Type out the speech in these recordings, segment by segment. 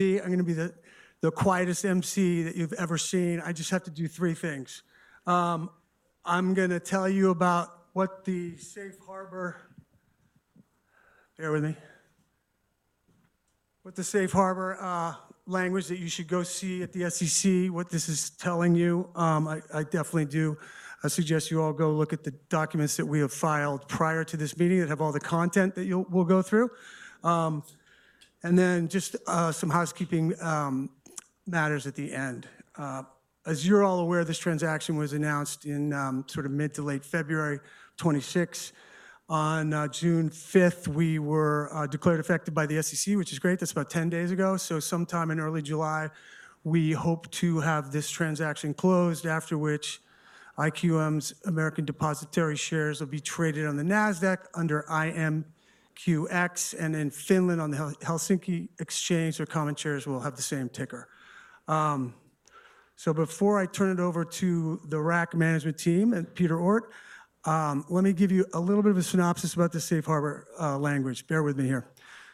I'm going to be the quietest MC that you've ever seen. I just have to do three things. I'm going to tell you about what the safe harbor. Bear with me. What the safe harbor language that you should go see at the SEC, what this is telling you. I definitely do suggest you all go look at the documents that we have filed prior to this meeting that have all the content that we'll go through. Just some housekeeping matters at the end. As you're all aware, this transaction was announced in mid to late February 26. On June 5th, we were declared affected by the SEC, which is great. That's about 10 days ago. Sometime in early July, we hope to have this transaction closed after which IQM's American depositary shares will be traded on the Nasdaq under IQMX and in Finland on the Helsinki Exchange, their common shares will have the same ticker. Before I turn it over to the RAAQ management team and Peter Ort, let me give you a little bit of a synopsis about the safe harbor language. Bear with me here.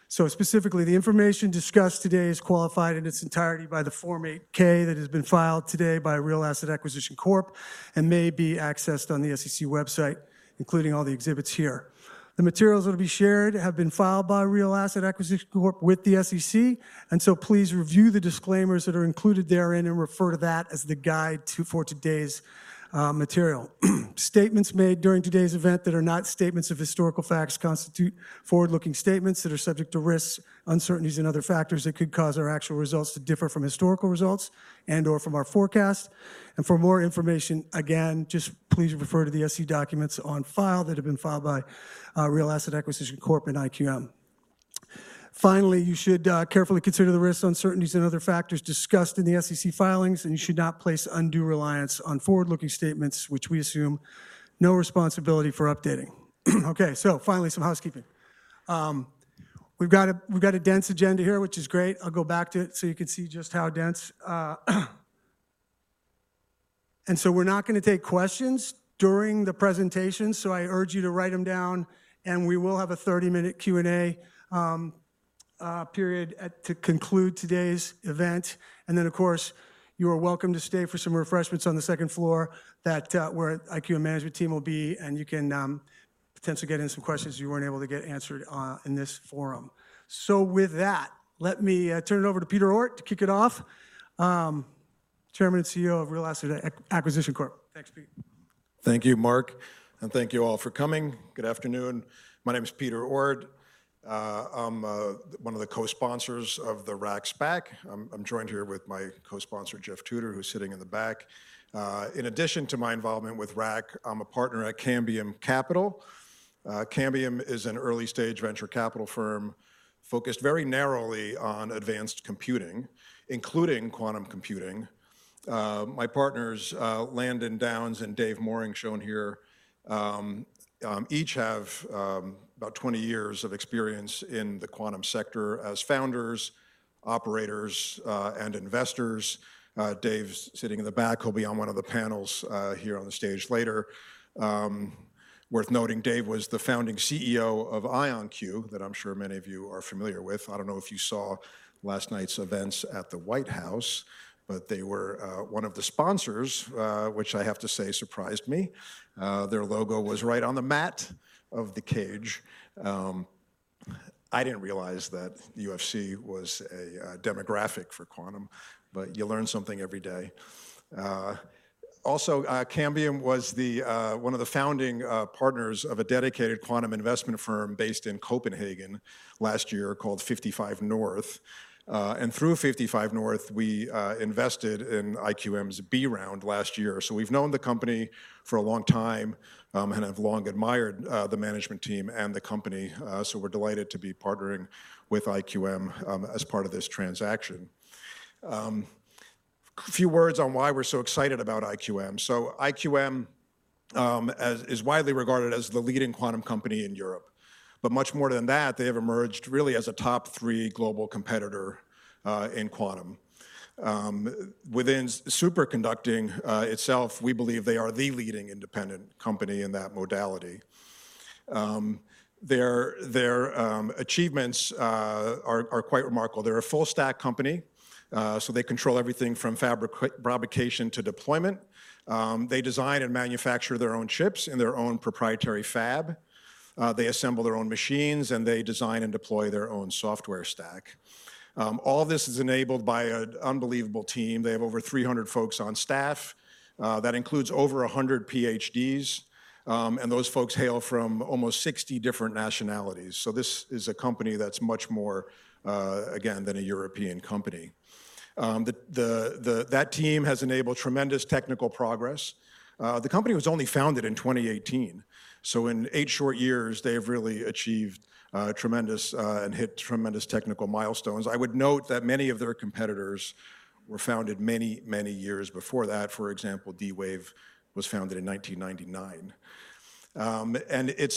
Specifically, the information discussed today is qualified in its entirety by the Form 8-K that has been filed today by Real Asset Acquisition Corp. and may be accessed on the SEC website, including all the exhibits here. The materials that'll be shared have been filed by Real Asset Acquisition Corp. with the SEC, please review the disclaimers that are included therein and refer to that as the guide for today's material. Statements made during today's event that are not statements of historical facts constitute forward-looking statements that are subject to risks, uncertainties, and other factors that could cause our actual results to differ from historical results and/or from our forecast. For more information, again, just please refer to the SEC documents on file that have been filed by Real Asset Acquisition Corp. and IQM. Finally, you should carefully consider the risks, uncertainties, and other factors discussed in the SEC filings, and you should not place undue reliance on forward-looking statements which we assume no responsibility for updating. Finally, some housekeeping. We've got a dense agenda here, which is great. I'll go back to it so you can see just how dense. We're not going to take questions during the presentation, so I urge you to write them down and we will have a 30-minute Q&A period to conclude today's event. Of course, you are welcome to stay for some refreshments on the second floor where IQM management team will be and you can potentially get in some questions you weren't able to get answered in this forum. With that, let me turn it over to Peter Ort to kick it off. Chairman and CEO of Real Asset Acquisition Corp. Thanks, Pete. Thank you, Mark, and thank you all for coming. Good afternoon. My name is Peter Ort. I am one of the co-sponsors of the RAAQ SPAC. I am joined here with my co-sponsor, Jeff Tuder, who is sitting in the back. In addition to my involvement with RAAQ, I am a partner at Cambium Capital. Cambium is an early-stage venture capital firm focused very narrowly on advanced computing, including quantum computing. My partners, Landon Downs and Dave Moehring, shown here each have about 20 years of experience in the quantum sector as founders, operators, and investors. Dave is sitting in the back. He will be on one of the panels here on the stage later. Worth noting, Dave was the founding CEO of IonQ, that I am sure many of you are familiar with. I do not know if you saw last night's events at the White House, but they were one of the sponsors which I have to say surprised me. Their logo was right on the mat of the cage. I did not realize that UFC was a demographic for quantum, but you learn something every day. Also, Cambium was one of the founding partners of a dedicated quantum investment firm based in Copenhagen last year called 55 North. And through 55 North, we invested in IQM's Series B round last year. We have known the company for a long time and have long admired the management team and the company. We are delighted to be partnering with IQM as part of this transaction. A few words on why we are so excited about IQM. IQM is widely regarded as the leading quantum company in Europe. Much more than that, they have emerged really as a top 3 global competitor in quantum. Within superconducting itself, we believe they are the leading independent company in that modality. Their achievements are quite remarkable. They are a full-stack company so they control everything from fabrication to deployment. They design and manufacture their own chips in their own proprietary fab. They assemble their own machines, and they design and deploy their own software stack. All this is enabled by an unbelievable team. They have over 300 folks on staff. That includes over 100 PhDs and those folks hail from almost 60 different nationalities. This is a company that is much more again, than a European company. That team has enabled tremendous technical progress. The company was only founded in 2018, so in eight short years, they have really achieved tremendous and hit tremendous technical milestones. I would note that many of their competitors were founded many, many years before that. For example, D-Wave was founded in 1999.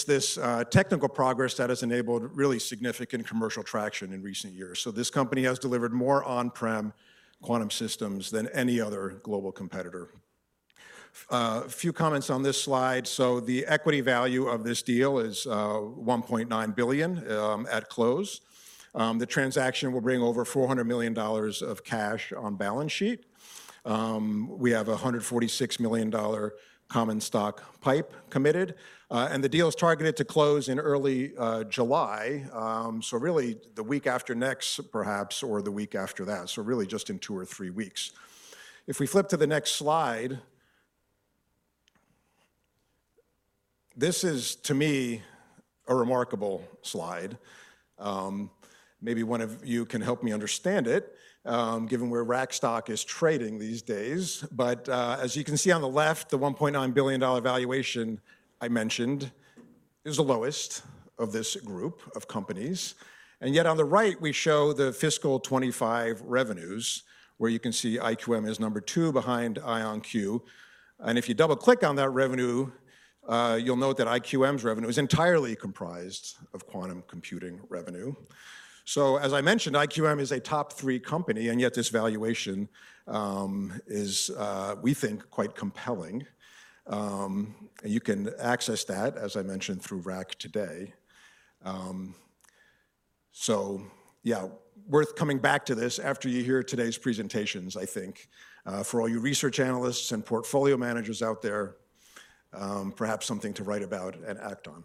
This technical progress that has enabled really significant commercial traction in recent years. This company has delivered more on-prem quantum systems than any other global competitor. A few comments on this slide. The equity value of this deal is $1.9 billion at close. The transaction will bring over $400 million of cash on balance sheet. We have a $146 million common stock PIPE committed. And the deal is targeted to close in early July. Really, the week after next perhaps, or the week after that. Really just in two or three weeks. If we flip to the next slide. This is, to me, a remarkable slide. Maybe one of you can help me understand it given where RAAQ stock is trading these days. As you can see on the left, the $1.9 billion valuation I mentioned is the lowest of this group of companies. Yet on the right, we show the fiscal 2025 revenues, where you can see IQM is number 2 behind IonQ. If you double-click on that revenue, you will note that IQM's revenue is entirely comprised of quantum computing revenue. As I mentioned, IQM is a top 3 company, yet this valuation is, we think, quite compelling. You can access that, as I mentioned, through RAAQ today. Worth coming back to this after you hear today's presentations, I think. For all you research analysts and portfolio managers out there, perhaps something to write about and act on.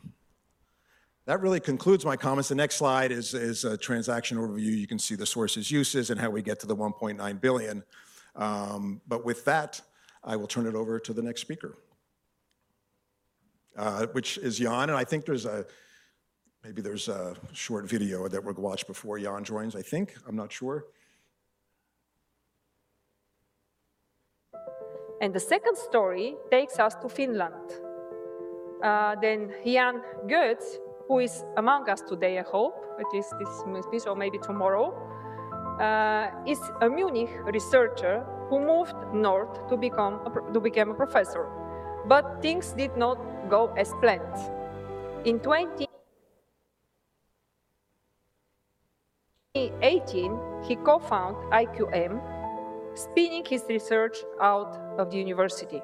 That really concludes my comments. The next slide is a transaction overview. You can see the sources, uses, and how we get to the $1.9 billion. With that, I will turn it over to the next speaker, which is Jan. I think maybe there's a short video that we will watch before Jan joins, I think. The second story takes us to Finland. Jan Goetz, who is among us today, I hope, at least this meeting or maybe tomorrow, is a Munich researcher who moved north to become a professor. Things did not go as planned. In 2018, he co-found IQM, spinning his research out of the university.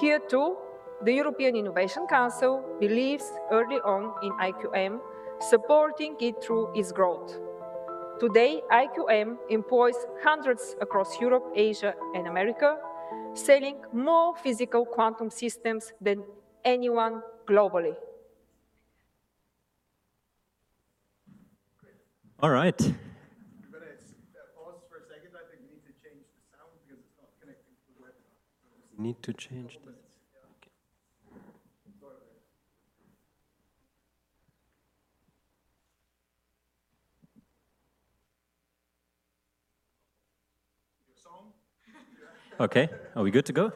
Here, too, the European Innovation Council believes early on in IQM, supporting it through its growth. Today, IQM employs hundreds across Europe, Asia, and America, selling more physical quantum systems than anyone globally. Great. All right. We're going to pause for a second. I think we need to change the sound because it's not connecting to the webinar. We need to change the- A couple minutes. Yeah. Okay. Sorry about that. Your song? Okay. Are we good to go?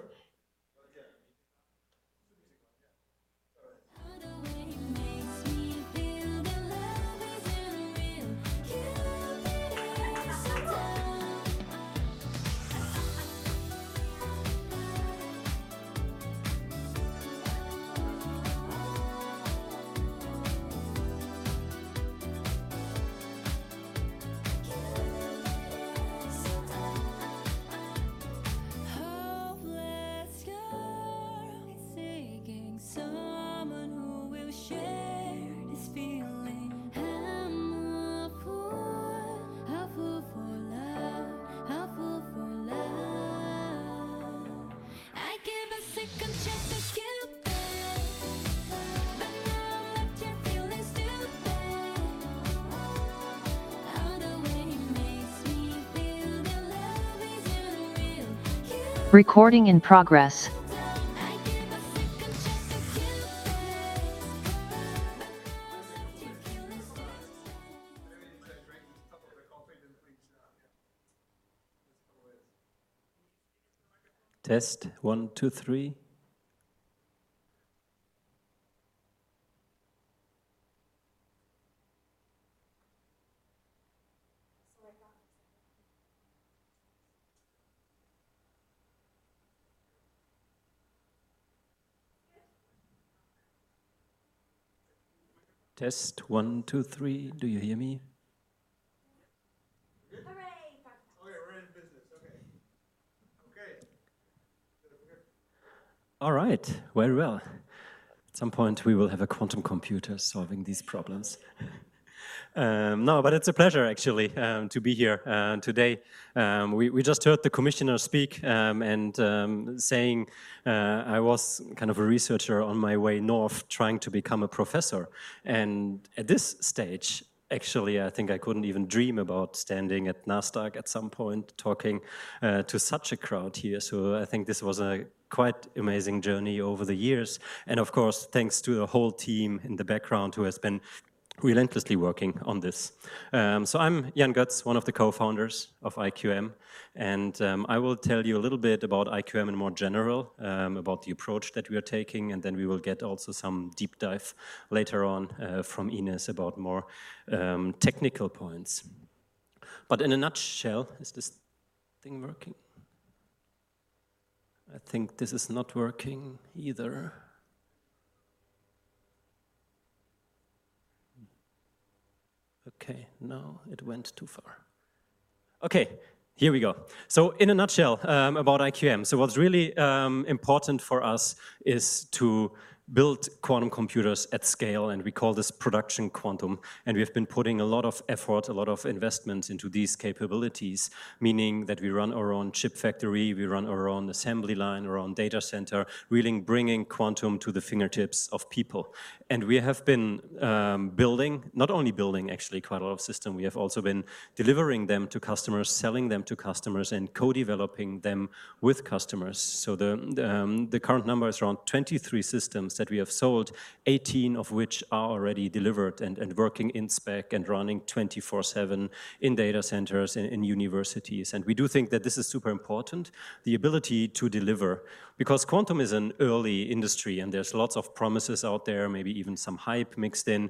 Oh, yeah. Oh, the way he makes me feel that love isn't real. Cupid is so dumb. Hopeless girl is seeking someone who will share this feeling. I'm a fool. A fool for love, a fool for love. I gave a second chance to Cupid, but now I'm left here feeling stupid. Oh, the way he makes me feel that love isn't real. Cupid is so dumb. Recording in progress. I gave a second chance to Cupid. Now I'm left here feeling stupid Maybe I need to drink a cup of coffee then please. Yeah. Just always. Test one, two, three. I got. Test one, two, three. Do you hear me? Yeah. You're good? Hooray. Back. Okay. We're in business. Okay. Good over here. All right. Very well. At some point, we will have a quantum computer solving these problems. It's a pleasure, actually, to be here today. We just heard the commissioner speak, saying I was a researcher on my way north trying to become a professor. At this stage, actually, I think I couldn't even dream about standing at Nasdaq at some point talking to such a crowd here. I think this was a quite amazing journey over the years. Of course, thanks to the whole team in the background who has been relentlessly working on this. I'm Jan Goetz, one of the co-founders of IQM, and I will tell you a little bit about IQM in more general, about the approach that we are taking, and then we will get also some deep dive later on from Inés about more technical points. In a nutshell-- Is this thing working? I think this is not working either. Okay. No, it went too far. Okay, here we go. In a nutshell, about IQM, what's really important for us is to build quantum computers at scale, and we call this production quantum. We have been putting a lot of effort, a lot of investment into these capabilities, meaning that we run our own chip factory, we run our own assembly line, our own data center, really bringing quantum to the fingertips of people. We have been building, not only building, actually, quite a lot of systems, we have also been delivering them to customers, selling them to customers, and co-developing them with customers. The current number is around 23 systems that we have sold, 18 of which are already delivered and working in spec and running 24/7 in data centers, in universities. We do think that this is super important, the ability to deliver. Because quantum is an early industry and there's lots of promises out there, maybe even some hype mixed in.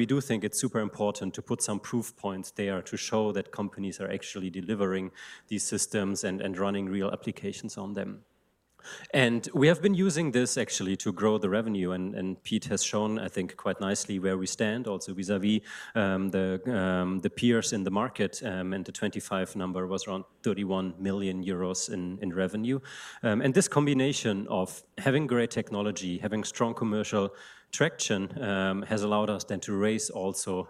We do think it's super important to put some proof points there to show that companies are actually delivering these systems and running real applications on them. We have been using this actually to grow the revenue. Pete has shown, I think, quite nicely where we stand also vis-à-vis the peers in the market, and the 25 number was around 31 million euros in revenue. This combination of having great technology, having strong commercial traction has allowed us then to raise also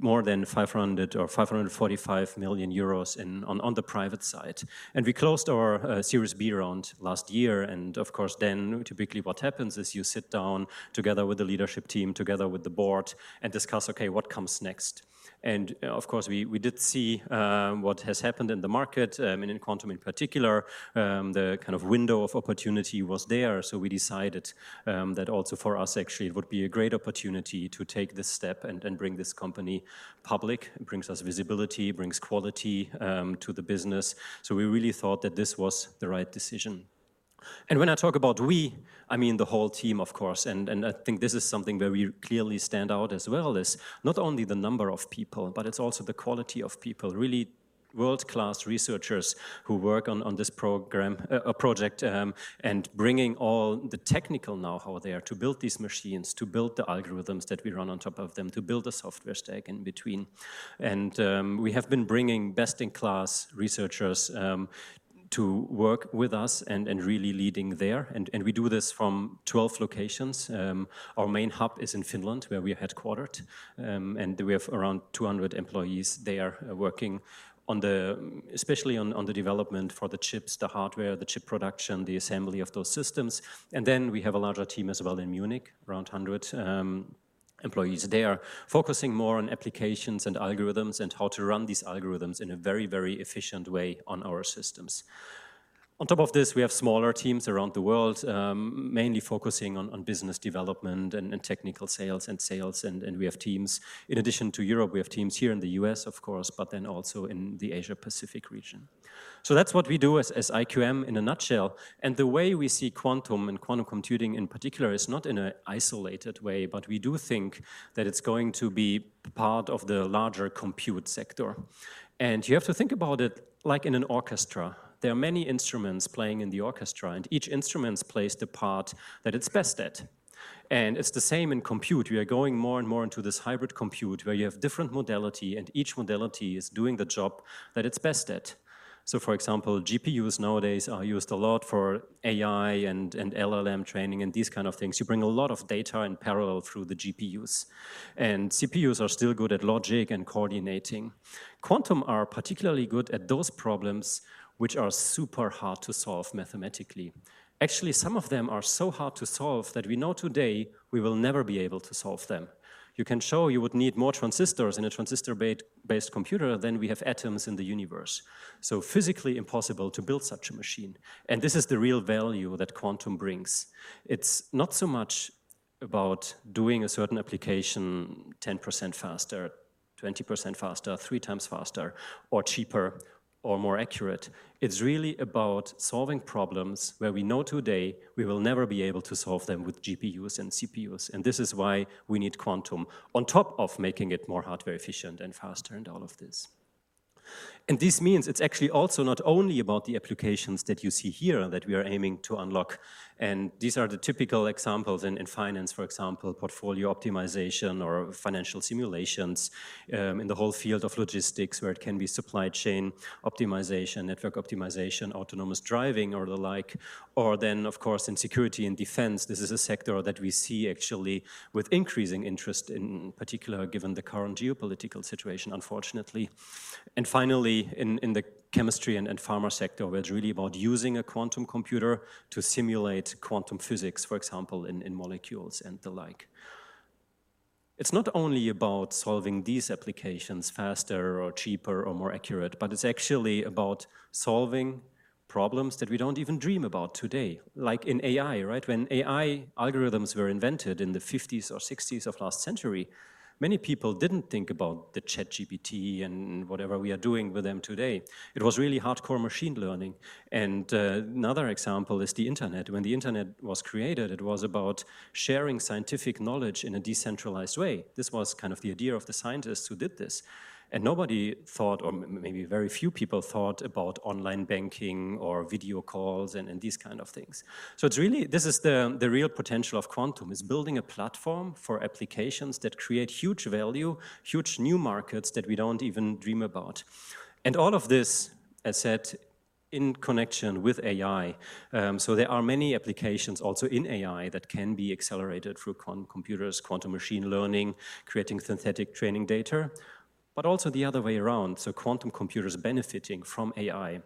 more than 500 or 545 million euros on the private side. We closed our Series B round last year. Of course, then typically what happens is you sit down together with the leadership team, together with the board, and discuss, okay, what comes next. Of course, we did see what has happened in the market. In quantum in particular, the window of opportunity was there. We decided that also for us, actually, it would be a great opportunity to take this step and bring this company public. It brings us visibility, brings quality to the business. We really thought that this was the right decision. When I talk about we, I mean the whole team, of course. I think this is something where we clearly stand out as well is not only the number of people, but it's also the quality of people, really world-class researchers who work on this project, bringing all the technical know-how there to build these machines, to build the algorithms that we run on top of them, to build a software stack in between. We have been bringing best-in-class researchers to work with us and really leading there. We do this from 12 locations. Our main hub is in Finland, where we are headquartered. We have around 200 employees there working especially on the development for the chips, the hardware, the chip production, the assembly of those systems. We have a larger team as well in Munich, around 100 employees there focusing more on applications and algorithms and how to run these algorithms in a very efficient way on our systems. On top of this, we have smaller teams around the world, mainly focusing on business development and technical sales and sales. In addition to Europe, we have teams here in the U.S., of course, but then also in the Asia-Pacific region. That's what we do as IQM in a nutshell. The way we see quantum and quantum computing in particular is not in an isolated way, but we do think that it's going to be part of the larger compute sector. You have to think about it like in an orchestra. There are many instruments playing in the orchestra, and each instrument plays the part that it's best at. It's the same in compute. We are going more and more into this hybrid compute where you have different modality, and each modality is doing the job that it's best at. For example, GPUs nowadays are used a lot for AI and LLM training and these kinds of things. You bring a lot of data in parallel through the GPUs. CPUs are still good at logic and coordinating. Quantum are particularly good at those problems which are super hard to solve mathematically. Actually, some of them are so hard to solve that we know today we will never be able to solve them. You can show you would need more transistors in a transistor-based computer than we have atoms in the universe. Physically impossible to build such a machine. This is the real value that quantum brings. It's not so much about doing a certain application 10% faster, 20% faster, three times faster or cheaper or more accurate. It's really about solving problems where we know today we will never be able to solve them with GPUs and CPUs. This is why we need quantum on top of making it more hardware efficient and faster and all of this. This means it's actually also not only about the applications that you see here that we are aiming to unlock, these are the typical examples in finance, for example, portfolio optimization or financial simulations, in the whole field of logistics where it can be supply chain optimization, network optimization, autonomous driving or the like, or then, of course, in security and defense. This is a sector that we see actually with increasing interest, in particular, given the current geopolitical situation, unfortunately. Finally, in the chemistry and pharma sector, where it's really about using a quantum computer to simulate quantum physics, for example, in molecules and the like. It's not only about solving these applications faster or cheaper or more accurate, but it's actually about solving problems that we don't even dream about today. Like in AI. When AI algorithms were invented in the '50s or '60s of last century, many people didn't think about the ChatGPT and whatever we are doing with them today. It was really hardcore machine learning. Another example is the internet. When the internet was created, it was about sharing scientific knowledge in a decentralized way. This was kind of the idea of the scientists who did this. Nobody thought, or maybe very few people thought about online banking or video calls and these kinds of things. This is the real potential of quantum, is building a platform for applications that create huge value, huge new markets that we don't even dream about. All of this, as said in connection with AI. There are many applications also in AI that can be accelerated through quantum computers, quantum machine learning, creating synthetic training data, but also the other way around. Quantum computers benefiting from AI.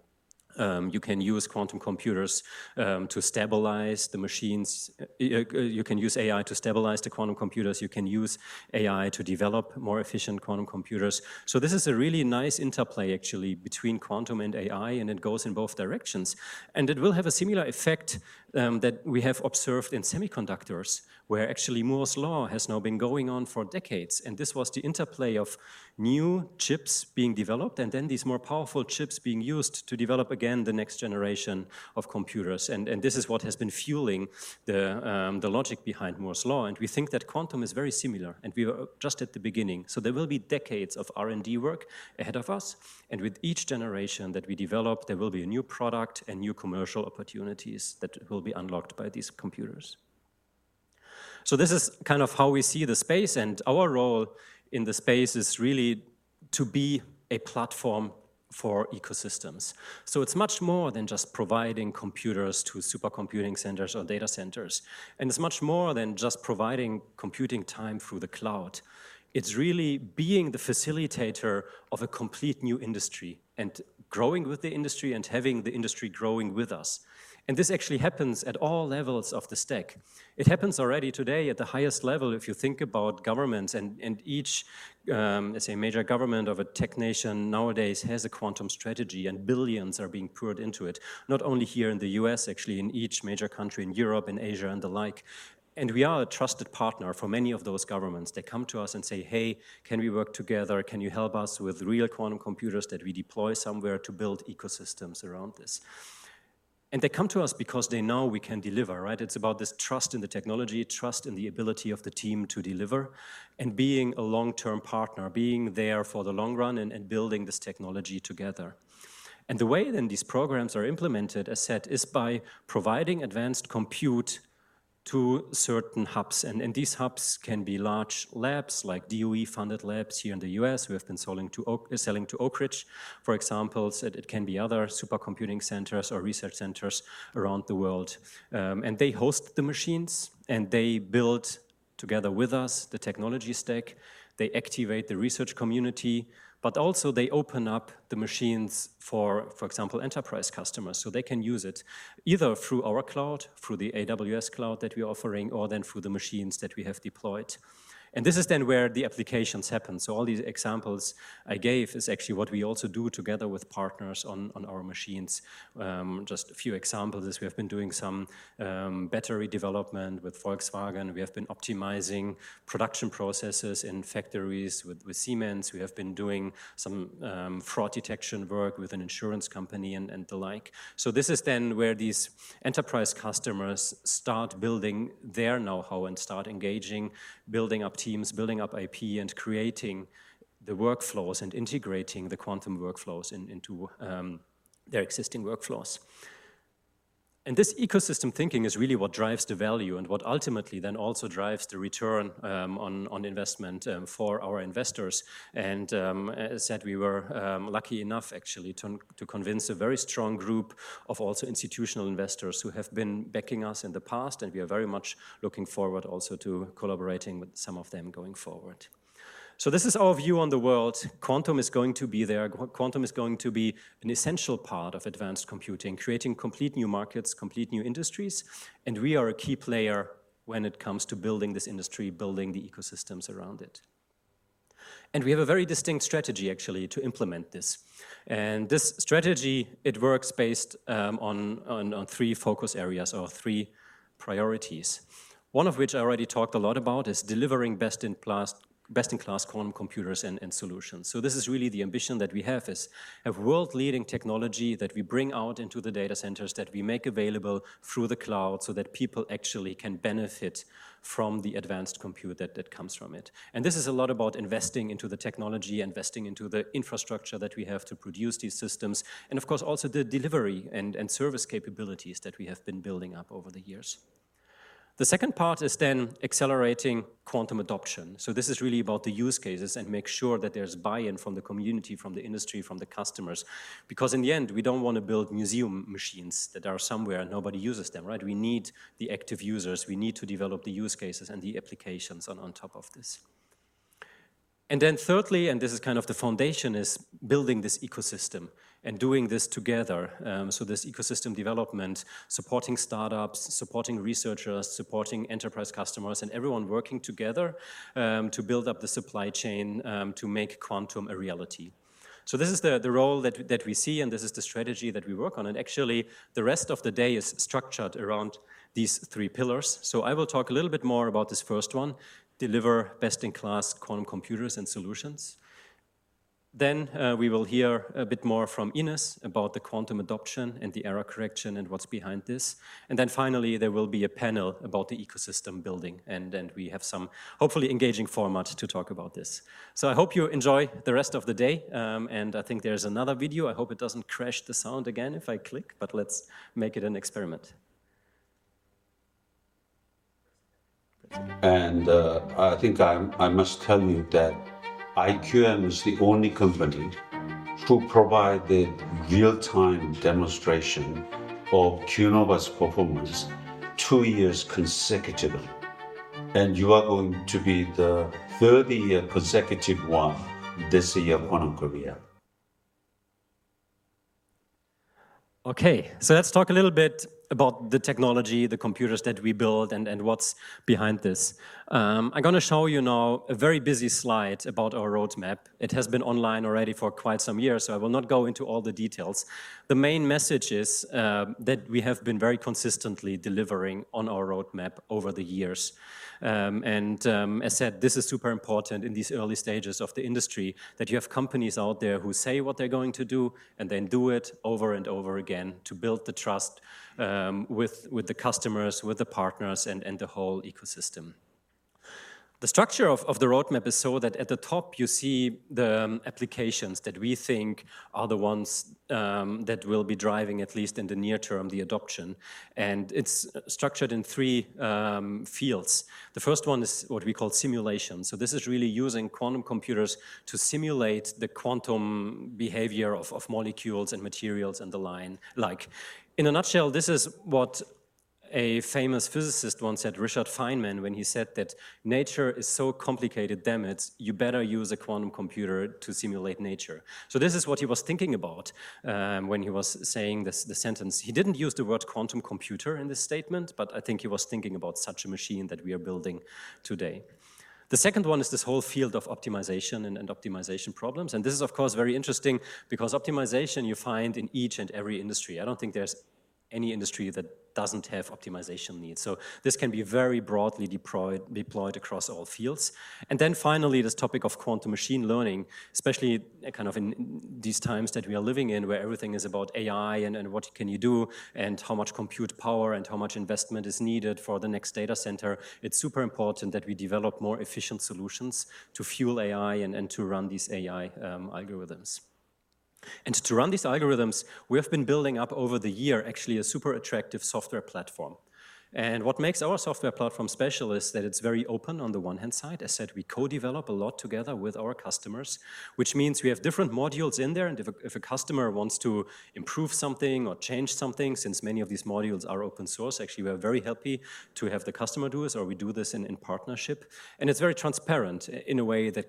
You can use quantum computers to stabilize the machines. You can use AI to stabilize the quantum computers. You can use AI to develop more efficient quantum computers. This is a really nice interplay, actually, between quantum and AI, and it goes in both directions. It will have a similar effect that we have observed in semiconductors, where actually Moore's Law has now been going on for decades. This was the interplay of new chips being developed and then these more powerful chips being used to develop again the next generation of computers. This is what has been fueling the logic behind Moore's Law. We think that quantum is very similar, and we are just at the beginning. There will be decades of R&D work ahead of us. With each generation that we develop, there will be a new product and new commercial opportunities that will be unlocked by these computers. This is kind of how we see the space, and our role in the space is really to be a platform for ecosystems. It's much more than just providing computers to supercomputing centers or data centers, and it's much more than just providing computing time through the cloud. It's really being the facilitator of a complete new industry and growing with the industry and having the industry growing with us. This actually happens at all levels of the stack. It happens already today at the highest level, if you think about governments and each, let's say, major government of a tech nation nowadays has a quantum strategy and billions are being poured into it, not only here in the U.S., actually in each major country in Europe and Asia and the like. We are a trusted partner for many of those governments. They come to us and say, "Hey, can we work together? Can you help us with real quantum computers that we deploy somewhere to build ecosystems around this?" They come to us because they know we can deliver. It's about this trust in the technology, trust in the ability of the team to deliver, and being a long-term partner, being there for the long run and building this technology together. The way then these programs are implemented, as said, is by providing advanced compute to certain hubs. These hubs can be large labs like DOE-funded labs here in the U.S. We have been selling to Oak Ridge, for example. It can be other supercomputing centers or research centers around the world. They host the machines, and they build together with us the technology stack. They activate the research community, but also they open up the machines for example, enterprise customers so they can use it either through our cloud, through the AWS cloud that we are offering, or then through the machines that we have deployed. This is then where the applications happen. All these examples I gave is actually what we also do together with partners on our machines. Just a few examples is we have been doing some battery development with Volkswagen. We have been optimizing production processes in factories with Siemens. We have been doing some fraud detection work with an insurance company and the like. This is then where these enterprise customers start building their know-how and start engaging, building up teams, building up IP, and creating the workflows and integrating the quantum workflows into their existing workflows. This ecosystem thinking is really what drives the value and what ultimately then also drives the return on investment for our investors. As said, we were lucky enough, actually, to convince a very strong group of also institutional investors who have been backing us in the past, and we are very much looking forward also to collaborating with some of them going forward. This is our view on the world. Quantum is going to be there. Quantum is going to be an essential part of advanced computing, creating complete new markets, complete new industries, and we are a key player when it comes to building this industry, building the ecosystems around it. We have a very distinct strategy, actually, to implement this. This strategy, it works based on three focus areas or three priorities. One of which I already talked a lot about is delivering best-in-class quantum computers and solutions. This is really the ambition that we have is a world-leading technology that we bring out into the data centers that we make available through the cloud so that people actually can benefit from the advanced compute that comes from it. This is a lot about investing into the technology, investing into the infrastructure that we have to produce these systems, and of course, also the delivery and service capabilities that we have been building up over the years. The second part is then accelerating quantum adoption. This is really about the use cases and make sure that there's buy-in from the community, from the industry, from the customers. Because in the end, we don't want to build museum machines that are somewhere and nobody uses them. We need the active users. We need to develop the use cases and the applications on top of this. Thirdly, and this is kind of the foundation, is building this ecosystem and doing this together. This ecosystem development, supporting startups, supporting researchers, supporting enterprise customers, and everyone working together to build up the supply chain to make quantum a reality. This is the role that we see, and this is the strategy that we work on. Actually, the rest of the day is structured around these three pillars. I will talk a little bit more about this first one, deliver best-in-class quantum computers and solutions. We will hear a bit more from Inés about the quantum adoption and the error correction and what's behind this. Finally, there will be a panel about the ecosystem building, and then we have some hopefully engaging format to talk about this. I hope you enjoy the rest of the day. I think there's another video. I hope it doesn't crash the sound again if I click, let's make it an experiment. I think I must tell you that IQM is the only company to provide the real-time demonstration of Q-Nova's performance two years consecutively, and you are going to be the third year consecutive one this year, Quantum Career. Okay, let's talk a little bit about the technology, the computers that we build, and what's behind this. I'm going to show you now a very busy slide about our roadmap. It has been online already for quite some years, I will not go into all the details. The main message is that we have been very consistently delivering on our roadmap over the years. As said, this is super important in these early stages of the industry that you have companies out there who say what they're going to do and then do it over and over again to build the trust with the customers, with the partners, and the whole ecosystem. The structure of the roadmap is so that at the top you see the applications that we think are the ones that will be driving, at least in the near term, the adoption. It's structured in three fields. The first one is what we call simulation. This is really using quantum computers to simulate the quantum behavior of molecules and materials and the like. In a nutshell, this is what a famous physicist once said, Richard Feynman, when he said that nature is so complicated, damn it, you better use a quantum computer to simulate nature. This is what he was thinking about when he was saying the sentence. He didn't use the word quantum computer in this statement, but I think he was thinking about such a machine that we are building today. The second one is this whole field of optimization and optimization problems. This is of course, very interesting because optimization you find in each and every industry. I don't think there's any industry that doesn't have optimization needs. This can be very broadly deployed across all fields. Finally, this topic of quantum machine learning, especially in these times that we are living in, where everything is about AI and what can you do, and how much compute power and how much investment is needed for the next data center. It's super important that we develop more efficient solutions to fuel AI and to run these AI algorithms. To run these algorithms, we have been building up over the year actually a super attractive software platform. What makes our software platform special is that it's very open on the one hand side. I said we co-develop a lot together with our customers, which means we have different modules in there, and if a customer wants to improve something or change something, since many of these modules are open source, actually we are very happy to have the customer do this, or we do this in partnership. It's very transparent in a way that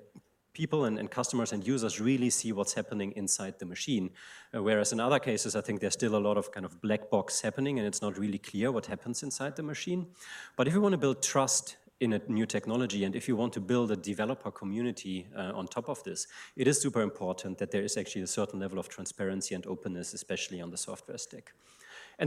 people and customers and users really see what's happening inside the machine. Whereas in other cases, I think there's still a lot of black box happening, and it's not really clear what happens inside the machine. If you want to build trust in a new technology, and if you want to build a developer community on top of this, it is super important that there is actually a certain level of transparency and openness, especially on the software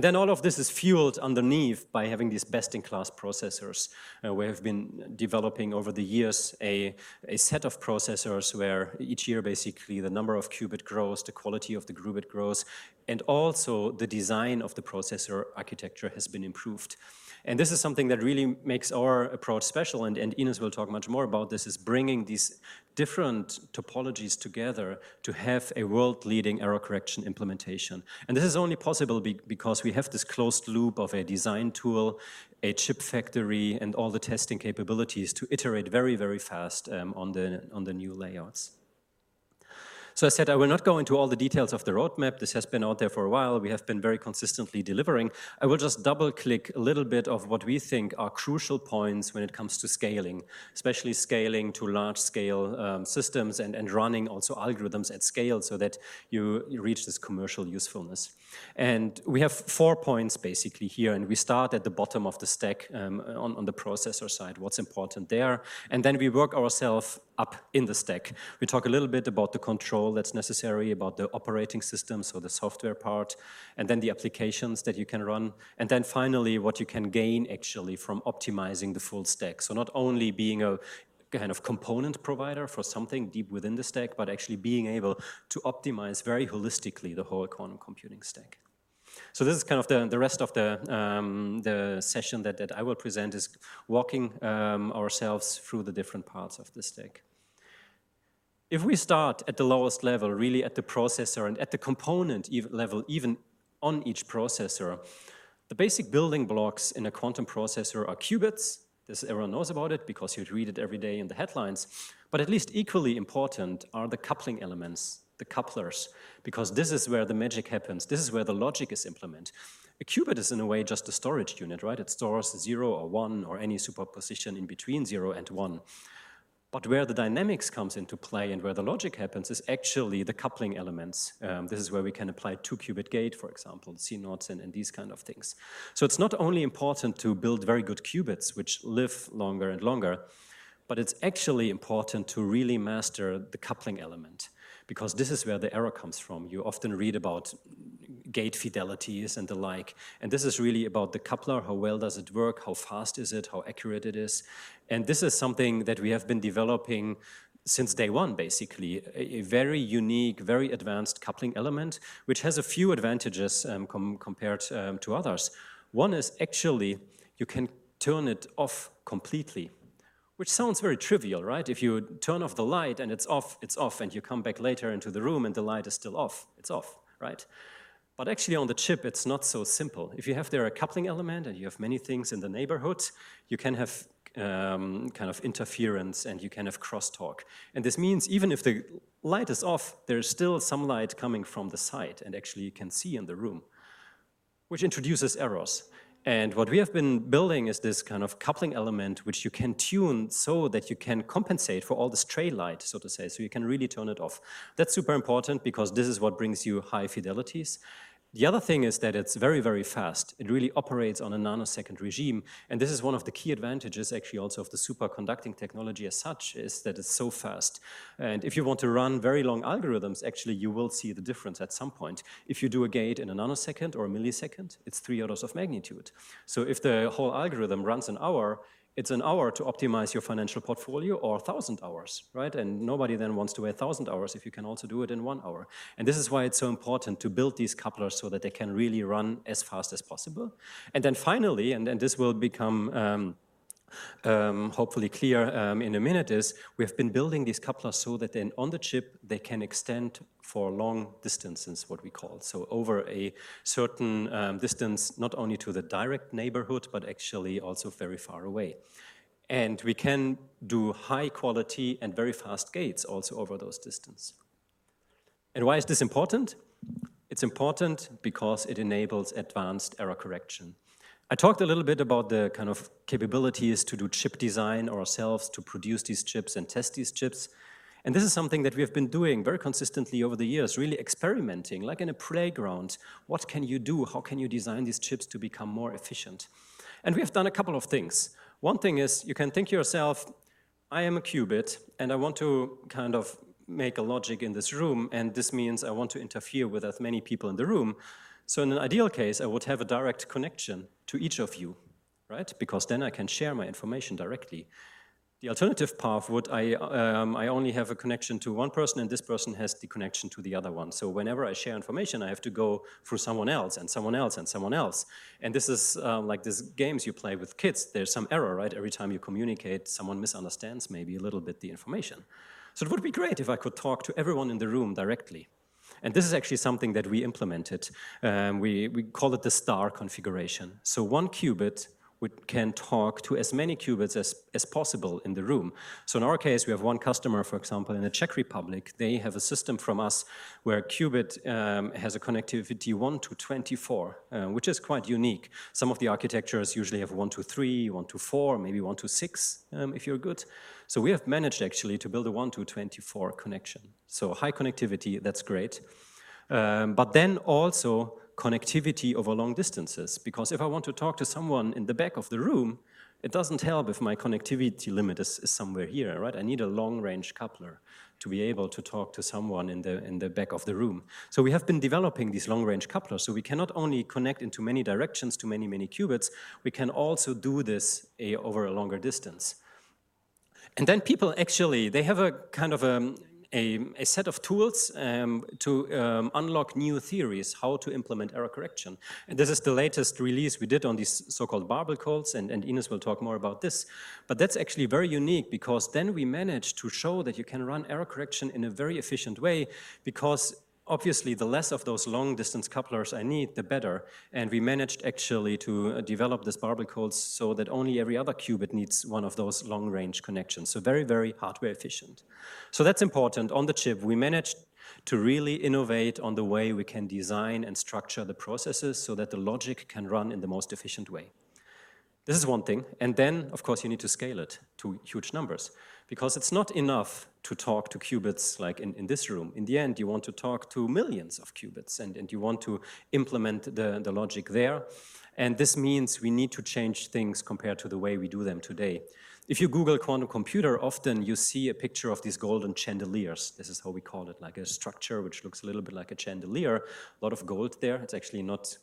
stack. All of this is fueled underneath by having these best-in-class processors. We have been developing over the years a set of processors where each year, basically the number of qubit grows, the quality of the qubit grows, and also the design of the processor architecture has been improved. This is something that really makes our approach special and Inés will talk much more about this, is bringing these different topologies together to have a world-leading error correction implementation. This is only possible because we have this closed loop of a design tool, a chip factory, and all the testing capabilities to iterate very fast on the new layouts. I said I will not go into all the details of the roadmap. This has been out there for a while. We have been very consistently delivering. I will just double-click a little bit of what we think are crucial points when it comes to scaling, especially scaling to large-scale systems and running also algorithms at scale so that you reach this commercial usefulness. We have four points basically here, and we start at the bottom of the stack, on the processor side, what's important there. Then we work ourselves up in the stack. We talk a little bit about the control that's necessary about the operating system, so the software part, and then the applications that you can run, and then finally what you can gain actually from optimizing the full stack. Not only being a kind of component provider for something deep within the stack, but actually being able to optimize very holistically the whole quantum computing stack. This is the rest of the session that I will present is walking ourselves through the different parts of the stack. If we start at the lowest level, really at the processor and at the component level, even on each processor, the basic building blocks in a quantum processor are qubits. This everyone knows about it because you read it every day in the headlines. At least equally important are the coupling elements, the couplers, because this is where the magic happens. This is where the logic is implemented. A qubit is, in a way, just a storage unit, right? It stores zero or one or any superposition in between zero and one. Where the dynamics comes into play and where the logic happens is actually the coupling elements. This is where we can apply two qubit gate, for example, CNOTs and these kind of things. It's not only important to build very good qubits, which live longer and longer, but it's actually important to really master the coupling element because this is where the error comes from. You often read about gate fidelities and the like, and this is really about the coupler, how well does it work, how fast is it, how accurate it is. This is something that we have been developing since day one, basically. A very unique, very advanced coupling element, which has a few advantages compared to others. One is actually you can turn it off completely. Which sounds very trivial, right? If you turn off the light and it's off, it's off, and you come back later into the room and the light is still off, it's off. Right? Actually, on the chip, it's not so simple. If you have there a coupling element and you have many things in the neighborhood, you can have interference and you can have crosstalk. This means even if the light is off, there is still some light coming from the side, and actually you can see in the room, which introduces errors. What we have been building is this coupling element which you can tune so that you can compensate for all the stray light, so to say, so you can really turn it off. That's super important because this is what brings you high fidelities. The other thing is that it's very fast. It really operates on a nanosecond regime, and this is one of the key advantages actually also of the superconducting technology as such, is that it's so fast. If you want to run very long algorithms, actually you will see the difference at some point. If you do a gate in a nanosecond or a millisecond, it is three orders of magnitude. If the whole algorithm runs an hour, it is an hour to optimize your financial portfolio, or 1,000 hours. Right? Nobody then wants to wait 1,000 hours if you can also do it in one hour. This is why it is so important to build these couplers so that they can really run as fast as possible. Then finally, this will become hopefully clear in a minute, is we have been building these couplers so that then on the chip they can extend for long distances, what we call. Over a certain distance, not only to the direct neighborhood, but actually also very far away. We can do high quality and very fast gates also over those distance. Why is this important? It is important because it enables advanced error correction. I talked a little bit about the capabilities to do chip design ourselves, to produce these chips and test these chips. This is something that we have been doing very consistently over the years, really experimenting, like in a playground. What can you do? How can you design these chips to become more efficient? We have done a couple of things. One thing is you can think to yourself, I am a qubit, and I want to make a logic in this room, and this means I want to interfere with as many people in the room. In an ideal case, I would have a direct connection to each of you, because then I can share my information directly. The alternative path would I only have a connection to one person, and this person has the connection to the other one. Whenever I share information, I have to go through someone else and someone else and someone else. This is like these games you play with kids. There is some error. Every time you communicate, someone misunderstands maybe a little bit the information. It would be great if I could talk to everyone in the room directly. This is actually something that we implemented. We call it the star configuration. One qubit can talk to as many qubits as possible in the room. In our case, we have one customer, for example, in the Czech Republic. They have a system from us where a qubit has a connectivity 1 to 24, which is quite unique. Some of the architectures usually have 1 to 3, 1 to 4, maybe 1 to 6 if you are good. We have managed actually to build a 1 to 24 connection. High connectivity, that is great. Then also connectivity over long distances. Because if I want to talk to someone in the back of the room, it does not help if my connectivity limit is somewhere here. I need a long-range coupler to be able to talk to someone in the back of the room. We have been developing these long-range couplers so we can not only connect into many directions to many qubits, we can also do this over a longer distance. Then people actually, they have a set of tools to unlock new theories how to implement error correction. This is the latest release we did on these so-called barbell codes, Inés will talk more about this. That's actually very unique because then we managed to show that you can run error correction in a very efficient way because obviously the less of those long-distance couplers I need, the better. We managed actually to develop this barbell codes so that only every other qubit needs one of those long-range connections. Very hardware-efficient. That's important. On the chip, we managed to really innovate on the way we can design and structure the processes so that the logic can run in the most efficient way. This is one thing, then of course you need to scale it to huge numbers because it's not enough to talk to qubits like in this room. In the end, you want to talk to millions of qubits, and you want to implement the logic there. This means we need to change things compared to the way we do them today. If you Google quantum computer, often you see a picture of these golden chandeliers. This is how we call it, like a structure which looks a little bit like a chandelier. A lot of gold there. It's actually not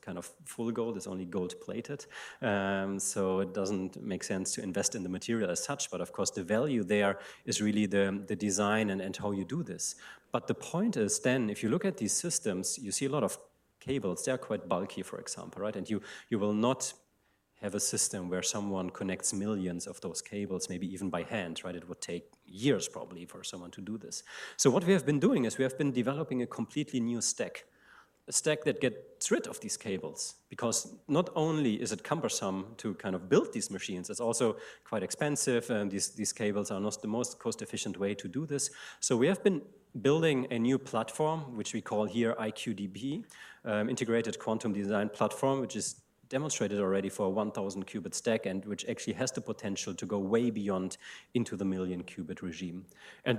full gold, it's only gold-plated. It doesn't make sense to invest in the material as such, but of course the value there is really the design and how you do this. The point is then if you look at these systems, you see a lot of cables. They are quite bulky, for example. You will not have a system where someone connects millions of those cables, maybe even by hand. It would take years probably for someone to do this. What we have been doing is we have been developing a completely new stack, a stack that gets rid of these cables, because not only is it cumbersome to build these machines, it's also quite expensive, and these cables are not the most cost-efficient way to do this. We have been building a new platform, which we call here IQDB, Integrated Quantum Design Platform, which is demonstrated already for a 1,000-qubit stack and which actually has the potential to go way beyond into the million-qubit regime.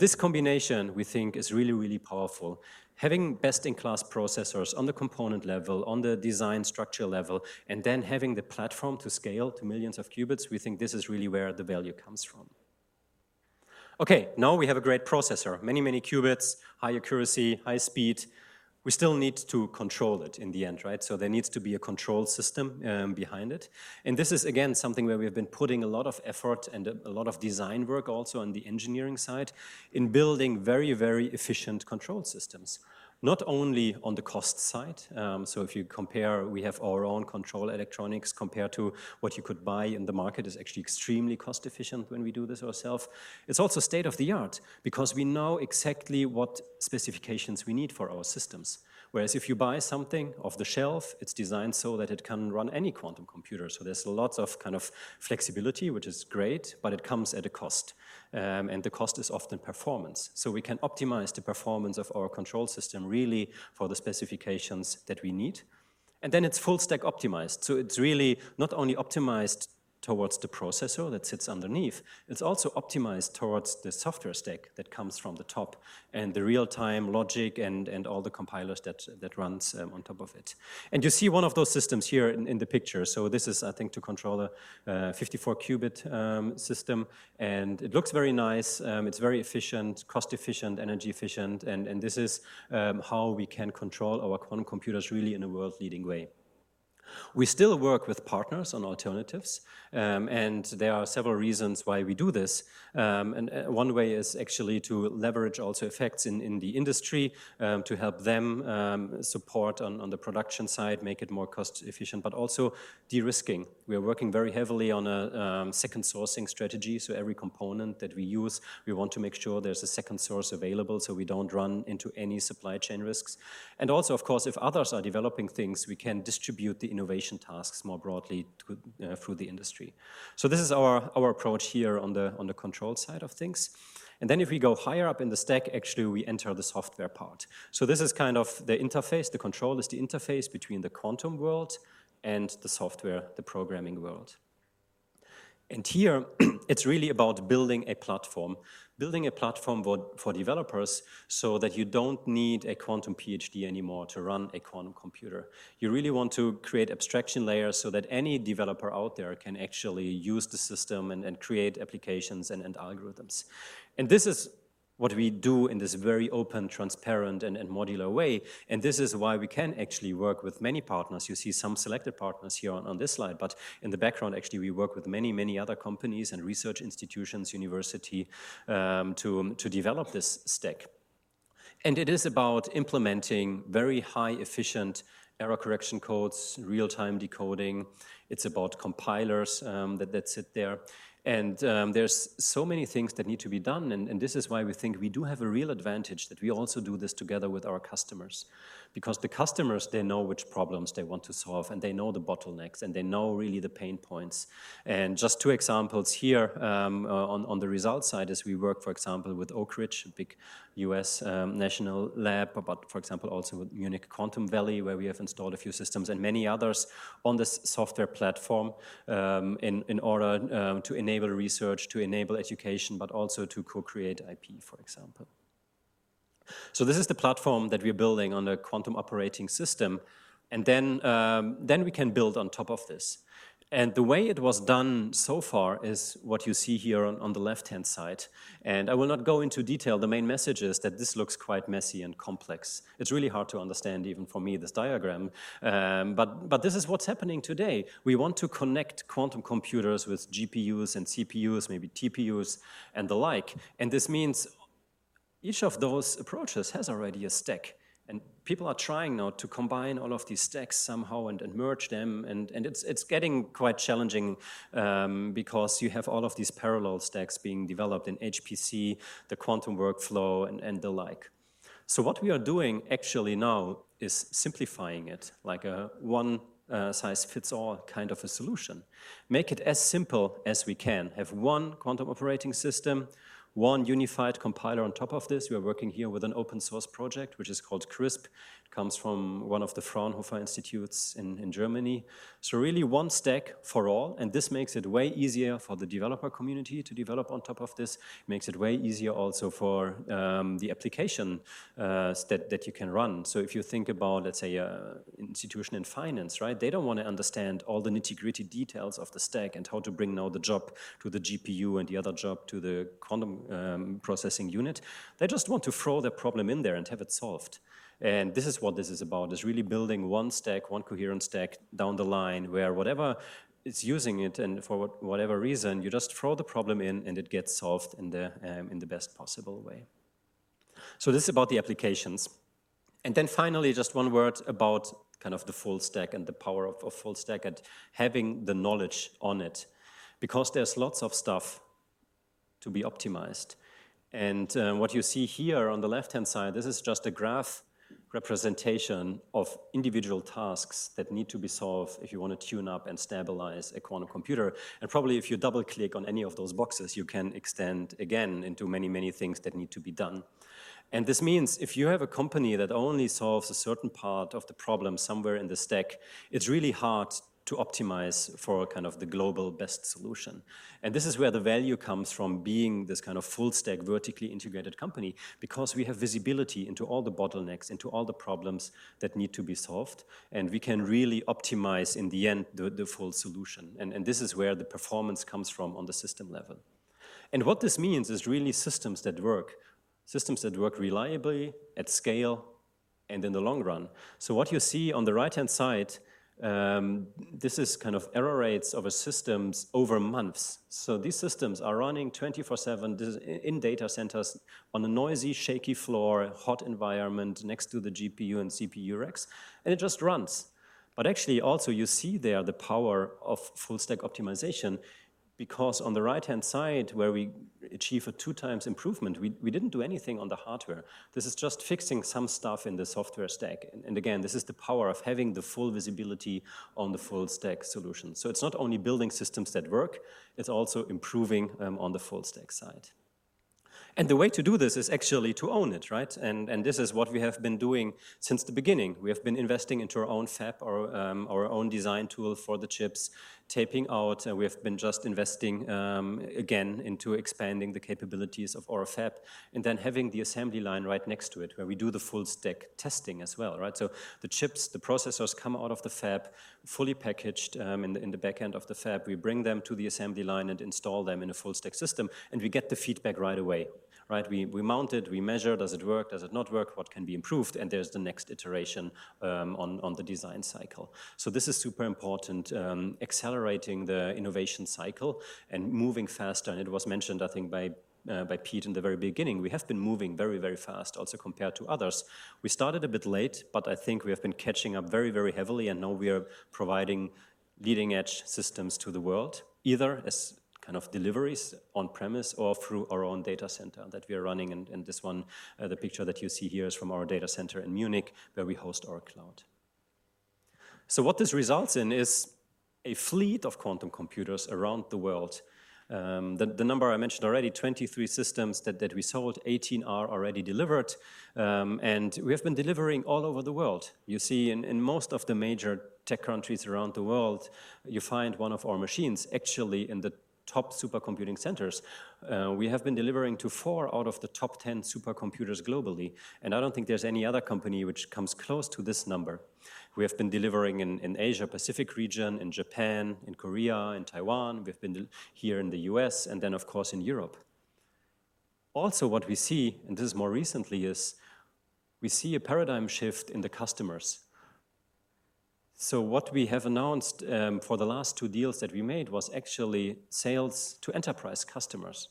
This combination, we think, is really powerful. Having best-in-class processors on the component level, on the design structure level, then having the platform to scale to millions of qubits, we think this is really where the value comes from. Okay, now we have a great processor. Many, many qubits, high-accuracy, high-speed. We still need to control it in the end. There needs to be a control system behind it. This is, again, something where we have been putting a lot of effort and a lot of design work also on the engineering side in building very, very efficient control systems. Not only on the cost side, if you compare, we have our own control electronics compared to what you could buy in the market, it's actually extremely cost-efficient when we do this ourself. It's also state-of-the-art because we know exactly what specifications we need for our systems. Whereas if you buy something off-the-shelf, it's designed so that it can run any quantum computer. There's lots of flexibility, which is great, but it comes at a cost. The cost is often performance. We can optimize the performance of our control system really for the specifications that we need. It's full-stack optimized. It's really not only optimized towards the processor that sits underneath, it's also optimized towards the software stack that comes from the top, the real-time logic, and all the compilers that runs on top of it. You see one of those systems here in the picture. This is, I think, to control a 54-qubit system, and it looks very nice. It's very efficient, cost-efficient, energy efficient, and this is how we can control our quantum computers really in a world-leading way. We still work with partners on alternatives. There are several reasons why we do this. One way is actually to leverage also effects in the industry to help them support on the production side, make it more cost efficient, but also de-risking. We are working very heavily on a second sourcing strategy. Every component that we use, we want to make sure there's a second source available so we don't run into any supply chain risks. Of course, if others are developing things, we can distribute the innovation tasks more broadly through the industry. This is our approach here on the control side of things. If we go higher up in the stack, actually we enter the software part. This is the interface. The control is the interface between the quantum world and the software, the programming world. Here, it's really about building a platform. Building a platform for developers so that you don't need a quantum PhD anymore to run a quantum computer. You really want to create abstraction layers so that any developer out there can actually use the system and create applications and algorithms. This is what we do in this very open, transparent, and modular way. This is why we can actually work with many partners. You see some selected partners here on this slide. In the background, actually, we work with many, many other companies and research institutions, university, to develop this stack. It is about implementing very high efficient error correction codes, real-time decoding. It's about compilers that sit there. There's so many things that need to be done. This is why we think we do have a real advantage that we also do this together with our customers. The customers, they know which problems they want to solve. They know the bottlenecks. They know really the pain points. Just two examples here on the results side is we work, for example, with Oak Ridge, a big U.S. national lab. For example, also with Munich Quantum Valley, where we have installed a few systems and many others on this software platform in order to enable research, to enable education, also to co-create IP, for example. This is the platform that we are building on a quantum operating system. We can build on top of this. The way it was done so far is what you see here on the left-hand side. I will not go into detail. The main message is that this looks quite messy and complex. It's really hard to understand, even for me, this diagram. This is what's happening today. We want to connect quantum computers with GPUs and CPUs, maybe TPUs and the like. This means each of those approaches has already a stack. People are trying now to combine all of these stacks somehow and merge them. It's getting quite challenging because you have all of these parallel stacks being developed in HPC, the quantum workflow, and the like. What we are doing actually now is simplifying it, like a one-size-fits-all kind of a solution. Make it as simple as we can. Have one quantum operating system, one unified compiler on top of this. We are working here with an open source project, which is called Qrisp. It comes from one of the Fraunhofer institutes in Germany. Really one stack for all. This makes it way easier for the developer community to develop on top of this. It makes it way easier also for the application stack that you can run. If you think about, let's say, an institution in finance, they don't want to understand all the nitty-gritty details of the stack and how to bring now the job to the GPU and the other job to the quantum processing unit. They just want to throw their problem in there and have it solved. This is what this is about, is really building one stack, one coherent stack down the line where whatever is using it and for whatever reason, you just throw the problem in and it gets solved in the best possible way. This is about the applications. Then finally, just one word about the full stack and the power of a full stack and having the knowledge on it. There's lots of stuff to be optimized. What you see here on the left-hand side, this is just a graph representation of individual tasks that need to be solved if you want to tune up and stabilize a quantum computer. Probably if you double click on any of those boxes, you can extend again into many, many things that need to be done. This means if you have a company that only solves a certain part of the problem somewhere in the stack, it's really hard to optimize for the global best solution. This is where the value comes from being this full stack vertically integrated company because we have visibility into all the bottlenecks, into all the problems that need to be solved, and we can really optimize in the end the full solution. This is where the performance comes from on the system level. What this means is really systems that work. Systems that work reliably, at scale, and in the long run. What you see on the right-hand side, this is error rates of systems over months. These systems are running 24/7 in data centers on a noisy, shaky floor, hot environment, next to the GPU and CPU racks. It just runs. Actually, also you see there the power of full-stack optimization, because on the right-hand side where we achieve a two times improvement, we didn't do anything on the hardware. This is just fixing some stuff in the software stack. Again, this is the power of having the full visibility on the full stack solution. It's not only building systems that work, it's also improving on the full stack side. The way to do this is actually to own it. This is what we have been doing since the beginning. We have been investing into our own fab, our own design tool for the chips, taping out. We have been just investing, again, into expanding the capabilities of our fab then having the assembly line right next to it, where we do the full stack testing as well. The chips, the processors come out of the fab fully packaged in the back end of the fab. We bring them to the assembly line and install them in a full stack system, and we get the feedback right away. We mount it, we measure, does it work, does it not work, what can be improved? There's the next iteration on the design cycle. This is super important, accelerating the innovation cycle and moving faster. It was mentioned, I think, by Pete in the very beginning. We have been moving very fast also compared to others. We started a bit late, but I think we have been catching up very heavily, and now we are providing leading-edge systems to the world, either as deliveries on premise or through our own data center that we are running. This one, the picture that you see here is from our data center in Munich, where we host our cloud. What this results in is a fleet of quantum computers around the world. The number I mentioned already, 23 systems that we sold, 18 are already delivered. We have been delivering all over the world. You see in most of the major tech countries around the world, you find one of our machines actually in the top supercomputing centers. We have been delivering to four out of the top 10 supercomputers globally, I don't think there's any other company which comes close to this number. We have been delivering in Asia Pacific region, in Japan, in Korea, in Taiwan. We've been here in the U.S. then, of course, in Europe. What we see, this is more recently, is we see a paradigm shift in the customers. What we have announced for the last two deals that we made was actually sales to enterprise customers.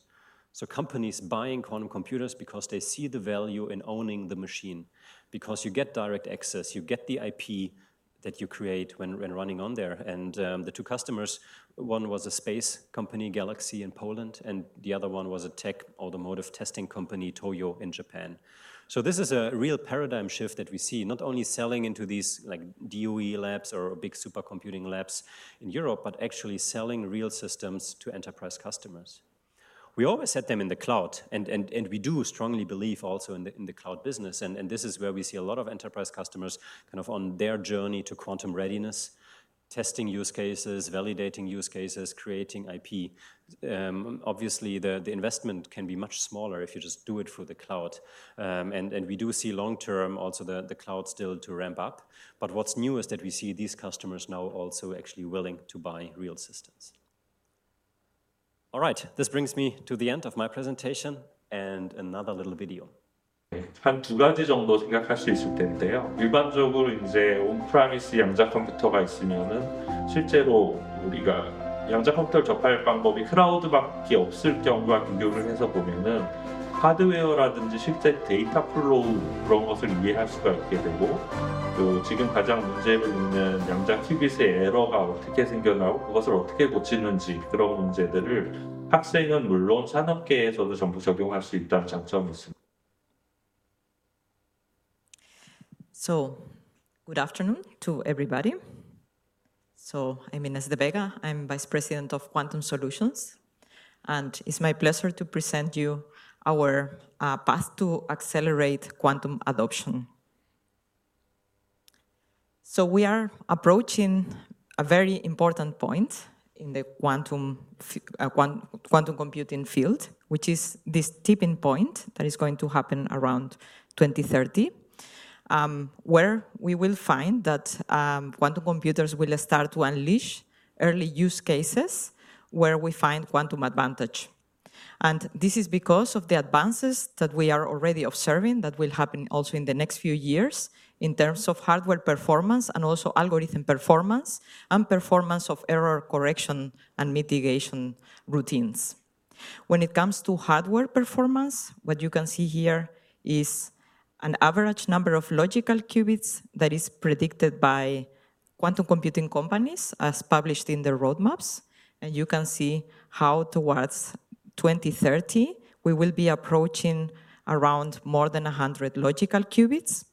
Companies buying quantum computers because they see the value in owning the machine. You get direct access, you get the IP that you create when running on there. The two customers, one was a space company, Galaxy in Poland, the other one was a tech automotive testing company, TOYO in Japan. This is a real paradigm shift that we see, not only selling into these DOE labs or big supercomputing labs in Europe, but actually selling real systems to enterprise customers. We always set them in the cloud, we do strongly believe also in the cloud business. This is where we see a lot of enterprise customers on their journey to quantum readiness, testing use cases, validating use cases, creating IP. Obviously, the investment can be much smaller if you just do it through the cloud. We do see long term also the cloud still to ramp up. What's new is that we see these customers now also actually willing to buy real systems. All right. This brings me to the end of my presentation and another little video. Good afternoon to everybody. I'm Inés de Vega. I'm Vice President of Quantum Solutions, and it's my pleasure to present you our path to accelerate quantum adoption. We are approaching a very important point in the quantum computing field, which is this tipping point that is going to happen around 2030, where we will find that quantum computers will start to unleash early use cases where we find quantum advantage. This is because of the advances that we are already observing that will happen also in the next few years in terms of hardware performance and also algorithm performance and performance of error correction and mitigation routines. When it comes to hardware performance, what you can see here is an average number of logical qubits that is predicted by quantum computing companies as published in their roadmaps. You can see how towards 2030, we will be approaching around more than 100 logical qubits.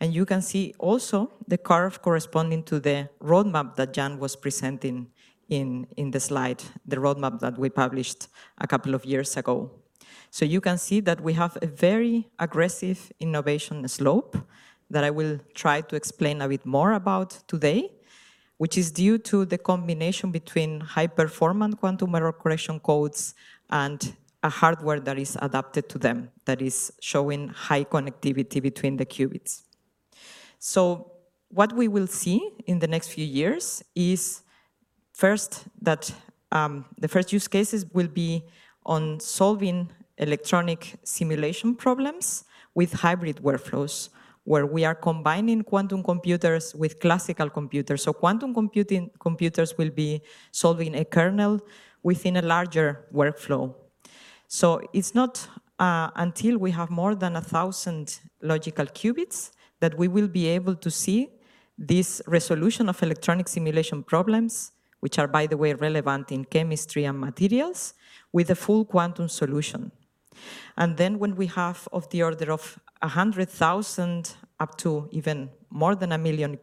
You can see also the curve corresponding to the roadmap that Jan was presenting in the slide, the roadmap that we published a couple of years ago. You can see that we have a very aggressive innovation slope that I will try to explain a bit more about today, which is due to the combination between high performance quantum error correction codes and a hardware that is adapted to them that is showing high connectivity between the qubits. What we will see in the next few years is first, that the first use cases will be on solving electronic simulation problems with hybrid workflows, where we are combining quantum computers with classical computers. Quantum computers will be solving a kernel within a larger workflow. It's not until we have more than 1,000 logical qubits that we will be able to see this resolution of electronic simulation problems, which are, by the way, relevant in chemistry and materials, with a full quantum solution. When we have of the order of 100,000 up to even more than a million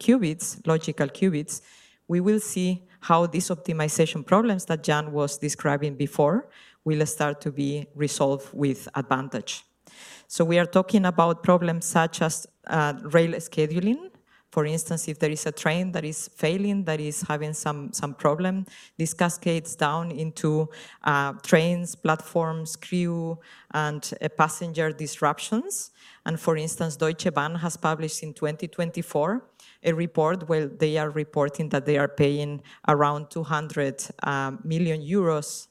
logical qubits, we will see how these optimization problems that Jan was describing before will start to be resolved with advantage. We are talking about problems such as rail scheduling. For instance, if there is a train that is failing, that is having some problem, this cascades down into trains, platforms, crew, and passenger disruptions. For instance, Deutsche Bahn has published in 2024 a report where they are reporting that they are paying around 200 million euros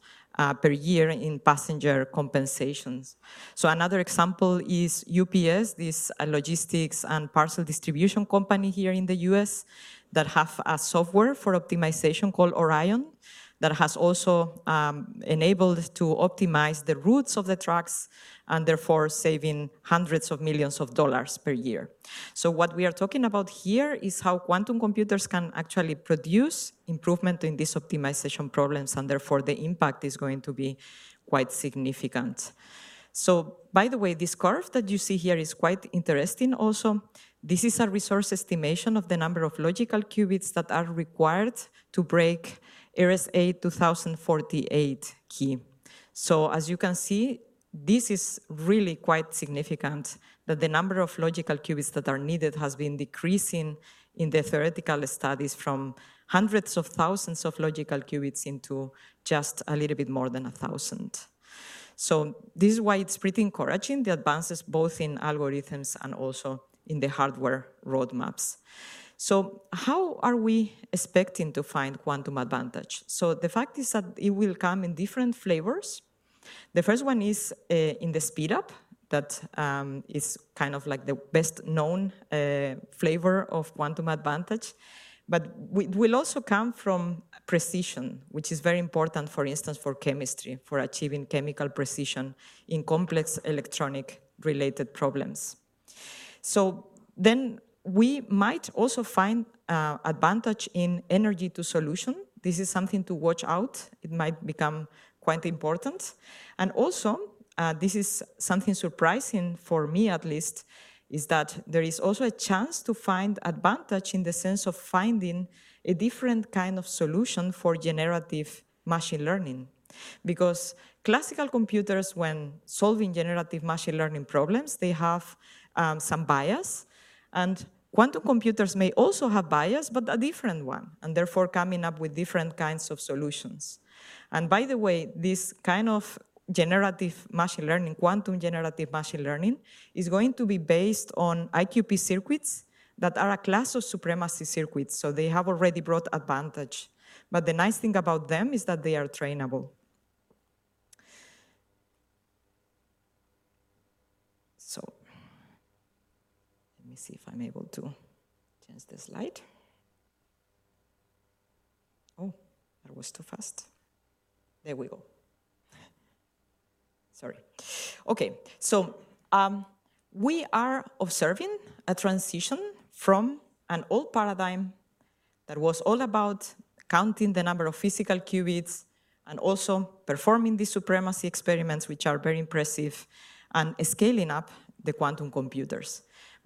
per year in passenger compensations. Another example is UPS, this logistics and parcel distribution company here in the U.S., that have a software for optimization called ORION, that has also enabled to optimize the routes of the trucks, and therefore saving hundreds of millions of dollars per year. What we are talking about here is how quantum computers can actually produce improvement in these optimization problems, and therefore the impact is going to be quite significant. By the way, this curve that you see here is quite interesting also. This is a resource estimation of the number of logical qubits that are required to break RSA-2048 key. As you can see, this is really quite significant that the number of logical qubits that are needed has been decreasing in the theoretical studies from hundreds of thousands of logical qubits into just a little bit more than 1,000. This is why it's pretty encouraging, the advances both in algorithms and also in the hardware roadmaps. How are we expecting to find quantum advantage? The fact is that it will come in different flavors. The first one is in the speedup, that is kind of like the best known flavor of quantum advantage. It will also come from precision, which is very important, for instance, for chemistry, for achieving chemical precision in complex electronic related problems. We might also find advantage in energy to solution. This is something to watch out. It might become quite important. Also, this is something surprising for me at least, is that there is also a chance to find advantage in the sense of finding a different kind of solution for generative machine learning. Because classical computers, when solving generative machine learning problems, they have some bias, and quantum computers may also have bias, but a different one, and therefore coming up with different kinds of solutions. By the way, this kind of quantum generative machine learning is going to be based on IQP circuits that are a class of supremacy circuits, so they have already brought advantage. The nice thing about them is that they are trainable. Let me see if I'm able to change the slide. Oh, I was too fast. There we go. Sorry. Okay. We are observing a transition from an old paradigm that was all about counting the number of physical qubits and also performing the supremacy experiments, which are very impressive, and scaling up the quantum computers.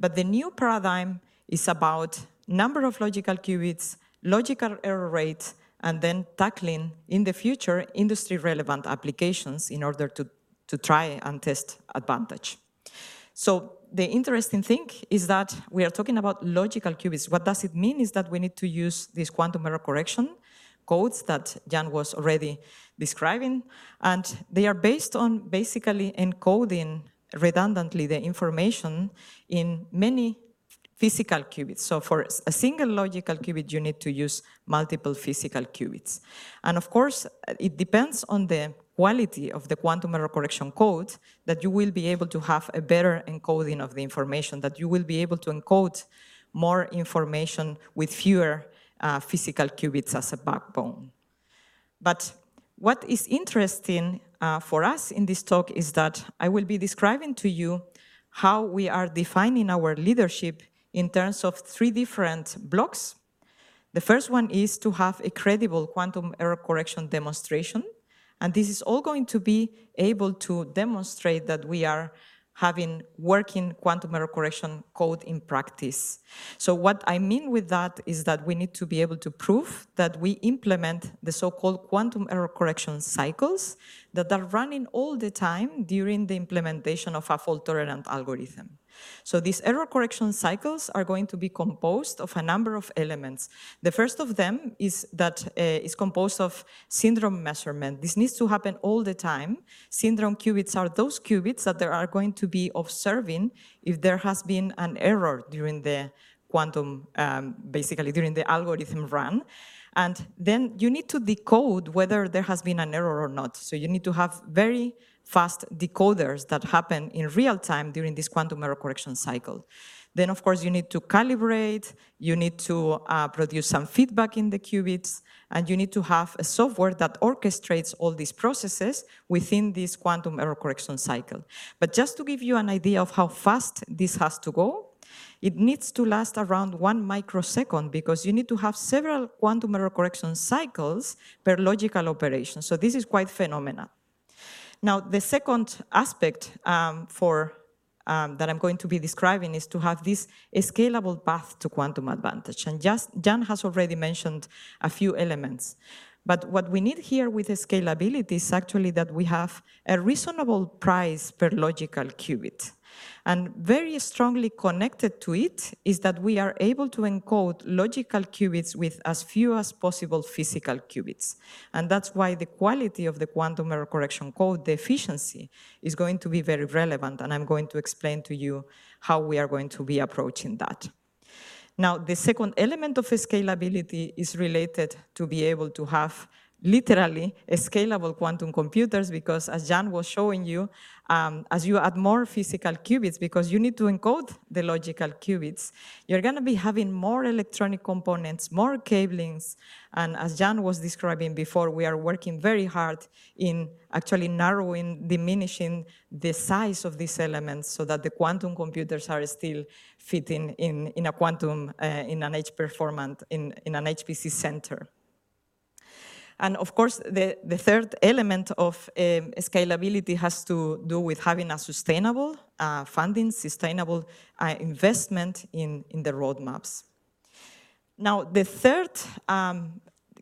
The new paradigm is about number of logical qubits, logical error rates, and then tackling, in the future, industry relevant applications in order to try and test advantage. The interesting thing is that we are talking about logical qubits. What does it mean is that we need to use these quantum error correction codes that Jan was already describing, and they are based on basically encoding redundantly the information in many physical qubits. For a single logical qubit, you need to use multiple physical qubits. Of course, it depends on the quality of the quantum error correction code that you will be able to have a better encoding of the information, that you will be able to encode more information with fewer physical qubits as a backbone. What is interesting for us in this talk is that I will be describing to you how we are defining our leadership in terms of three different blocks. The first one is to have a credible quantum error correction demonstration, and this is all going to be able to demonstrate that we are having working quantum error correction code in practice. What I mean with that is that we need to be able to prove that we implement the so-called quantum error correction cycles that are running all the time during the implementation of a fault-tolerant algorithm. These error correction cycles are going to be composed of a number of elements. The first of them is composed of syndrome measurement. This needs to happen all the time. Syndrome qubits are those qubits that they are going to be observing if there has been an error basically during the algorithm run. Then you need to decode whether there has been an error or not. You need to have very fast decoders that happen in real time during this quantum error correction cycle. Of course, you need to calibrate, you need to produce some feedback in the qubits, and you need to have a software that orchestrates all these processes within this quantum error correction cycle. Just to give you an idea of how fast this has to go, it needs to last around one microsecond because you need to have several quantum error correction cycles per logical operation. This is quite phenomenal. The second aspect that I'm going to be describing is to have this scalable path to quantum advantage. Jan has already mentioned a few elements. What we need here with the scalability is actually that we have a reasonable price per logical qubit. Very strongly connected to it is that we are able to encode logical qubits with as few as possible physical qubits. That's why the quality of the quantum error correction code, the efficiency, is going to be very relevant, and I'm going to explain to you how we are going to be approaching that. The second element of scalability is related to be able to have literally scalable quantum computers because, as Jan was showing you, as you add more physical qubits, because you need to encode the logical qubits, you're going to be having more electronic components, more cablings. As Jan was describing before, we are working very hard in actually narrowing, diminishing the size of these elements so that the quantum computers are still fitting in an HPC center. Of course, the third element of scalability has to do with having a sustainable funding, sustainable investment in the roadmaps. The third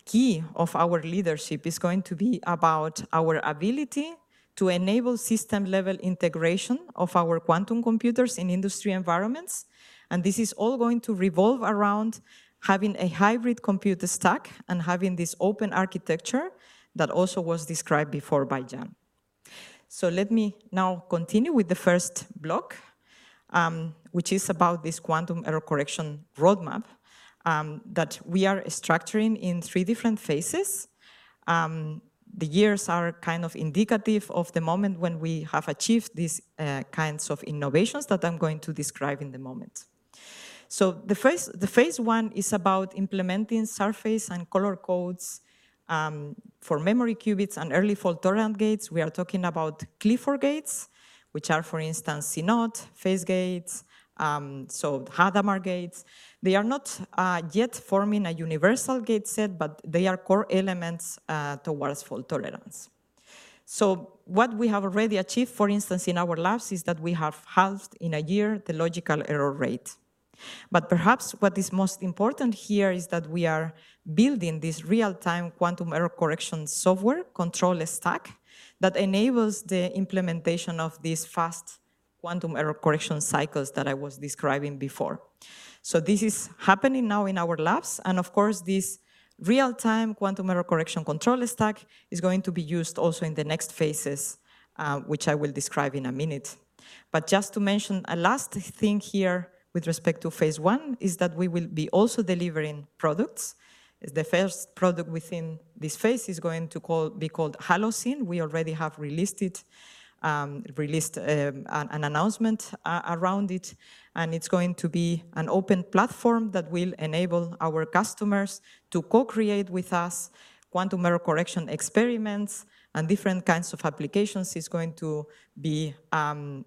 key of our leadership is going to be about our ability to enable system-level integration of our quantum computers in industry environments. This is all going to revolve around having a hybrid computer stack and having this open architecture that also was described before by Jan. Let me now continue with the first block, which is about this quantum error correction roadmap, that we are structuring in three different phases. The years are kind of indicative of the moment when we have achieved these kinds of innovations that I'm going to describe in the moment. The phase 1 is about implementing surface and color codes for memory qubits and early fault-tolerant gates. We are talking about Clifford gates, which are, for instance, CNOT, phase gates, Hadamard gates. They are not yet forming a universal gate set, but they are core elements towards fault-tolerance. What we have already achieved, for instance, in our labs, is that we have halved in a year the logical error rate. Perhaps what is most important here is that we are building this real-time quantum error correction software controller stack that enables the implementation of these fast quantum error correction cycles that I was describing before. This is happening now in our labs, of course, this real-time quantum error correction controller stack is going to be used also in the next phases, which I will describe in a minute. Just to mention a last thing here with respect to phase 1, is that we will be also delivering products. The first product within this phase is going to be called IQM Halocene. We already have released an announcement around it, and it's going to be an open platform that will enable our customers to co-create with us quantum error correction experiments and different kinds of applications. It's going to be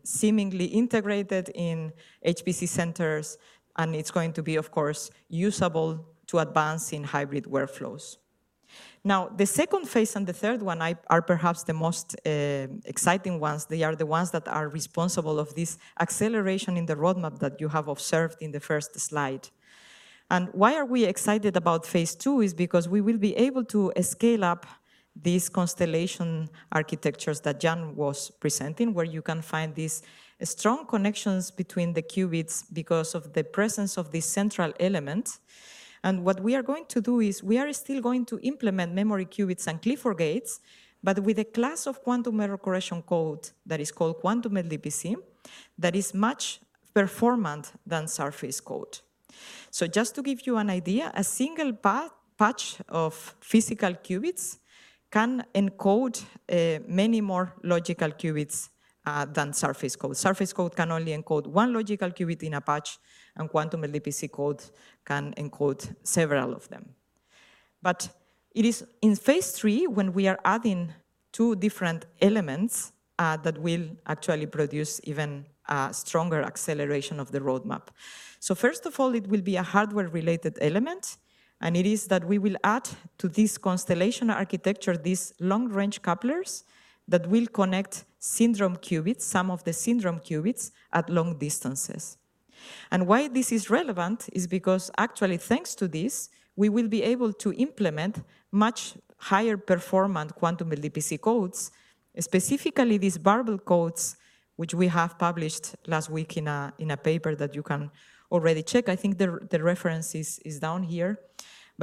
seemingly integrated in HPC centers, and it's going to be, of course, usable to advance in hybrid workflows. The second phase and the third one are perhaps the most exciting ones. They are the ones that are responsible of this acceleration in the roadmap that you have observed in the first slide. Why are we excited about phase 2 is because we will be able to scale up these constellation architectures that Jan Goetz was presenting, where you can find these strong connections between the qubits because of the presence of the central element. What we are going to do is we are still going to implement memory qubits and Clifford gates, but with a class of quantum error correction code that is called quantum LDPC, that is much performant than surface code. Just to give you an idea, a single patch of physical qubits can encode many more logical qubits than surface code. Surface code can only encode one logical qubit in a patch, and quantum LDPC code can encode several of them. It is in phase 3 when we are adding two different elements that will actually produce even stronger acceleration of the roadmap. First of all, it will be a hardware-related element, it is that we will add to this constellation architecture, these long-range couplers that will connect syndrome qubits, some of the syndrome qubits, at long distances. Why this is relevant is because actually, thanks to this, we will be able to implement much higher performant quantum LDPC codes, specifically these barbell codes, which we have published last week in a paper that you can already check. I think the reference is down here.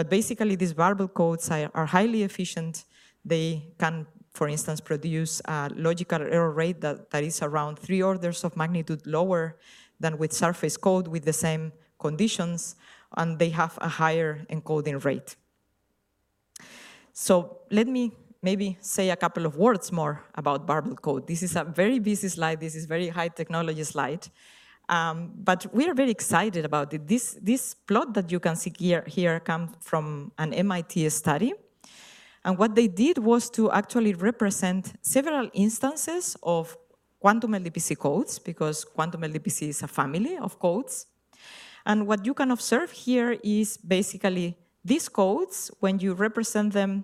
Basically, these barbell codes are highly efficient. They can, for instance, produce a logical error rate that is around 3 orders of magnitude lower than with surface code with the same conditions, and they have a higher encoding rate. Let me maybe say a couple of words more about barbell code. This is a very busy slide. This is very high technology slide. We are very excited about it. This plot that you can see here comes from an MIT study, what they did was to actually represent several instances of quantum LDPC codes, because quantum LDPC is a family of codes. What you can observe here is basically these codes, when you represent them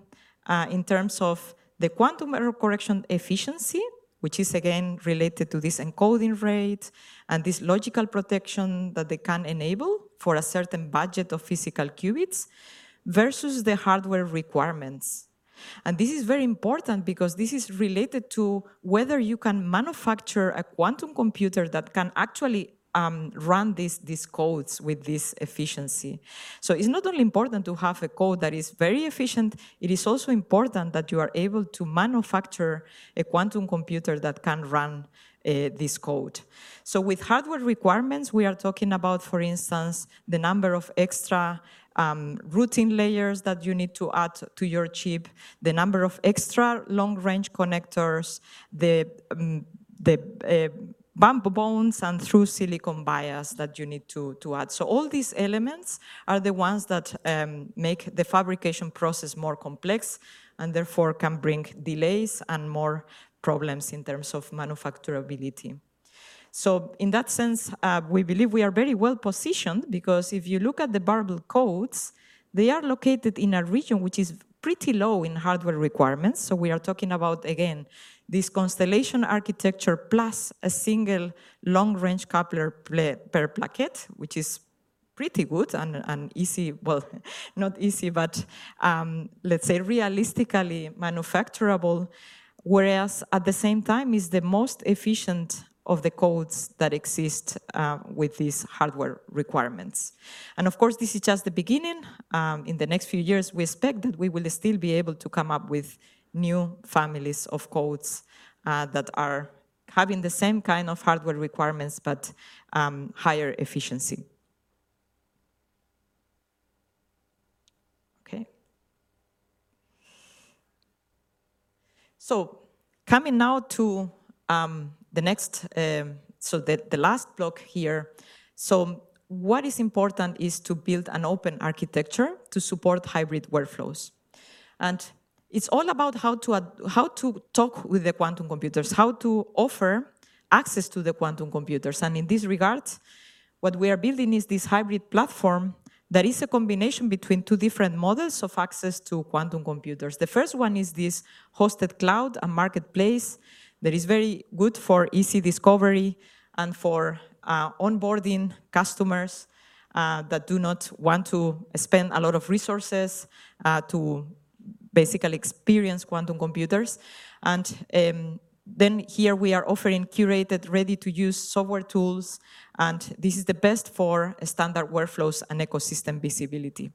in terms of the quantum error correction efficiency, which is again related to this encoding rate and this logical protection that they can enable for a certain budget of physical qubits versus the hardware requirements. This is very important because this is related to whether you can manufacture a quantum computer that can actually run these codes with this efficiency. It's not only important to have a code that is very efficient, it is also important that you are able to manufacture a quantum computer that can run this code. With hardware requirements, we are talking about, for instance, the number of extra routing layers that you need to add to your chip, the number of extra long-range connectors, the bump bonds, and through-silicon vias that you need to add. All these elements are the ones that make the fabrication process more complex and therefore can bring delays and more problems in terms of manufacturability. In that sense, we believe we are very well positioned because if you look at the barbell codes, they are located in a region which is pretty low in hardware requirements. We are talking about, again, this constellation architecture plus a single long-range coupler per plaquette, which is pretty good and easy. Well, not easy, but let's say realistically manufacturable, whereas at the same time, it's the most efficient of the codes that exist with these hardware requirements. Of course, this is just the beginning. In the next few years, we expect that we will still be able to come up with new families of codes that are having the same kind of hardware requirements, but higher efficiency. Okay. Coming now to the last block here. What is important is to build an open architecture to support hybrid workflows. It's all about how to talk with the quantum computers, how to offer access to the quantum computers. In this regard, what we are building is this hybrid platform that is a combination between two different models of access to quantum computers. The first one is this hosted cloud and marketplace that is very good for easy discovery and for onboarding customers that do not want to spend a lot of resources to basically experience quantum computers. Here we are offering curated, ready-to-use software tools, and this is the best for standard workflows and ecosystem visibility.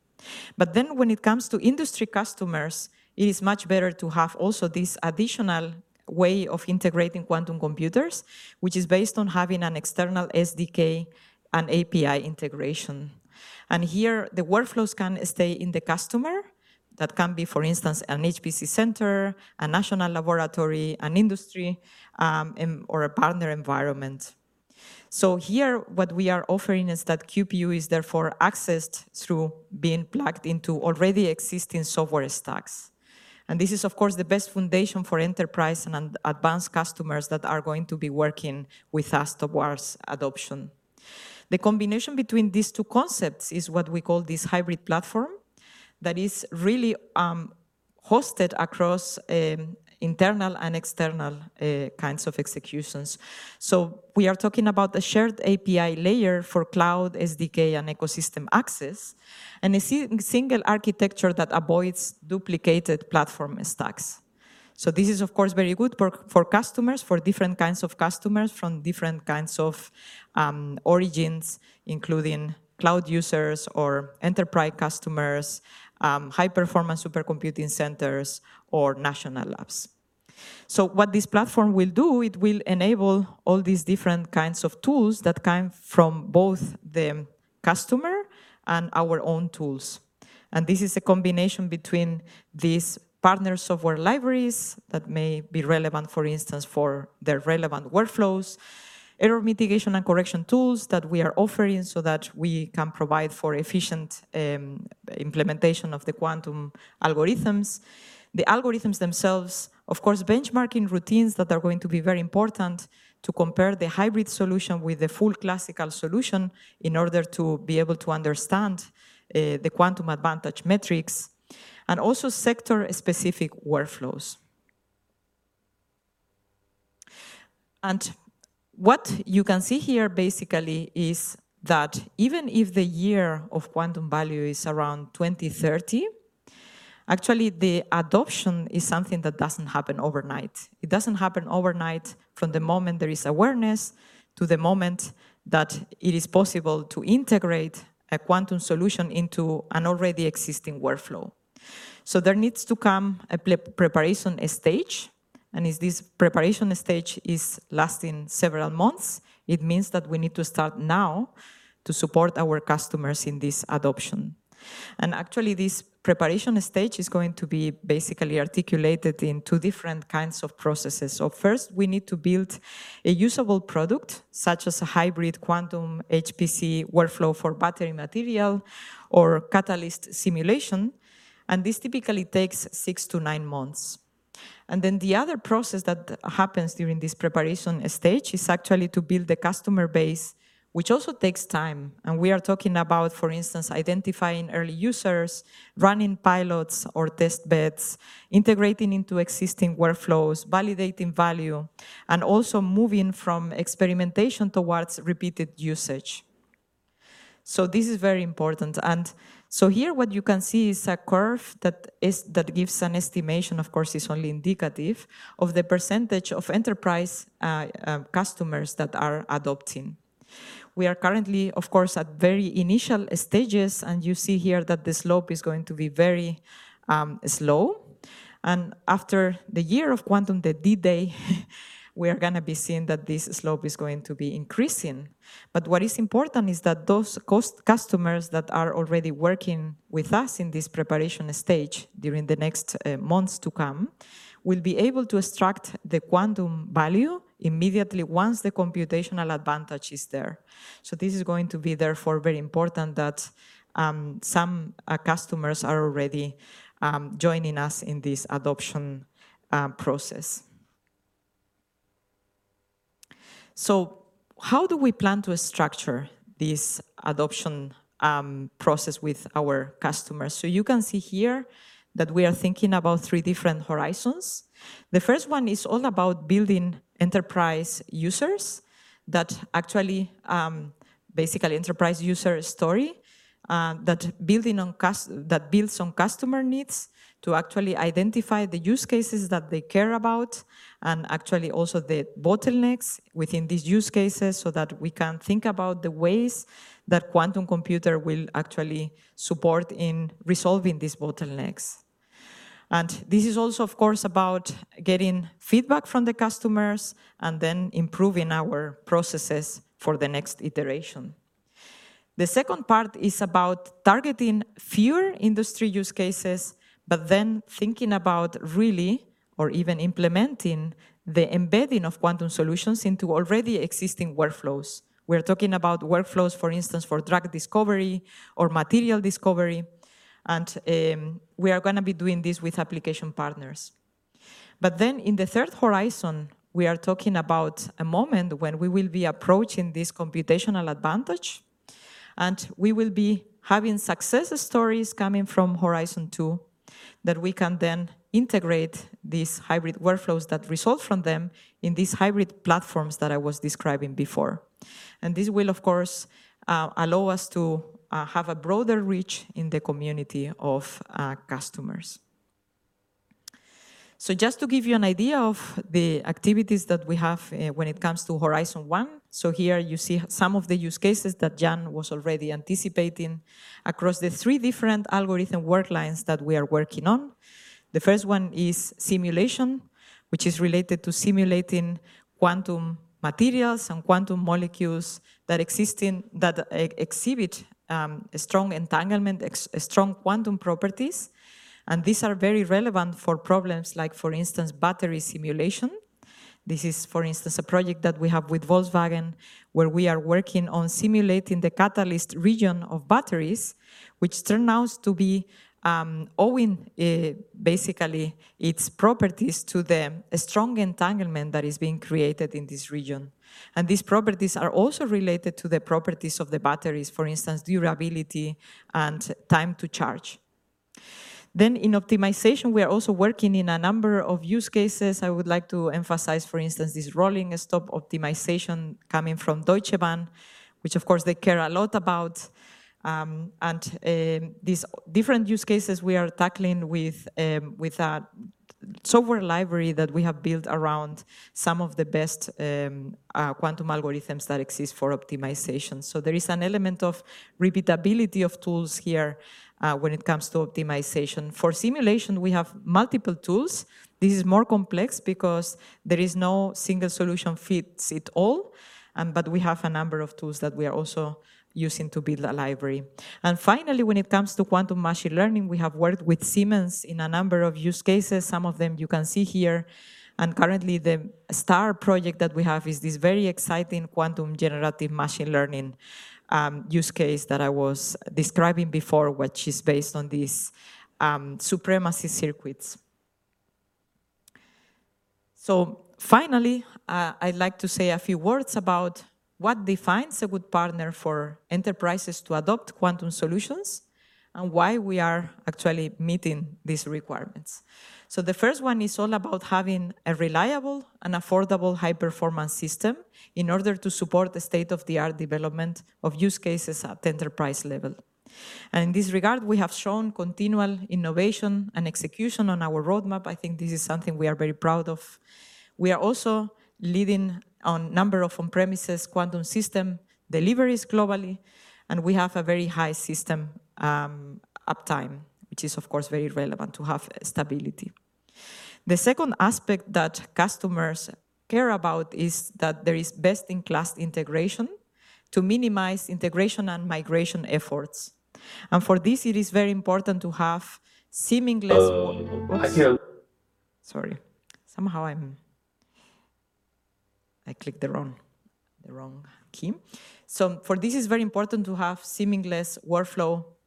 When it comes to industry customers, it is much better to have also this additional way of integrating quantum computers, which is based on having an external SDK and API integration. Here the workflows can stay in the customer. That can be, for instance, an HPC center, a national laboratory, an industry, or a partner environment. Here what we are offering is that QPU is therefore accessed through being plugged into already existing software stacks. This is, of course, the best foundation for enterprise and advanced customers that are going to be working with us towards adoption. The combination between these two concepts is what we call this hybrid platform that is really hosted across internal and external kinds of executions. We are talking about a shared API layer for cloud, SDK, and ecosystem access, and a single architecture that avoids duplicated platform stacks. This is, of course, very good for different kinds of customers from different kinds of origins, including cloud users or enterprise customers, high-performance supercomputing centers, or national labs. What this platform will do, it will enable all these different kinds of tools that come from both the customer and our own tools. This is a combination between these partner software libraries that may be relevant, for instance, for their relevant workflows, error mitigation and correction tools that we are offering so that we can provide for efficient implementation of the quantum algorithms, the algorithms themselves, of course, benchmarking routines that are going to be very important to compare the hybrid solution with the full classical solution in order to be able to understand the quantum advantage metrics, and also sector-specific workflows. What you can see here basically is that even if the year of quantum value is around 2030, actually, the adoption is something that doesn't happen overnight. It doesn't happen overnight from the moment there is awareness to the moment that it is possible to integrate a quantum solution into an already existing workflow. There needs to come a preparation stage, and if this preparation stage is lasting several months, it means that we need to start now to support our customers in this adoption. Actually, this preparation stage is going to be basically articulated in two different kinds of processes. First, we need to build a usable product, such as a hybrid quantum HPC workflow for battery material or catalyst simulation, and this typically takes 6-9 months. The other process that happens during this preparation stage is actually to build the customer base, which also takes time. We are talking about, for instance, identifying early users, running pilots or test beds, integrating into existing workflows, validating value, and also moving from experimentation towards repeated usage. This is very important. Here what you can see is a curve that gives an estimation, of course, it's only indicative, of the percentage of enterprise customers that are adopting. We are currently, of course, at very initial stages, and you see here that the slope is going to be very slow. After the year of quantum, the D-Day, we are going to be seeing that this slope is going to be increasing. What is important is that those customers that are already working with us in this preparation stage during the next months to come, will be able to extract the quantum value immediately once the computational advantage is there. This is going to be, therefore, very important that some customers are already joining us in this adoption process. How do we plan to structure this adoption process with our customers? You can see here that we are thinking about three different horizons. The first one is all about building enterprise users that actually, basically enterprise user story, that builds on customer needs to actually identify the use cases that they care about, and actually also the bottlenecks within these use cases so that we can think about the ways that quantum computer will actually support in resolving these bottlenecks. This is also, of course, about getting feedback from the customers and then improving our processes for the next iteration. The second part is about targeting fewer industry use cases, then thinking about really, or even implementing the embedding of quantum solutions into already existing workflows. We're talking about workflows, for instance, for drug discovery or material discovery, and we are going to be doing this with application partners. In the third horizon, we are talking about a moment when we will be approaching this computational advantage, and we will be having success stories coming from horizon 2 that we can then integrate these hybrid workflows that result from them in these hybrid platforms that I was describing before. This will, of course, allow us to have a broader reach in the community of customers. Just to give you an idea of the activities that we have when it comes to horizon 1, here you see some of the use cases that Jan was already anticipating across the three different algorithm work lines that we are working on. The first one is simulation, which is related to simulating quantum materials and quantum molecules that exhibit strong entanglement, strong quantum properties, and these are very relevant for problems like, for instance, battery simulation. This is, for instance, a project that we have with Volkswagen, where we are working on simulating the catalyst region of batteries, which turn out to be owing basically its properties to the strong entanglement that is being created in this region. These properties are also related to the properties of the batteries, for instance, durability and time to charge. In optimization, we are also working in a number of use cases. I would like to emphasize, for instance, this rolling stop optimization coming from Deutsche Bahn, which of course they care a lot about. These different use cases we are tackling with a software library that we have built around some of the best quantum algorithms that exist for optimization. There is an element of repeatability of tools here when it comes to optimization. For simulation, we have multiple tools. This is more complex because there is no single solution fits it all. We have a number of tools that we are also using to build a library. Finally, when it comes to quantum machine learning, we have worked with Siemens in a number of use cases. Some of them you can see here. Currently, the star project that we have is this very exciting quantum generative machine learning use case that I was describing before, which is based on these supremacy circuits. Finally, I'd like to say a few words about what defines a good partner for enterprises to adopt quantum solutions and why we are actually meeting these requirements. The first one is all about having a reliable and affordable high-performance system in order to support the state-of-the-art development of use cases at the enterprise level. In this regard, we have shown continual innovation and execution on our roadmap. I think this is something we are very proud of. We are also leading on number of on-premises quantum system deliveries globally, and we have a very high system uptime, which is, of course, very relevant to have stability. The second aspect that customers care about is that there is best-in-class integration to minimize integration and migration efforts. For this, it is very important to have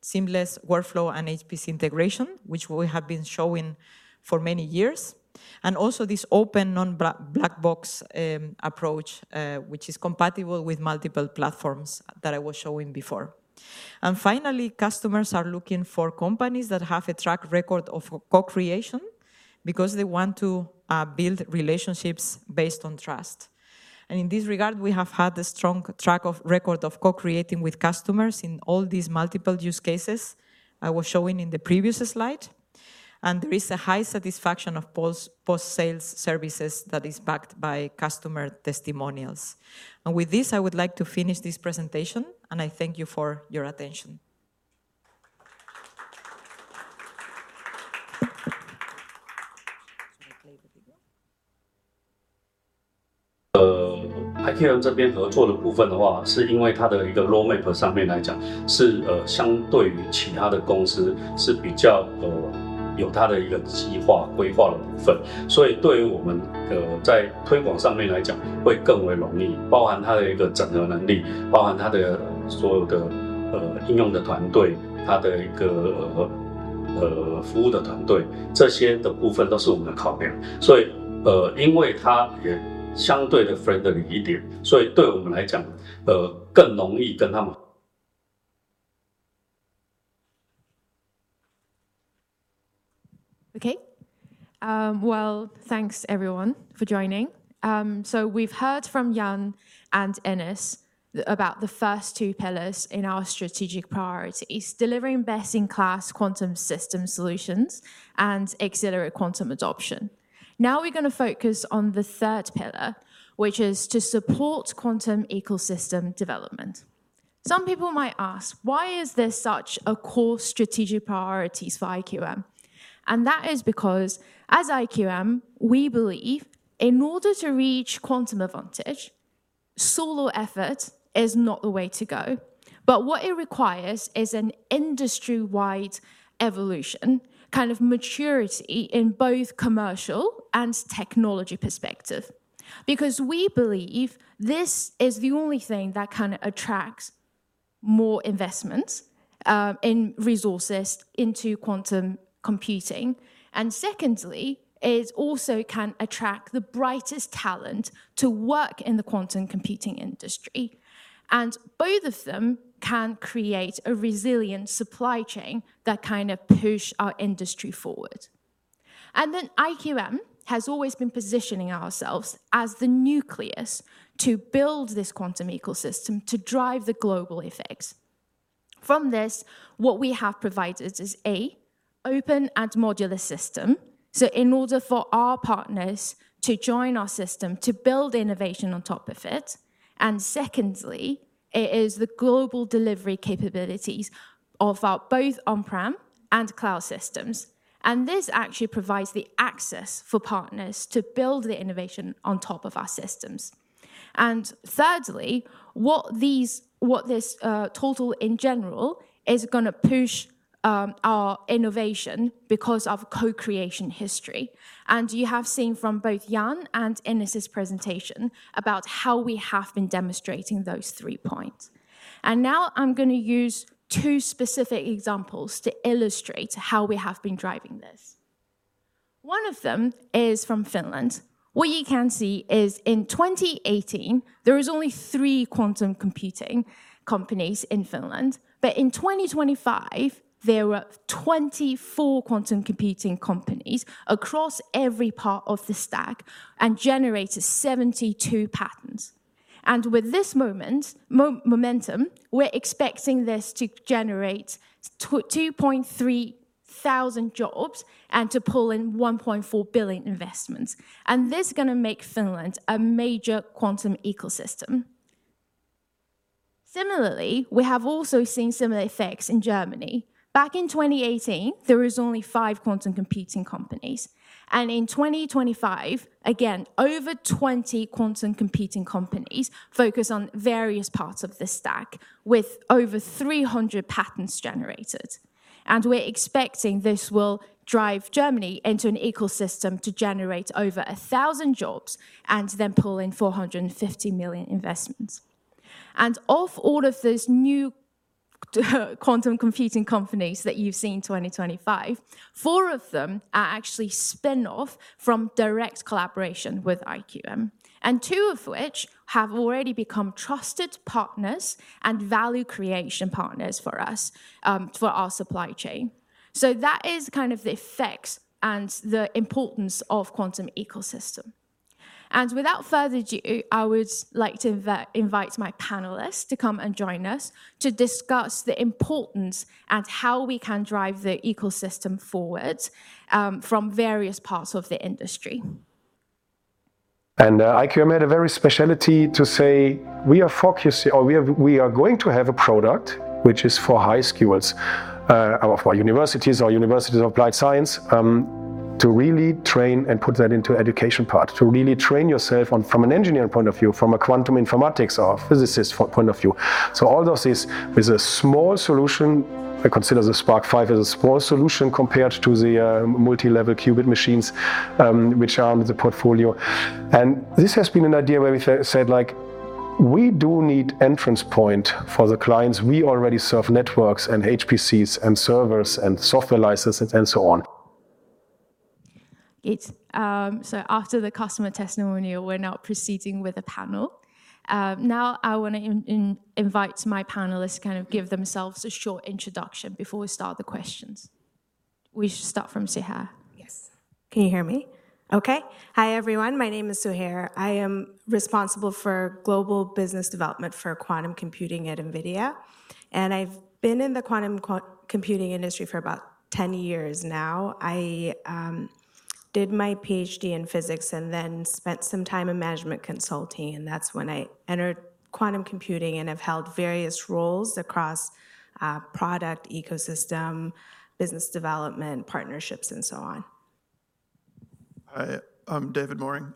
seamless workflow and HPC integration, which we have been showing for many years. Also this open, non-black box approach, which is compatible with multiple platforms that I was showing before. Finally, customers are looking for companies that have a track record of co-creation because they want to build relationships based on trust. In this regard, we have had a strong track record of co-creating with customers in all these multiple use cases I was showing in the previous slide. There is a high satisfaction of post-sales services that is backed by customer testimonials. With this, I would like to finish this presentation, and I thank you for your attention. The reason we chose to work with IQM is because their roadmap is more planned and organized compared to other companies, which makes promotion easier for us. This includes their integration capabilities, application team, and service team. These aspects are all considerations for us. Also, they are relatively friendly, making it easier for us to work with them. Well, thanks everyone for joining. We've heard from Jan and Ennis about the first two pillars in our strategic priorities, delivering best-in-class quantum system solutions and accelerate quantum adoption. We're going to focus on the third pillar, which is to support quantum ecosystem development. Some people might ask, "Why is this such a core strategic priority for IQM?" That is because, as IQM, we believe in order to reach quantum advantage, solo effort is not the way to go. What it requires is an industry-wide evolution, kind of maturity in both commercial and technology perspective. We believe this is the only thing that kind of attracts more investments and resources into quantum computing. Secondly, it also can attract the brightest talent to work in the quantum computing industry. Both of them can create a resilient supply chain that kind of push our industry forward. IQM has always been positioning ourselves as the nucleus to build this quantum ecosystem to drive the global effects. From this, what we have provided is, A, open and modular system, so in order for our partners to join our system, to build innovation on top of it. Secondly, it is the global delivery capabilities of our both on-prem and cloud systems. This actually provides the access for partners to build the innovation on top of our systems. Thirdly, what this total in general is going to push our innovation because of co-creation history. You have seen from both Jan and Ennis' presentation about how we have been demonstrating those three points. Now I'm going to use two specific examples to illustrate how we have been driving this. One of them is from Finland. What you can see is in 2018, there were only three quantum computing companies in Finland. In 2025, there were 24 quantum computing companies across every part of the stack and generated 72 patents. With this momentum, we're expecting this to generate 2,300 jobs and to pull in 1.4 billion investments. This is going to make Finland a major quantum ecosystem. Similarly, we have also seen similar effects in Germany. Back in 2018, there were only five quantum computing companies. In 2025, again, over 20 quantum computing companies focus on various parts of the stack, with over 300 patents generated. We're expecting this will drive Germany into an ecosystem to generate over 1,000 jobs and then pull in 450 million investments. Of all of those new quantum computing companies that you've seen in 2025, four of them are actually spin-offs from direct collaboration with IQM, and two of which have already become trusted partners and value creation partners for us, for our supply chain. That is the effects and the importance of quantum ecosystem. Without further ado, I would like to invite my panelists to come and join us to discuss the importance and how we can drive the ecosystem forward from various parts of the industry. IQM had a very specialty to say we are going to have a product which is for high schools, or for universities, or universities of applied science, to really train and put that into education part. To really train yourself from an engineering point of view, from a quantum informatics or a physicist point of view. All of this is a small solution. I consider the Spark as a small solution compared to the multi-level qubit machines which are in the portfolio. This has been an idea where we said, we do need entrance point for the clients. We already serve networks and HPCs and servers and software licenses and so on. After the customer testimonial, we're now proceeding with a panel. I want to invite my panelists to give themselves a short introduction before we start the questions. We should start from Suhair. Yes. Can you hear me? Okay. Hi, everyone. My name is Suhair. I am responsible for global business development for quantum computing at NVIDIA, I've been in the quantum computing industry for about 10 years now. I did my PhD in physics and then spent some time in management consulting, that's when I entered quantum computing and have held various roles across product ecosystem, business development, partnerships, and so on. Hi. I'm David Moehring.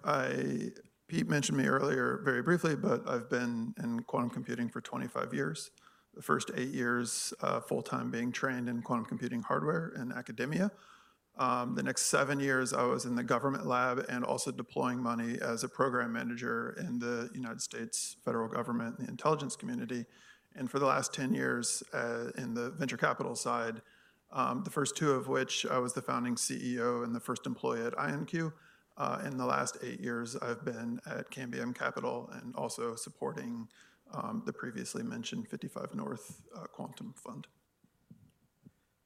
Pete mentioned me earlier very briefly, I've been in quantum computing for 25 years. The first eight years, full-time being trained in quantum computing hardware in academia. The next seven years, I was in the government lab and also deploying money as a program manager in the United States federal government and the intelligence community. For the last 10 years, in the venture capital side, the first two of which I was the founding CEO and the first employee at IonQ. The last eight years, I've been at Cambium Capital and also supporting the previously mentioned 55 North Quantum Fund.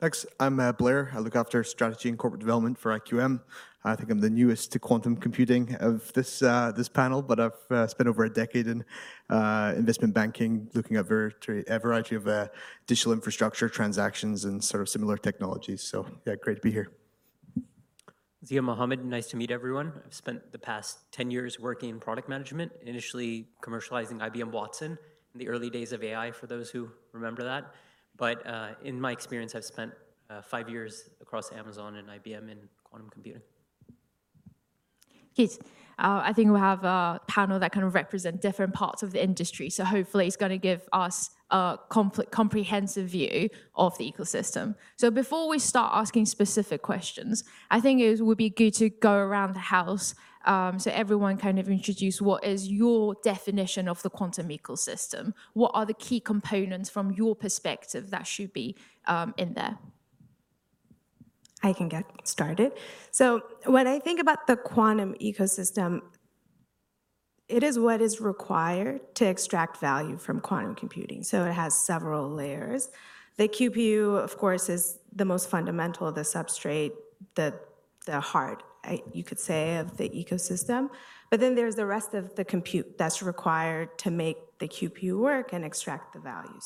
Thanks. I'm Blair. I look after strategy and corporate development for IQM. I think I'm the newest to quantum computing of this panel, I've spent over a decade in investment banking, looking at a variety of digital infrastructure transactions and sort of similar technologies. Yeah, great to be here. Zia Mohammed, nice to meet everyone. I've spent the past 10 years working in product management, initially commercializing IBM Watson in the early days of AI, for those who remember that. In my experience, I've spent five years across Amazon and IBM in quantum computing. Yes. I think we have a panel that kind of represents different parts of the industry, hopefully it's going to give us a comprehensive view of the ecosystem. Before we start asking specific questions, I think it would be good to go around the house so everyone introduce what is your definition of the quantum ecosystem. What are the key components from your perspective that should be in there? I can get started. When I think about the quantum ecosystem, it is what is required to extract value from quantum computing. It has several layers. The QPU, of course, is the most fundamental, the substrate, the heart, you could say, of the ecosystem. There's the rest of the compute that's required to make the QPU work and extract the value.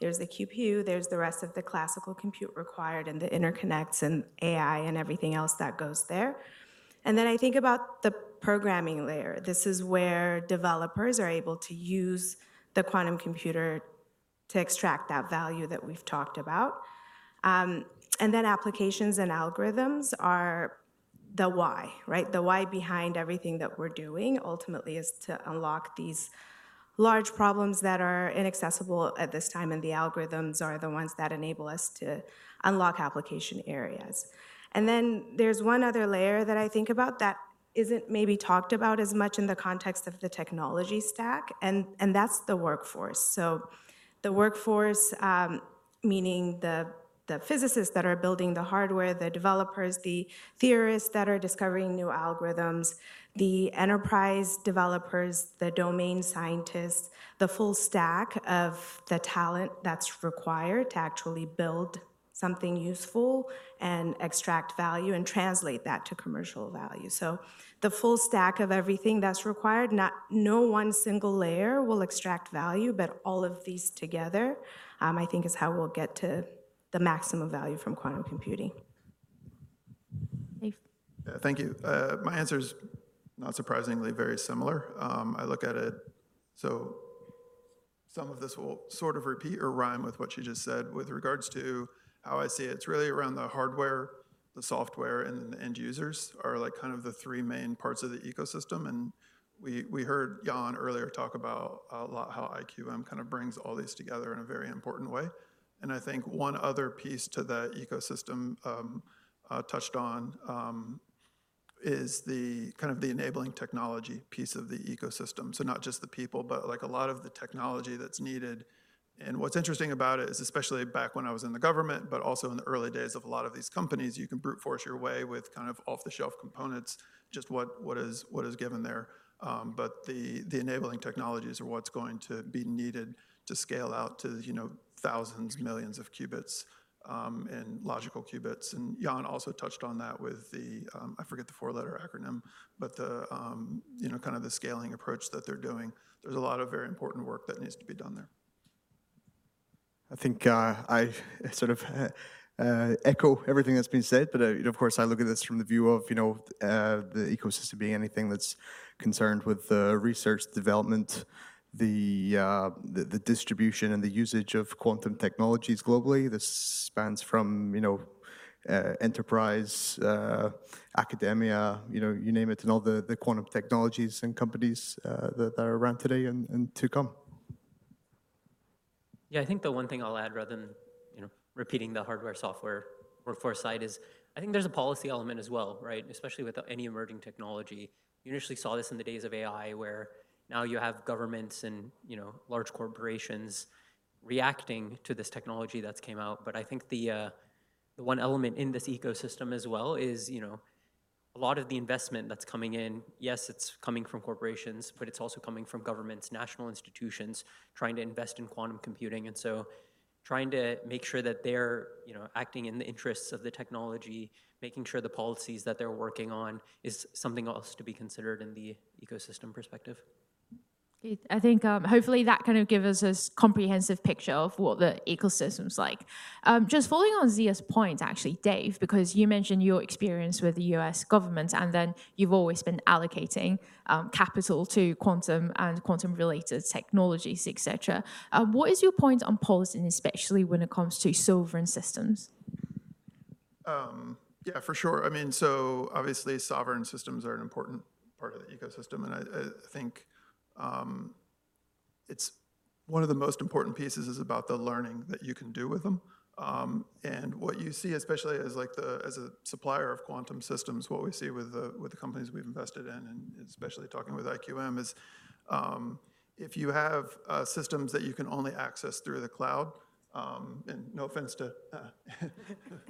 There's the QPU, there's the rest of the classical compute required, and the interconnects and AI and everything else that goes there. I think about the programming layer. This is where developers are able to use the quantum computer to extract that value that we've talked about. Applications and algorithms are the why. Right? The why behind everything that we're doing ultimately is to unlock these large problems that are inaccessible at this time, the algorithms are the ones that enable us to unlock application areas. There's one other layer that I think about that isn't maybe talked about as much in the context of the technology stack, and that's the workforce. The workforce, meaning the physicists that are building the hardware, the developers, the theorists that are discovering new algorithms, the enterprise developers, the domain scientists, the full stack of the talent that's required to actually build something useful and extract value and translate that to commercial value. The full stack of everything that's required, no one single layer will extract value, all of these together, I think, is how we'll get to the maximum value from quantum computing. Dave? Thank you. My answer is, not surprisingly, very similar. I look at it, some of this will sort of repeat or rhyme with what you just said with regards to how I see it. It's really around the hardware, the software, and the end users are the three main parts of the ecosystem. We heard Jan earlier talk about a lot how IQM kind of brings all these together in a very important way. I think one other piece to the ecosystem touched on is the enabling technology piece of the ecosystem. Not just the people, but a lot of the technology that's needed. What's interesting about it is, especially back when I was in the government, but also in the early days of a lot of these companies, you can brute force your way with off-the-shelf components, just what is given there. The enabling technologies are what's going to be needed to scale out to thousands, millions of qubits, and logical qubits. Jan also touched on that with the, I forget the four-letter acronym, but the scaling approach that they're doing. There's a lot of very important work that needs to be done there. I think I sort of echo everything that's been said, but of course, I look at this from the view of the ecosystem being anything that's concerned with the research, development, the distribution, and the usage of quantum technologies globally. This spans from enterprise, academia, you name it, and all the quantum technologies and companies that are around today and to come. I think the one thing I'll add rather than repeating the hardware-software foresight is I think there's a policy element as well, right? Especially with any emerging technology. You initially saw this in the days of AI, where now you have governments and large corporations reacting to this technology that's came out. I think the one element in this ecosystem as well is a lot of the investment that's coming in, yes, it's coming from corporations, but it's also coming from governments, national institutions trying to invest in quantum computing. Trying to make sure that they're acting in the interests of the technology, making sure the policies that they're working on is something else to be considered in the ecosystem perspective. Okay. I think hopefully that kind of give us a comprehensive picture of what the ecosystem's like. Just following on Zia's point, actually, Dave, because you mentioned your experience with the U.S. government, and then you've always been allocating capital to quantum and quantum-related technologies, et cetera. What is your point on policy, and especially when it comes to sovereign systems? Yeah, for sure. Obviously, sovereign systems are an important part of the ecosystem, and I think one of the most important pieces is about the learning that you can do with them. What you see, especially as a supplier of quantum systems, what we see with the companies we've invested in, and especially talking with IQM, is if you have systems that you can only access through the cloud, and no offense to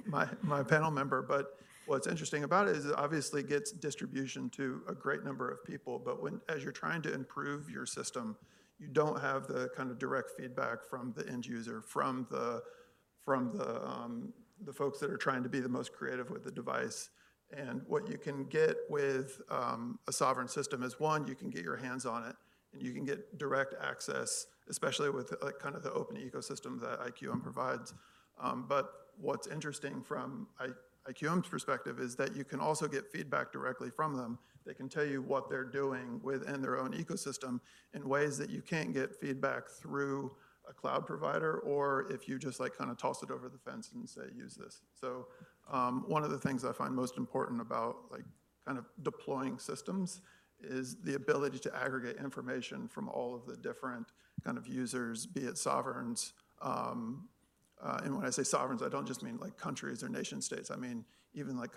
my panel member, but what's interesting about it is it obviously gets distribution to a great number of people. As you're trying to improve your system, you don't have the kind of direct feedback from the end user, from the folks that are trying to be the most creative with the device. What you can get with a sovereign system is, one, you can get your hands on it, and you can get direct access, especially with the open ecosystem that IQM provides. What's interesting from IQM's perspective is that you can also get feedback directly from them. They can tell you what they're doing within their own ecosystem in ways that you can't get feedback through a cloud provider, or if you just toss it over the fence and say, "Use this." One of the things I find most important about deploying systems is the ability to aggregate information from all of the different kind of users, be it sovereigns. When I say sovereigns, I don't just mean countries or nation-states. I mean even the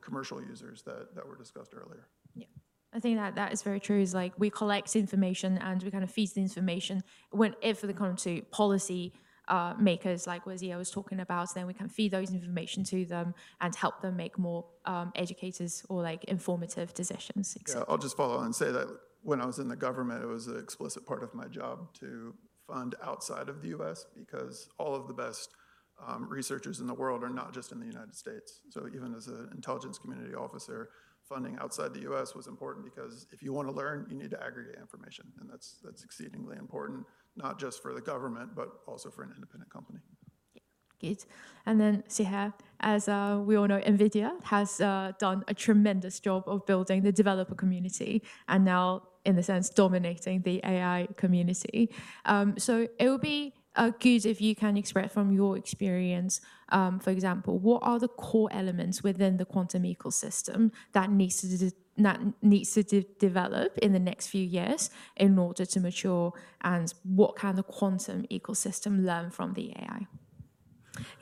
commercial users that were discussed earlier. Yeah. I think that is very true, is we collect information and we kind of feed the information when it comes to policy makers, like what Zia was talking about. We can feed those information to them and help them make more educated or informative decisions, et cetera. I'll just follow on and say that when I was in the government, it was an explicit part of my job to fund outside of the U.S. because all of the best researchers in the world are not just in the United States. Even as an intelligence community officer, funding outside the U.S. was important because if you want to learn, you need to aggregate information. That's exceedingly important, not just for the government, but also for an independent company. Good. Siha, as we all know, NVIDIA has done a tremendous job of building the developer community, and now, in a sense, dominating the AI community. It would be good if you can express from your experience, for example, what are the core elements within the quantum ecosystem that needs to develop in the next few years in order to mature, and what can the quantum ecosystem learn from the AI?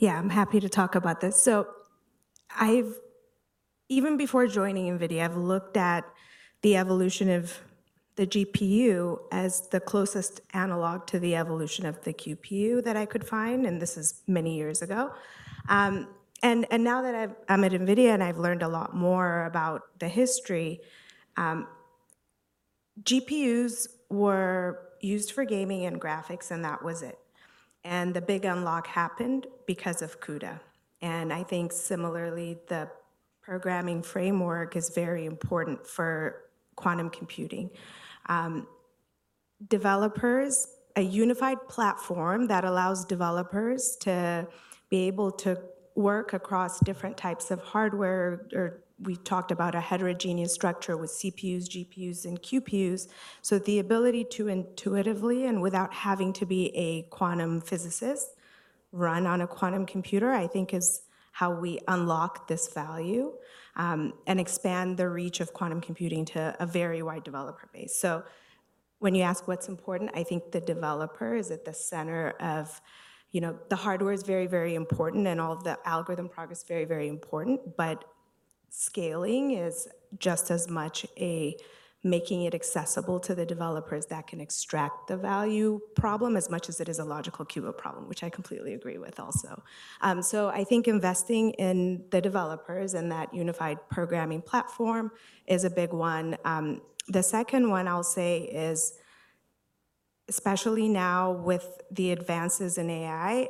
I'm happy to talk about this. Even before joining NVIDIA, I've looked at the evolution of the GPU as the closest analog to the evolution of the QPU that I could find, and this is many years ago. Now that I'm at NVIDIA and I've learned a lot more about the history, GPUs were used for gaming and graphics, and that was it. The big unlock happened because of CUDA. I think similarly, the programming framework is very important for quantum computing. developers a unified platform that allows developers to be able to work across different types of hardware, or we talked about a heterogeneous structure with CPUs, GPUs, and QPUs. The ability to intuitively and without having to be a quantum physicist, run on a quantum computer, I think is how we unlock this value and expand the reach of quantum computing to a very wide developer base. When you ask what's important, I think the developer is at the center. The hardware is very, very important, and all of the algorithm progress is very, very important. Scaling is just as much a making it accessible to the developers that can extract the value problem as much as it is a logical qubit problem, which I completely agree with also. I think investing in the developers and that unified programming platform is a big one. The second one I'll say is, especially now with the advances in AI,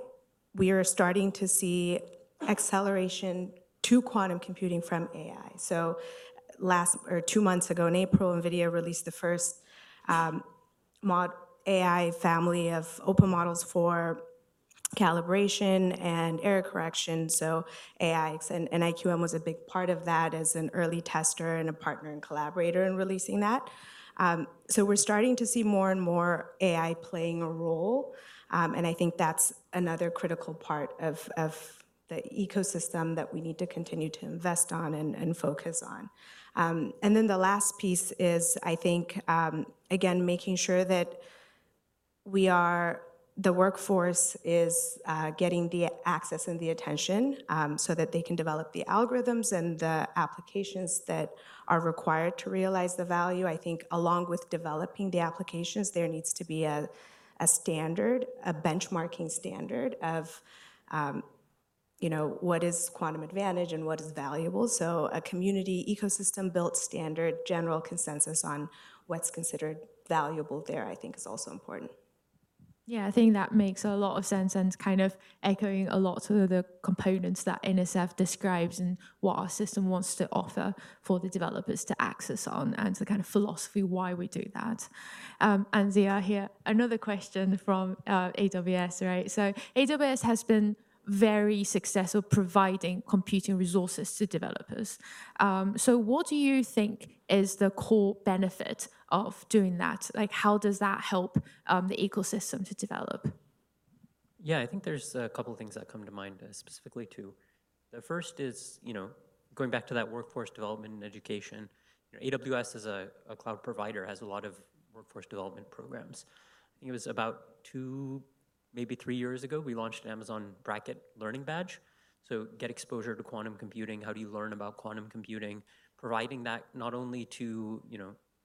we are starting to see acceleration to quantum computing from AI. Two months ago in April, NVIDIA released the first mod AI family of open models for calibration and error correction. AI, and IQM was a big part of that as an early tester and a partner and collaborator in releasing that. We're starting to see more and more AI playing a role, and I think that's another critical part of the ecosystem that we need to continue to invest on and focus on. The last piece is, I think, again, making sure that the workforce is getting the access and the attention so that they can develop the algorithms and the applications that are required to realize the value. I think along with developing the applications, there needs to be a standard, a benchmarking standard of what is quantum advantage and what is valuable. A community ecosystem-built standard general consensus on what's considered valuable there, I think is also important. I think that makes a lot of sense and is kind of echoing a lot of the components that NSF describes and what our system wants to offer for the developers to access on, and to the kind of philosophy why we do that. Ziang here, another question from AWS. AWS has been very successful providing computing resources to developers. What do you think is the core benefit of doing that? How does that help the ecosystem to develop? I think there's a couple of things that come to mind specifically, too. The first is, going back to that workforce development and education. AWS, as a cloud provider, has a lot of workforce development programs. I think it was about two, maybe three years ago, we launched Amazon Braket Knowledge Badge. Get exposure to quantum computing. How do you learn about quantum computing? Providing that not only to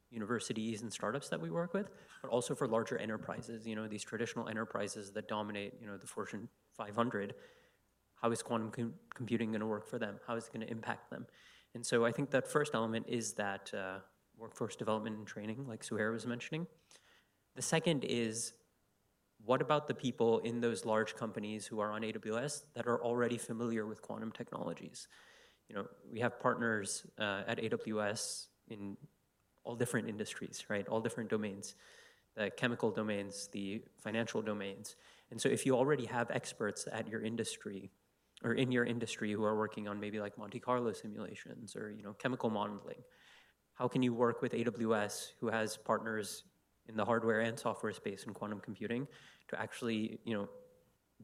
universities and startups that we work with, but also for larger enterprises, these traditional enterprises that dominate the Fortune 500. How is quantum computing going to work for them? How is it going to impact them? I think that first element is that workforce development and training, like Suhair was mentioning. The second is, what about the people in those large companies who are on AWS that are already familiar with quantum technologies? We have partners at AWS in all different industries. All different domains. The chemical domains, the financial domains. If you already have experts at your industry or in your industry who are working on maybe Monte Carlo simulations or chemical modeling, how can you work with AWS, who has partners in the hardware and software space in quantum computing, to actually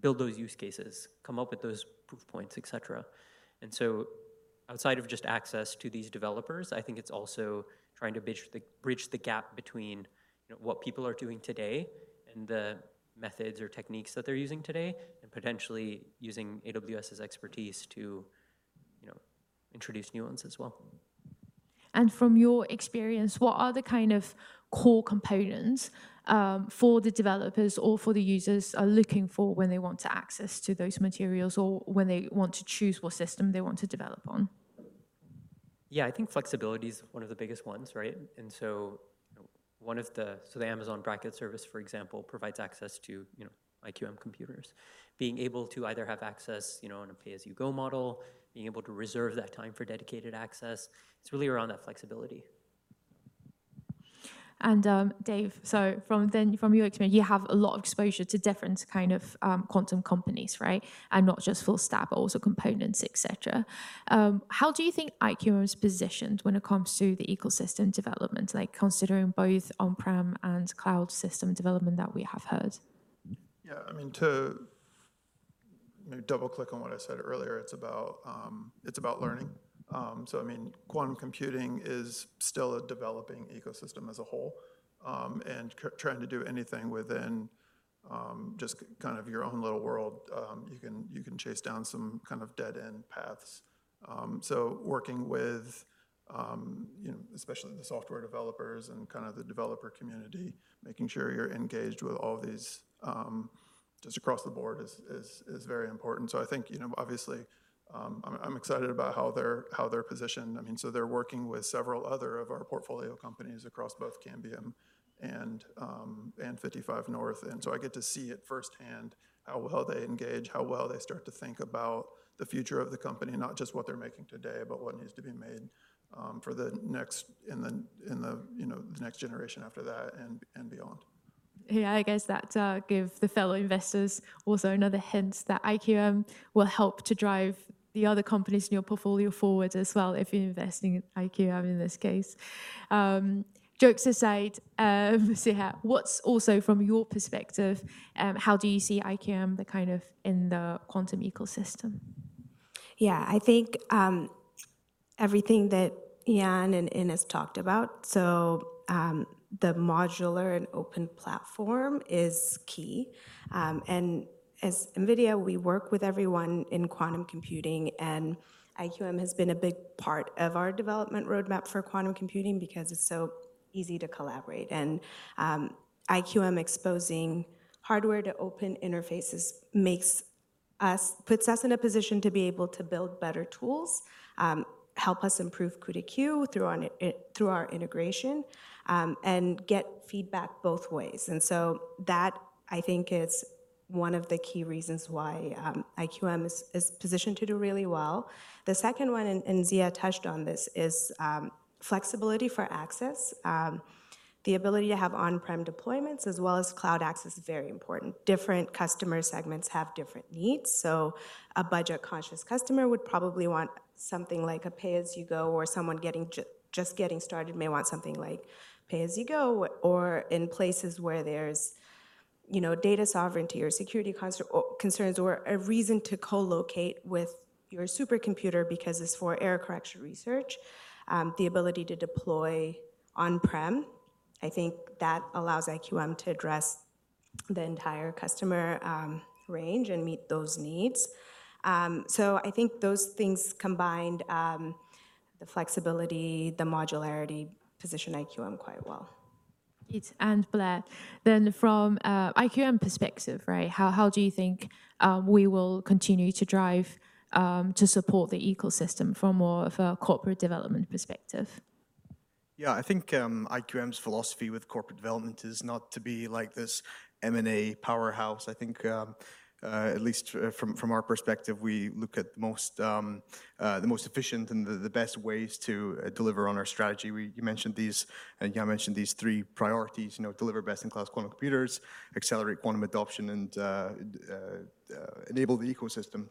build those use cases, come up with those proof points, et cetera? Outside of just access to these developers, I think it's also trying to bridge the gap between what people are doing today and the methods or techniques that they're using today, and potentially using AWS's expertise to introduce new ones as well. From your experience, what are the kind of core components for the developers or for the users are looking for when they want to access to those materials or when they want to choose what system they want to develop on? Yeah, I think flexibility is one of the biggest ones. The Amazon Braket service, for example, provides access to IQM computers. Being able to either have access on a pay-as-you-go model, being able to reserve that time for dedicated access, it's really around that flexibility. Dave, from your experience, you have a lot of exposure to different kind of quantum companies. Not just full-stack, but also components, et cetera. How do you think IQM is positioned when it comes to the ecosystem development, considering both on-prem and cloud system development that we have heard? To double-click on what I said earlier, it's about learning. Quantum computing is still a developing ecosystem as a whole. Trying to do anything within just your own little world, you can chase down some kind of dead-end paths. Working with especially the software developers and the developer community, making sure you're engaged with all of these just across the board is very important. I think, obviously, I'm excited about how they're positioned. They're working with several other of our portfolio companies across both Cambium and 55 North. I get to see it firsthand how well they engage, how well they start to think about the future of the company. Not just what they're making today, but what needs to be made in the next generation after that and beyond. I guess that gives the fellow investors also another hint that IQM will help to drive the other companies in your portfolio forward as well, if you're investing in IQM in this case. Jokes aside, Zha, what's also from your perspective, how do you see IQM in the quantum ecosystem? I think everything that Jan and Inés talked about, the modular and open platform is key. As NVIDIA, we work with everyone in quantum computing, and IQM has been a big part of our development roadmap for quantum computing because it's so easy to collaborate. IQM exposing hardware to open interfaces puts us in a position to be able to build better tools, help us improve CUDA-Q through our integration, and get feedback both ways. That, I think, is one of the key reasons why IQM is positioned to do really well. The second one, Zha touched on this, is flexibility for access. The ability to have on-prem deployments as well as cloud access is very important. Different customer segments have different needs. A budget-conscious customer would probably want something like a pay-as-you-go, or someone just getting started may want something like pay-as-you-go, or in places where there's data sovereignty or security concerns, or a reason to co-locate with your supercomputer because it's for error correction research, the ability to deploy on-prem, I think that allows IQM to address the entire customer range and meet those needs. I think those things combined, the flexibility, the modularity, position IQM quite well. It is Anne Blaess. From IQM perspective, how do you think we will continue to drive to support the ecosystem from more of a corporate development perspective? Yeah, I think IQM's philosophy with corporate development is not to be like this M&A powerhouse. I think, at least from our perspective, we look at the most efficient and the best ways to deliver on our strategy. You mentioned these three priorities, deliver best-in-class quantum computers, accelerate quantum adoption, and enable the ecosystem,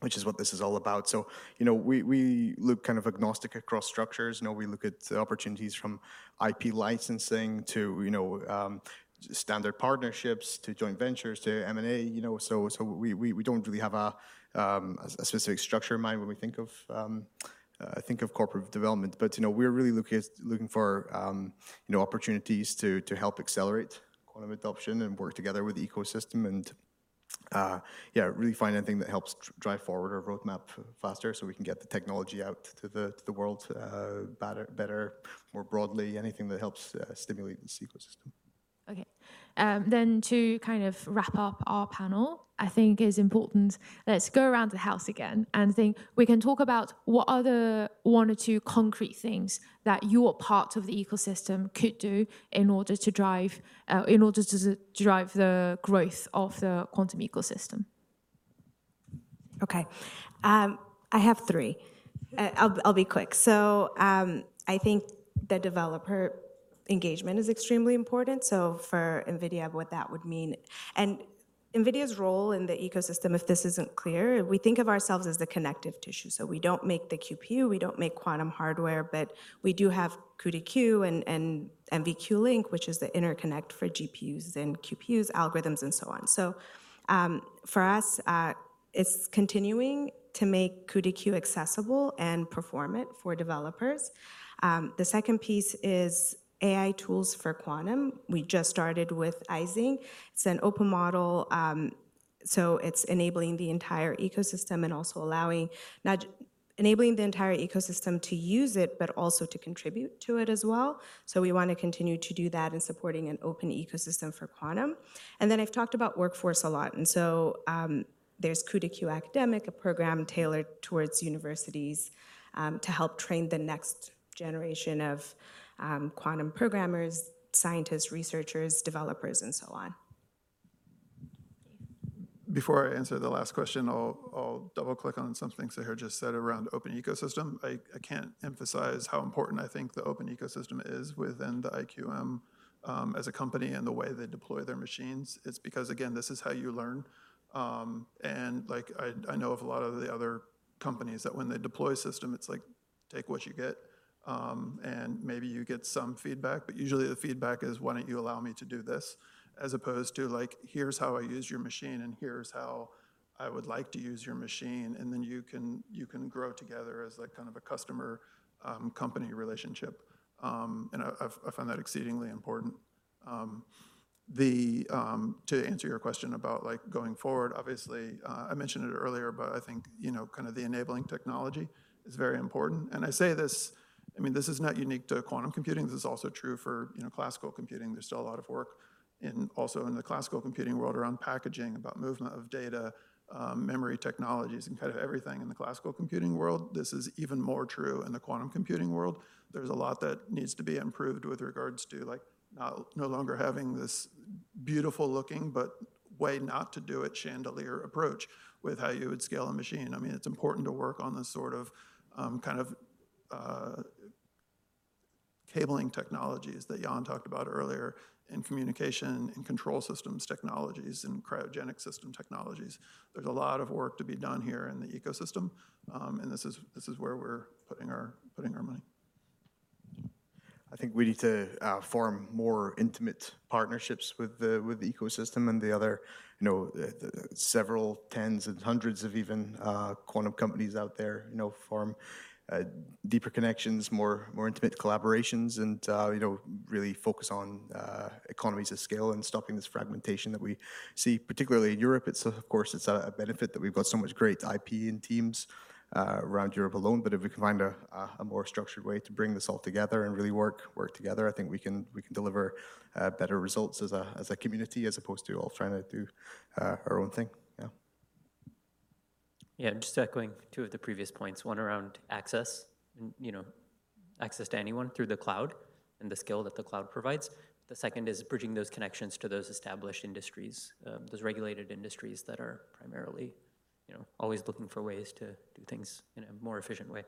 which is what this is all about. We look agnostic across structures. We look at opportunities from IP licensing to standard partnerships, to joint ventures, to M&A. We don't really have a specific structure in mind when we think of corporate development. We're really looking for opportunities to help accelerate quantum adoption and work together with the ecosystem, yeah, really find anything that helps drive forward our roadmap faster so we can get the technology out to the world better, more broadly, anything that helps stimulate this ecosystem. Okay. To wrap up our panel, I think is important, let's go around the house again and think we can talk about what other one or two concrete things that your part of the ecosystem could do in order to drive the growth of the quantum ecosystem. Okay. I have three. I'll be quick. I think the developer engagement is extremely important. For NVIDIA, what that would mean-- NVIDIA's role in the ecosystem, if this isn't clear, we think of ourselves as the connective tissue. We don't make the QPU, we don't make quantum hardware, but we do have CUDA Q and NVQLink, which is the interconnect for GPUs and QPUs algorithms and so on. For us, it's continuing to make CUDA Q accessible and perform it for developers. The second piece is AI tools for quantum. We just started with Ising. It's an open model, so it's enabling the entire ecosystem to use it, but also to contribute to it as well. We want to continue to do that in supporting an open ecosystem for quantum. I've talked about workforce a lot, so there's CUDA-Q Academic, a program tailored towards universities to help train the next generation of quantum programmers, scientists, researchers, developers, and so on. Okay. Before I answer the last question, I'll double-click on something Zha just said around open ecosystem. I can't emphasize how important I think the open ecosystem is within the IQM as a company and the way they deploy their machines. It's because, again, this is how you learn. I know of a lot of the other companies that when they deploy a system, it's like take what you get, and maybe you get some feedback, but usually the feedback is, "Why don't you allow me to do this?" As opposed to, "Here's how I use your machine, and here's how I would like to use your machine." You can grow together as a customer-company relationship. I find that exceedingly important. To answer your question about going forward, obviously, I mentioned it earlier, I think the enabling technology is very important. I say this is not unique to quantum computing. This is also true for classical computing. There's still a lot of work also in the classical computing world around packaging, about movement of data, memory technologies, and everything in the classical computing world. This is even more true in the quantum computing world. There's a lot that needs to be improved with regards to no longer having this beautiful looking, but way not to do it chandelier approach with how you would scale a machine. It's important to work on this cabling technologies that Jan talked about earlier in communication and control systems technologies and cryogenic system technologies. There's a lot of work to be done here in the ecosystem. This is where we're putting our money. I think we need to form more intimate partnerships with the ecosystem and the other several tens and hundreds of even quantum companies out there. Form deeper connections, more intimate collaborations, and really focus on economies of scale and stopping this fragmentation that we see, particularly in Europe. Of course, it's a benefit that we've got so much great IP and teams around Europe alone. If we can find a more structured way to bring this all together and really work together, I think we can deliver better results as a community as opposed to all trying to do our own thing. Yeah. Yeah, just echoing two of the previous points, one around access to anyone through the cloud and the scale that the cloud provides. The second is bridging those connections to those established industries, those regulated industries that are primarily always looking for ways to do things in a more efficient way.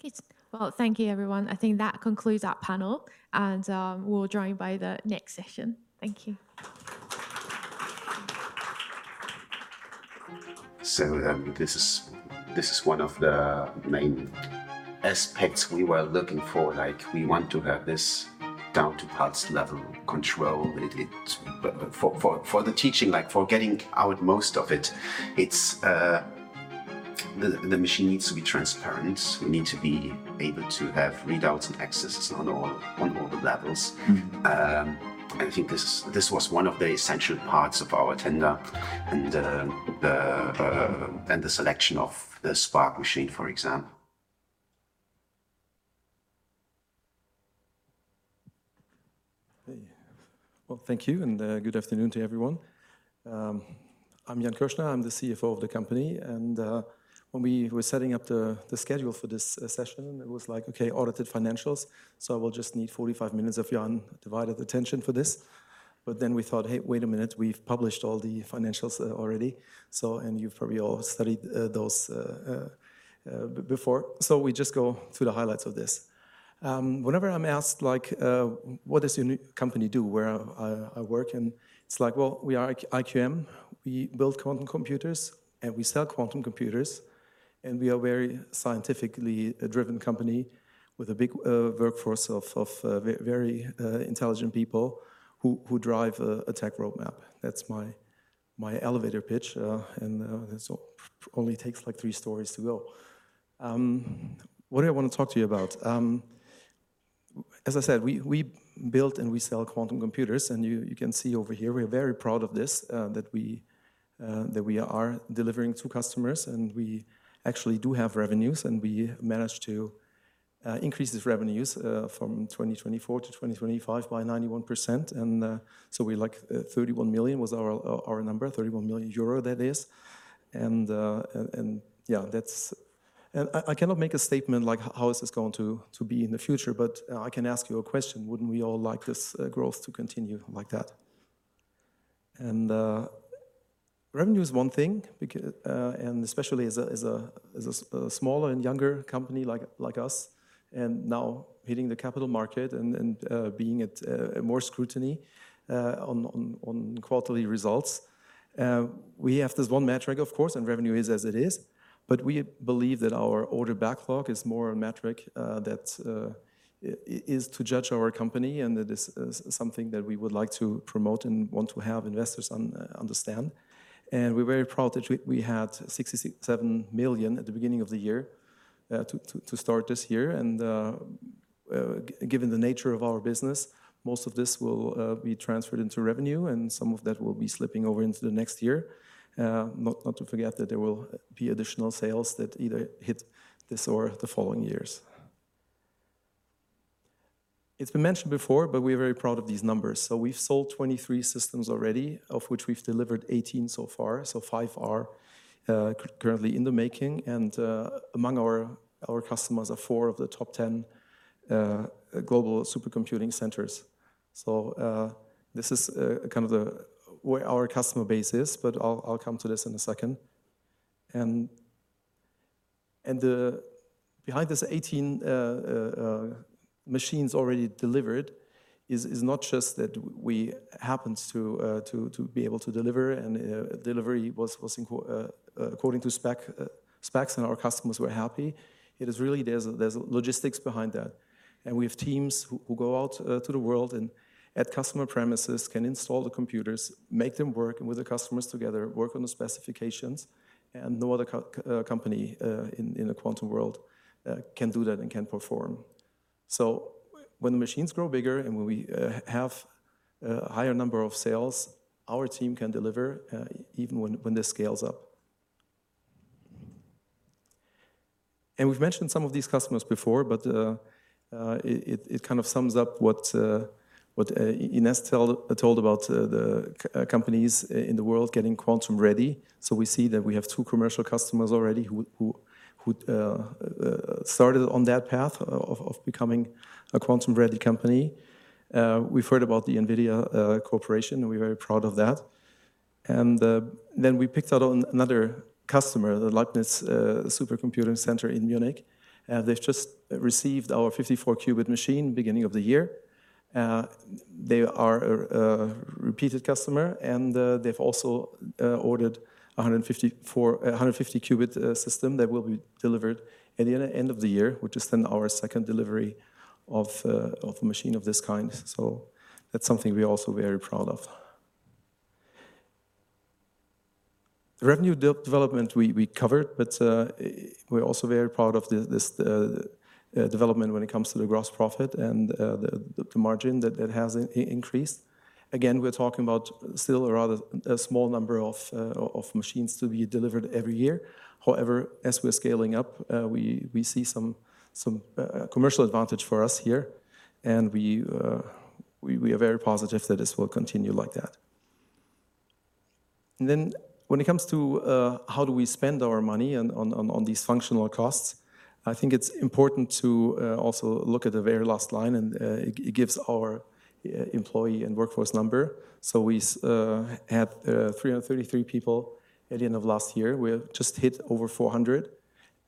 Okay. Well, thank you everyone. I think that concludes our panel, and we'll join by the next session. Thank you. This is one of the main aspects we were looking for. We want to have this down to pulse level control. For the teaching, for getting out most of it, the machine needs to be transparent. We need to be able to have readouts and accesses on all the levels. I think this was one of the essential parts of our tender and the selection of the Spark machine, for example. Hey. Well, thank you, and good afternoon to everyone. I'm Jan Kuerschner. I'm the CFO of the company. When we were setting up the schedule for this session, it was like, okay, audited financials, I will just need 45 minutes of Jan divided attention for this. We thought, "Hey, wait a minute. We've published all the financials already." You've probably all studied those before. We just go through the highlights of this. Whenever I'm asked, what does your new company do where I work, it's like, well, we are IQM. We build quantum computers, and we sell quantum computers, and we are a very scientifically driven company with a big workforce of very intelligent people who drive a tech roadmap. That's my elevator pitch, and that only takes three stories to go. What do I want to talk to you about? As I said, we build and we sell quantum computers, you can see over here we are very proud of this, that we are delivering to customers, we actually do have revenues, we managed to increase these revenues from 2024 to 2025 by 91%. 31 million was our number, 31 million euro that is. I cannot make a statement like how is this going to be in the future, but I can ask you a question. Wouldn't we all like this growth to continue like that? Revenue is one thing, especially as a smaller and younger company like us, now hitting the capital market and being at more scrutiny on quarterly results. We have this one metric, of course, revenue is as it is, but we believe that our order backlog is more a metric that is to judge our company, that is something that we would like to promote and want to have investors understand. We're very proud that we had 67 million at the beginning of the year to start this year. Given the nature of our business, most of this will be transferred into revenue, and some of that will be slipping over into the next year. Not to forget that there will be additional sales that either hit this or the following years. It's been mentioned before, but we are very proud of these numbers. We've sold 23 systems already, of which we've delivered 18 so far. Five are currently in the making, and among our customers are four of the top 10 global supercomputing centers. This is where our customer base is, but I'll come to this in a second. Behind this 18 machines already delivered is not just that we happens to be able to deliver and delivery was according to specs and our customers were happy. It is really there's logistics behind that. We have teams who go out to the world and at customer premises can install the computers, make them work, and with the customers together, work on the specifications. No other company in the quantum world can do that and can perform. When the machines grow bigger and when we have a higher number of sales, our team can deliver even when this scales up. We've mentioned some of these customers before, but it sums up what Inés told about the companies in the world getting quantum ready. We see that we have two commercial customers already who started on that path of becoming a quantum ready company. We've heard about the NVIDIA Corporation, and we're very proud of that. Then we picked out another customer, the Leibniz Supercomputing Centre in Munich. They've just received our 54-qubit machine beginning of the year. They are a repeated customer, and they've also ordered a 150-qubit system that will be delivered at the end of the year, which is then our second delivery of a machine of this kind. That's something we're also very proud of. The revenue development we covered, but we're also very proud of this development when it comes to the gross profit and the margin that has increased. Again, we're talking about still a rather small number of machines to be delivered every year. However, as we're scaling up, we see some commercial advantage for us here, and we are very positive that this will continue like that. Then when it comes to how do we spend our money on these functional costs, I think it's important to also look at the very last line, and it gives our employee and workforce number. We had 333 people at the end of last year. We have just hit over 400,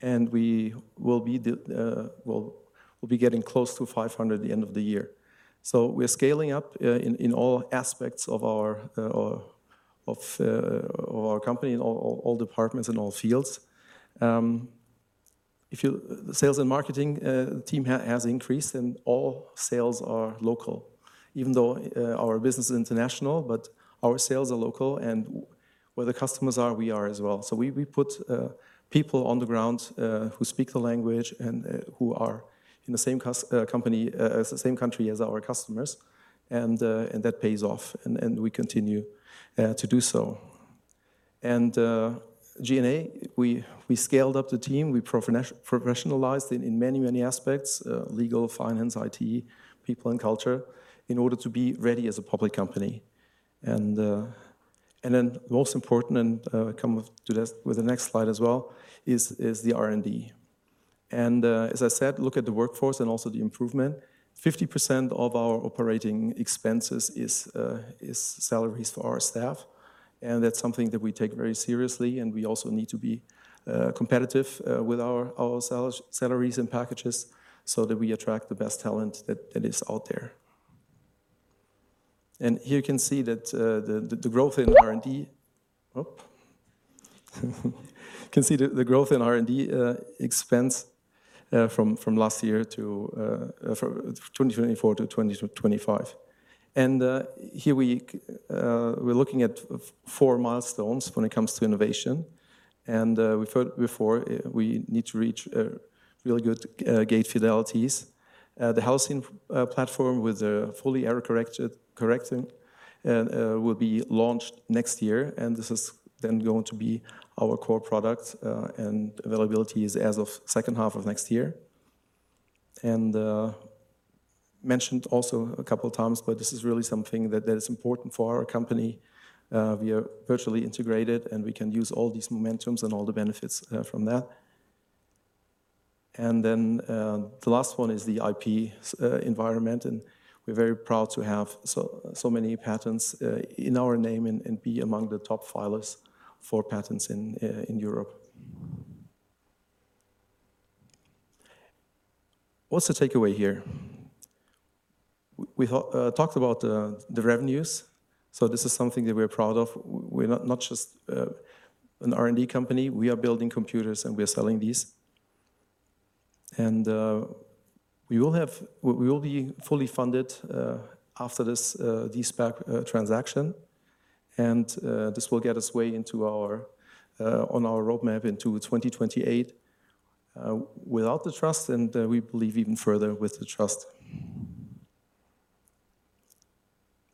and we'll be getting close to 500 at the end of the year. We are scaling up in all aspects of our company, in all departments and all fields. The sales and marketing team has increased, and all sales are local, even though our business is international, but our sales are local and where the customers are, we are as well. We put people on the ground who speak the language and who are in the same country as our customers, and that pays off, and we continue to do so. G&A, we scaled up the team. We professionalized in many, many aspects, legal, finance, IT, people and culture, in order to be ready as a public company. Then most important, and come to this with the next slide as well, is the R&D. As I said, look at the workforce and also the improvement. 50% of our operating expenses is salaries for our staff, and that's something that we take very seriously, and we also need to be competitive with our salaries and packages so that we attract the best talent that is out there. Here you can see that the growth in R&D. You can see the growth in R&D expense from last year, 2024 to 2025. Here we're looking at four milestones when it comes to innovation. We heard before we need to reach really good gate fidelities. The Halcyon platform with a fully error correcting will be launched next year, and this is then going to be our core product, and availability is as of second half of next year. Mentioned also a couple of times, but this is really something that is important for our company. We are virtually integrated, and we can use all these momentums and all the benefits from that. Then the last one is the IP environment, and we're very proud to have so many patents in our name and be among the top filers for patents in Europe. What's the takeaway here? We talked about the revenues. This is something that we're proud of. We're not just an R&D company. We are building computers, and we are selling these. We will be fully funded after this de-SPAC transaction, and this will get us way on our roadmap into 2028 without the trust, and we believe even further with the trust.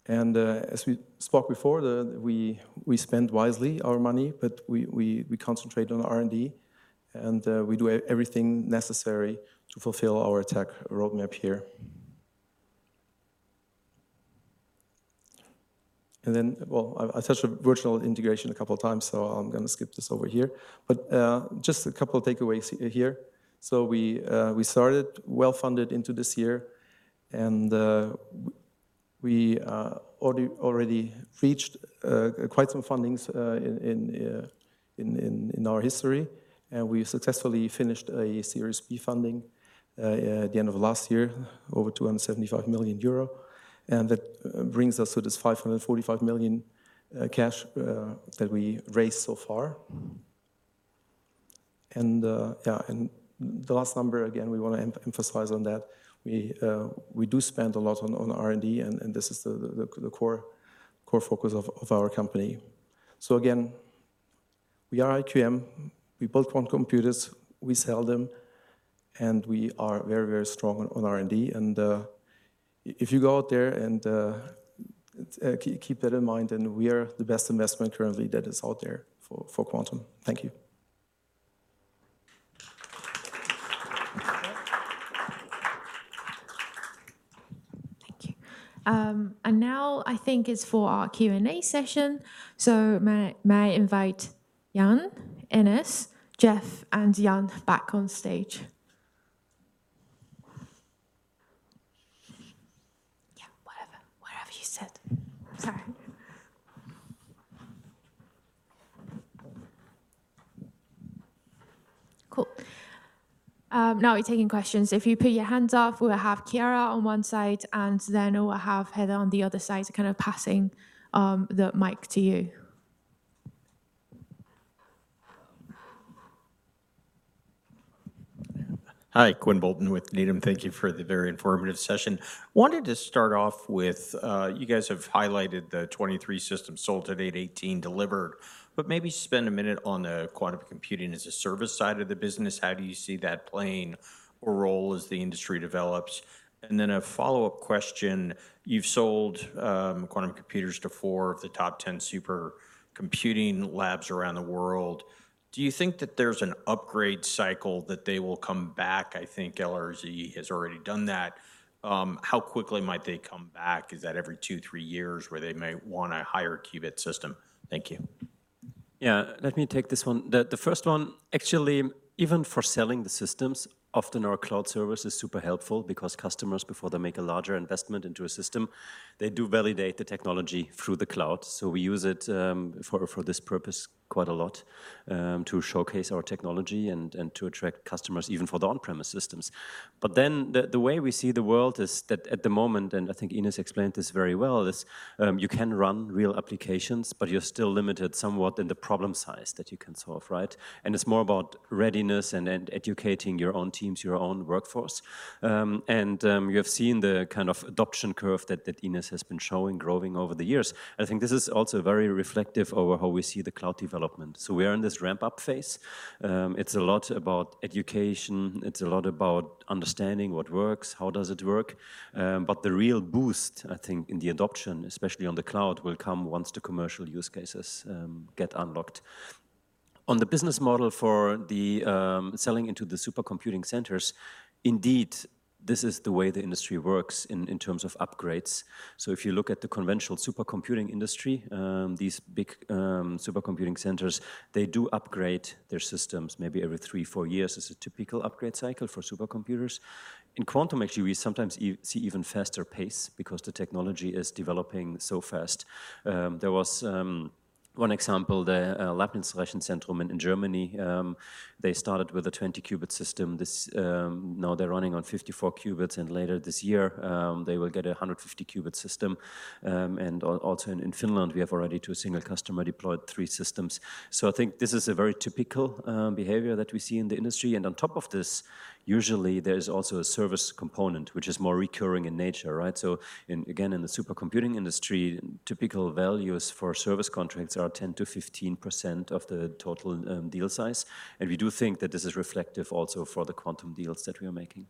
As we spoke before, we spend wisely our money, but we concentrate on R&D, and we do everything necessary to fulfill our tech roadmap here. Then, I touched on virtual integration a couple of times, so I'm going to skip this over here. Just a couple of takeaways here. We started well-funded into this year, and we already reached quite some fundings in our history. We successfully finished a Series B funding at the end of last year, over 275 million euro. That brings us to this 545 million cash that we raised so far. The last number, again, we want to emphasize on that. We do spend a lot on R&D, and this is the core focus of our company. Again, we are IQM. We build quantum computers, we sell them, and we are very strong on R&D. If you go out there and keep that in mind, then we are the best investment currently that is out there for quantum. Thank you. Thank you. Now I think it's for our Q&A session. May I invite Jan, Enes, Jeff, and Jan back on stage? Yeah, whatever you said. Sorry. Cool. Now we're taking questions. If you put your hands up, we will have Ciara on one side, we'll have Heather on the other side, kind of passing the mic to you. Hi, Quinn Bolton with Needham. Thank you for the very informative session. Wanted to start off with, you guys have highlighted the 23 systems sold at 818 delivered, maybe spend a minute on the quantum computing as a service side of the business. How do you see that playing a role as the industry develops? A follow-up question. You've sold quantum computers to four of the top 10 supercomputing labs around the world. Do you think that there's an upgrade cycle that they will come back? I think LRZ has already done that. How quickly might they come back? Is that every two, three years where they may want a higher qubit system? Thank you. Let me take this one. The first one, actually, even for selling the systems, often our cloud service is super helpful because customers, before they make a larger investment into a system, they do validate the technology through the cloud. We use it for this purpose quite a lot, to showcase our technology and to attract customers, even for the on-premise systems. The way we see the world is that at the moment, and I think Inés explained this very well, is you can run real applications, you're still limited somewhat in the problem size that you can solve, right? It's more about readiness and educating your own teams, your own workforce. You have seen the kind of adoption curve that Inés has been showing growing over the years. I think this is also very reflective over how we see the cloud development. We are in this ramp-up phase. It's a lot about education. It's a lot about understanding what works, how does it work. The real boost, I think, in the adoption, especially on the cloud, will come once the commercial use cases get unlocked. On the business model for the selling into the supercomputing centers, indeed, this is the way the industry works in terms of upgrades. If you look at the conventional supercomputing industry, these big supercomputing centers, they do upgrade their systems maybe every three, four years is a typical upgrade cycle for supercomputers. In quantum, actually, we sometimes see even faster pace because the technology is developing so fast. There was one example, the Leibniz-Rechenzentrum in Germany. They started with a 20 qubit system. Now they're running on 54 qubits, later this year, they will get a 150 qubit system. Also in Finland, we have already to a single customer deployed three systems. I think this is a very typical behavior that we see in the industry. On top of this, usually there is also a service component, which is more recurring in nature, right? Again, in the supercomputing industry, typical values for service contracts are 10%-15% of the total deal size. We do think that this is reflective also for the quantum deals that we are making.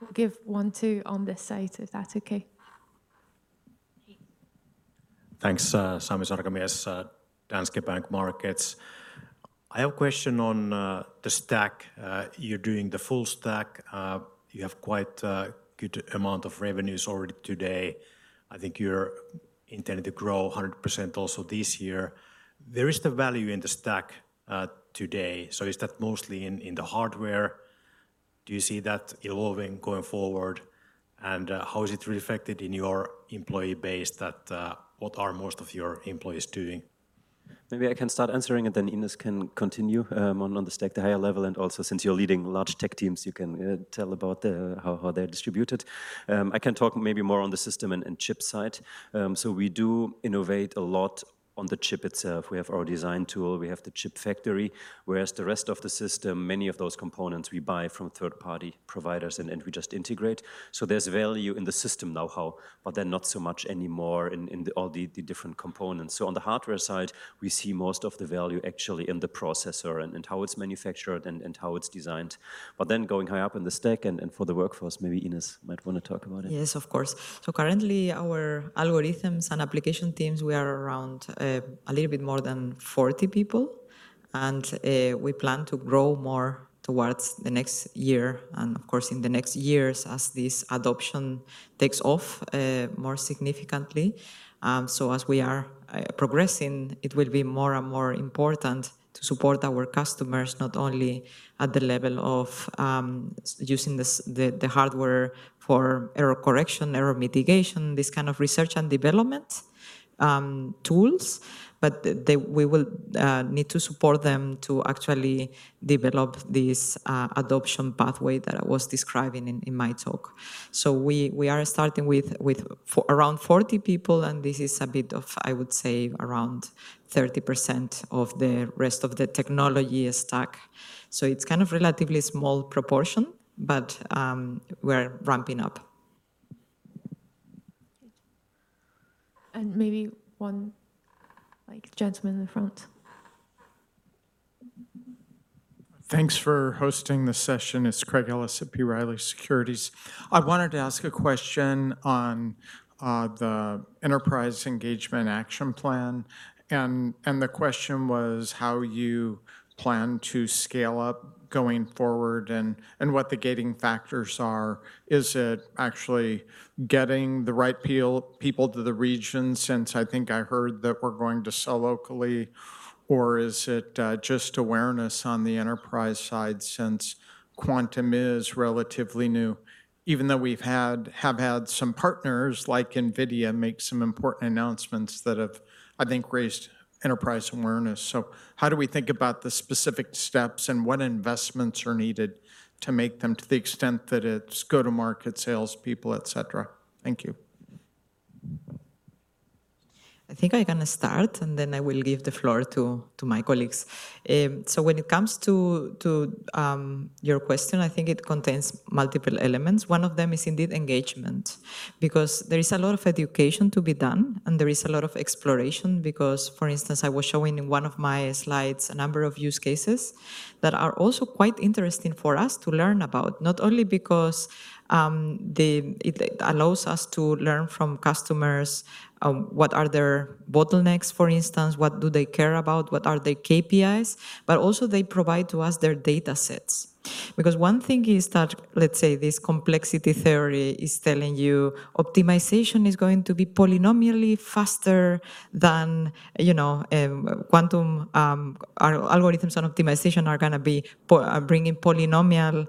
We'll give one, too, on this side, if that's okay. Thanks. Sami Sarkamies, Danske Bank Markets. I have a question on the stack. You're doing the full stack. You have quite a good amount of revenues already today. I think you're intending to grow 100% also this year. Where is the value in the stack today? Is that mostly in the hardware? Do you see that evolving going forward? How is it reflected in your employee base that what are most of your employees doing? Maybe I can start answering, and then Inés can continue on the stack, the higher level, and also since you're leading large tech teams, you can tell about how they're distributed. I can talk maybe more on the system and chip side. We do innovate a lot on the chip itself. We have our design tool. We have the chip factory. The rest of the system, many of those components we buy from third party providers, and we just integrate. There's value in the system knowhow, but then not so much anymore in all the different components. On the hardware side, we see most of the value actually in the processor and how it's manufactured and how it's designed. Going high up in the stack and for the workforce, maybe Inés might want to talk about it. Yes, of course. Currently our algorithms and application teams, we are around a little bit more than 40 people, and we plan to grow more towards the next year, and of course, in the next years as this adoption takes off more significantly. As we are progressing, it will be more and more important to support our customers, not only at the level of using the hardware for error correction, error mitigation, this kind of research and development tools, but we will need to support them to actually develop this adoption pathway that I was describing in my talk. We are starting with around 40 people, and this is a bit of, I would say, around 30% of the rest of the technology stack. It's kind of relatively small proportion, but we're ramping up. Maybe one gentleman in the front. Thanks for hosting the session. It's Craig Ellis at B. Riley Securities. I wanted to ask a question on the enterprise engagement action plan, the question was how you plan to scale up going forward and what the gating factors are. Is it actually getting the right people to the region, since I think I heard that we're going to sell locally, or is it just awareness on the enterprise side since quantum is relatively new, even though we have had some partners like NVIDIA make some important announcements that have, I think, raised enterprise awareness. How do we think about the specific steps and what investments are needed to make them to the extent that it's go-to-market salespeople, et cetera? Thank you. I think I'm going to start, then I will give the floor to my colleagues. When it comes to your question, I think it contains multiple elements. One of them is indeed engagement, because there is a lot of education to be done, there is a lot of exploration because, for instance, I was showing in one of my slides a number of use cases that are also quite interesting for us to learn about. Not only because it allows us to learn from customers, what are their bottlenecks, for instance, what do they care about, what are their KPIs, but also they provide to us their data sets. One thing is that, let's say, this complexity theory is telling you optimization is going to be polynomially faster than quantum algorithms, optimization are going to be bringing polynomial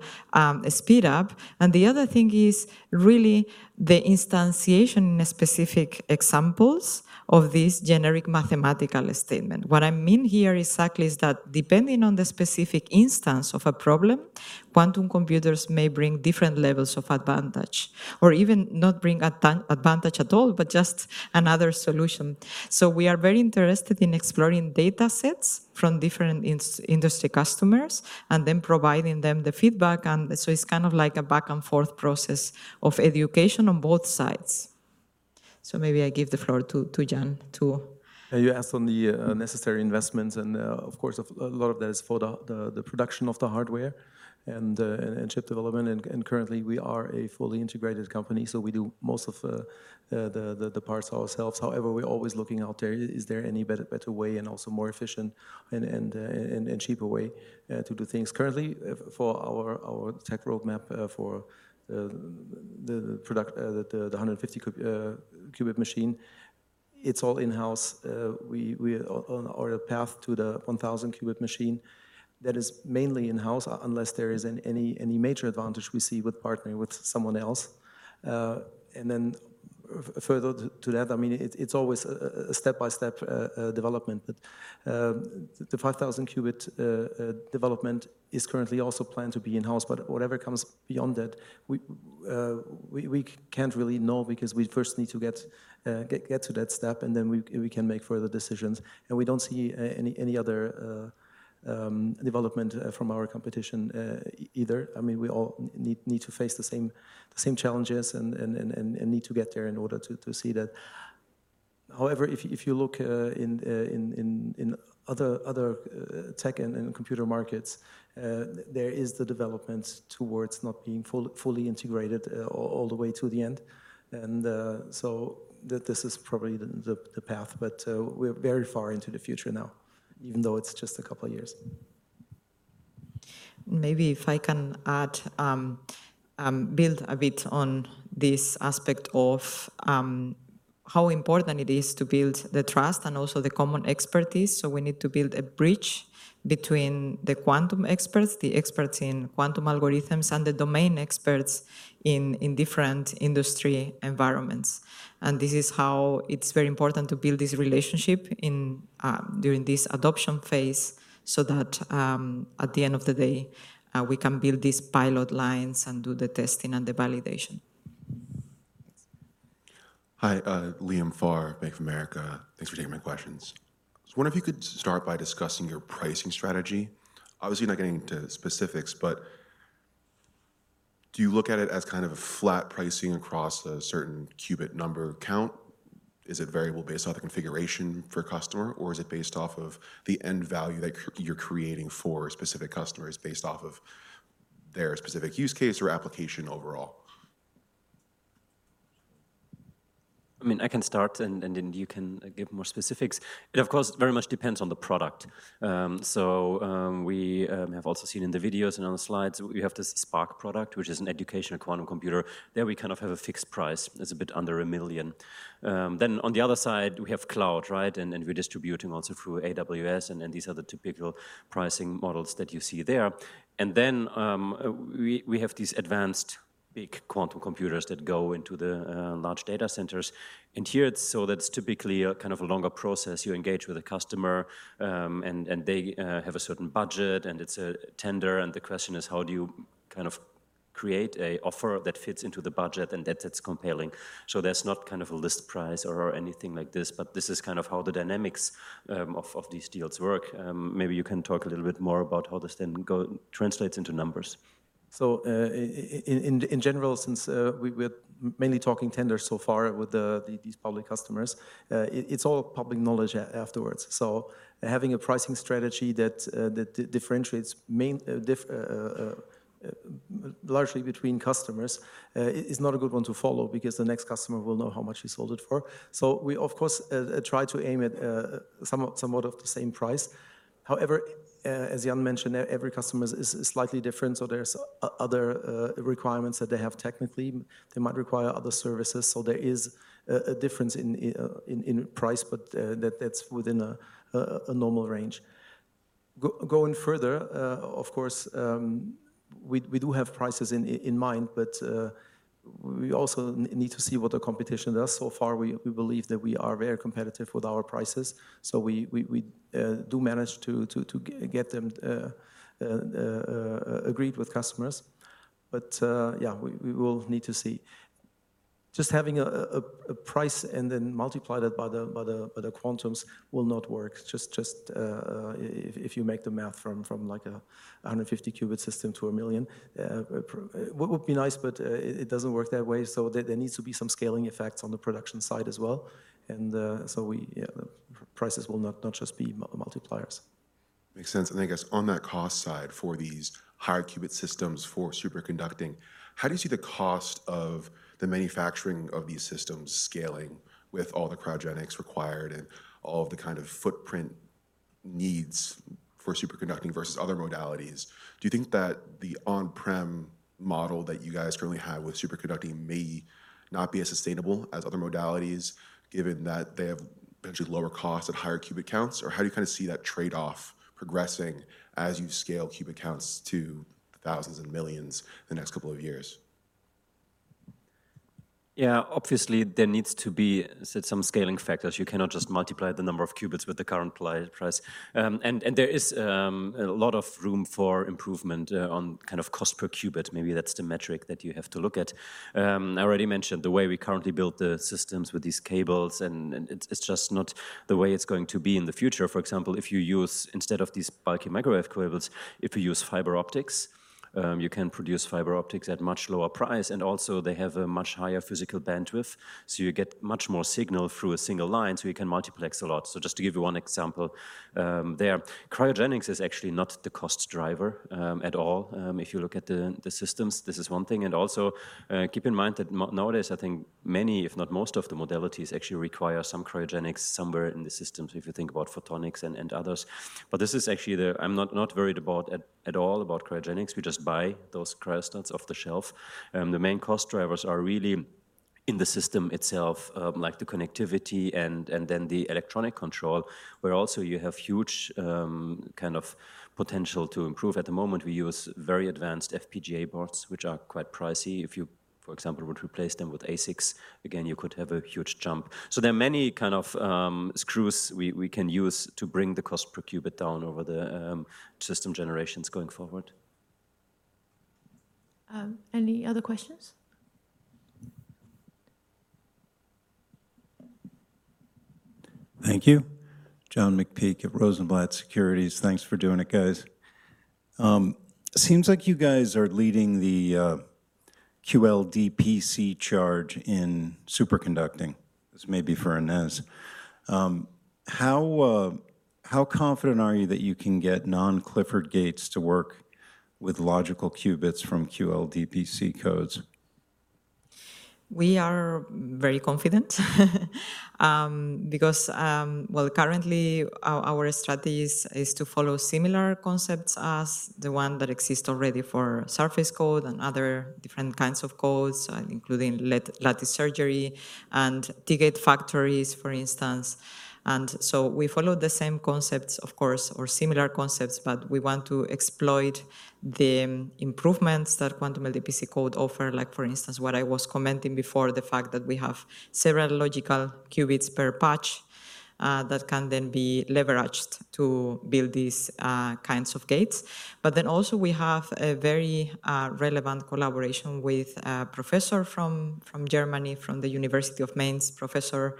speed up. The other thing is really the instantiation in specific examples of this generic mathematical statement. What I mean here exactly is that depending on the specific instance of a problem, quantum computers may bring different levels of advantage, or even not bring advantage at all, but just another solution. We are very interested in exploring data sets from different industry customers and then providing them the feedback, it's kind of like a back-and-forth process of education on both sides. Maybe I give the floor to Jan, too. You asked on the necessary investments, of course, a lot of that is for the production of the hardware and chip development. Currently we are a fully integrated company, we do most of the parts ourselves. However, we're always looking out there, is there any better way and also more efficient and cheaper way to do things. Currently, for our tech roadmap for the 150-qubit machine, it's all in-house. We are on a path to the 1,000-qubit machine that is mainly in-house, unless there is any major advantage we see with partnering with someone else. Further to that, it's always a step-by-step development. The 5,000 qubit development is currently also planned to be in-house, whatever comes beyond that, we can't really know because we first need to get to that step, then we can make further decisions. We don't see any other development from our competition either. We all need to face the same challenges and need to get there in order to see that. However, if you look in other tech and computer markets, there is the development towards not being fully integrated all the way to the end. This is probably the path, we're very far into the future now, even though it's just a couple of years. Maybe if I can build a bit on this aspect of how important it is to build the trust and also the common expertise. We need to build a bridge between the quantum experts, the experts in quantum algorithms, and the domain experts in different industry environments. This is how it's very important to build this relationship during this adoption phase, that at the end of the day, we can build these pilot lines and do the testing and the validation. Thanks. Hi, Liam Farr, Bank of America. Thanks for taking my questions. I was wondering if you could start by discussing your pricing strategy. Obviously, you're not getting into specifics, but do you look at it as kind of a flat pricing across a certain qubit number count? Is it variable based on the configuration for a customer, or is it based off of the end value that you're creating for specific customers based off of their specific use case or application overall? I can start, and then you can give more specifics. It of course, very much depends on the product. We have also seen in the videos and on the slides, we have this IQM Spark product, which is an educational quantum computer. There we kind of have a fixed price. It's a bit under 1 million. On the other side, we have cloud, right? We're distributing also through AWS, and then these are the typical pricing models that you see there. We have these advanced big quantum computers that go into the large data centers. Here, that's typically a longer process. You engage with a customer, and they have a certain budget, and it's a tender, and the question is, how do you create an offer that fits into the budget and that it's compelling? There's not a list price or anything like this, but this is how the dynamics of these deals work. Maybe you can talk a little bit more about how this then translates into numbers. In general, since we are mainly talking tenders so far with these public customers, it's all public knowledge afterwards. Having a pricing strategy that differentiates largely between customers is not a good one to follow because the next customer will know how much we sold it for. We of course, try to aim at somewhat of the same price. However, as Jan mentioned, every customer is slightly different, so there's other requirements that they have technically. They might require other services, so there is a difference in price, but that's within a normal range. Going further, of course, we do have prices in mind, but we also need to see what the competition does. Far, we believe that we are very competitive with our prices, so we do manage to get them agreed with customers. But yeah, we will need to see. Just having a price and then multiply that by the quantums will not work. Just if you make the math from a 150-qubit system to 1 million, it would be nice, but it doesn't work that way. There needs to be some scaling effects on the production side as well. Prices will not just be multipliers. Makes sense. I guess on that cost side for these higher qubit systems for superconducting, how do you see the cost of the manufacturing of these systems scaling with all the cryogenics required and all of the kind of footprint needs for superconducting versus other modalities? Do you think that the on-prem model that you guys currently have with superconducting may not be as sustainable as other modalities, given that they have potentially lower costs at higher qubit counts? Or how do you see that trade-off progressing as you scale qubit counts to thousands and millions in the next couple of years? Yeah, obviously there needs to be some scaling factors. You cannot just multiply the number of qubits with the current price. There is a lot of room for improvement on cost per qubit. Maybe that's the metric that you have to look at. I already mentioned the way we currently build the systems with these cables, and it's just not the way it's going to be in the future. For example, if you use, instead of these bulky microwave cables, if you use fiber optics, you can produce fiber optics at much lower price, and also they have a much higher physical bandwidth. You get much more signal through a single line, so you can multiplex a lot. Just to give you one example there. Cryogenics is actually not the cost driver at all. If you look at the systems, this is one thing. Also keep in mind that nowadays, I think many, if not most of the modalities actually require some cryogenics somewhere in the systems if you think about photonics and others. This is actually, I'm not worried about at all about cryogenics. We just buy those cryostats off the shelf. The main cost drivers are really in the system itself, like the connectivity and then the electronic control, where also you have huge potential to improve. At the moment, we use very advanced FPGA boards, which are quite pricey. If you, for example, would replace them with ASICs, again, you could have a huge jump. There are many kind of screws we can use to bring the cost per qubit down over the system generations going forward. Any other questions? Thank you. John McPeake at Rosenblatt Securities. Thanks for doing it, guys. Seems like you guys are leading the QLDPC charge in superconducting. This may be for Inés. How confident are you that you can get non-Clifford gates to work with logical qubits from QLDPC codes? We are very confident because, well, currently our strategy is to follow similar concepts as the one that exists already for surface code and other different kinds of codes, including lattice surgery and T gate factories, for instance. We follow the same concepts, of course, or similar concepts, but we want to exploit the improvements that quantum LDPC code offer. Like for instance, what I was commenting before, the fact that we have several logical qubits per patch that can then be leveraged to build these kinds of gates. We have a very relevant collaboration with a professor from Germany, from the University of Mainz, Professor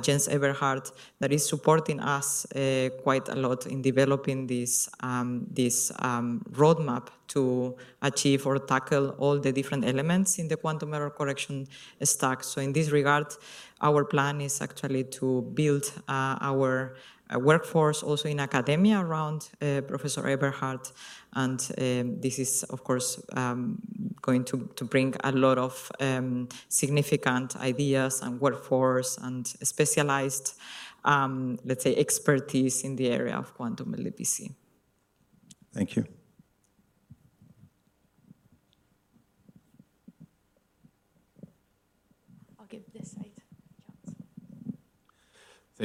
Jens Eberhardt, that is supporting us quite a lot in developing this roadmap to achieve or tackle all the different elements in the quantum error correction stack. In this regard, our plan is actually to build our workforce also in academia around Professor Eberhardt, and this is, of course, going to bring a lot of significant ideas and workforce and specialized, let's say, expertise in the area of quantum LDPC. Thank you.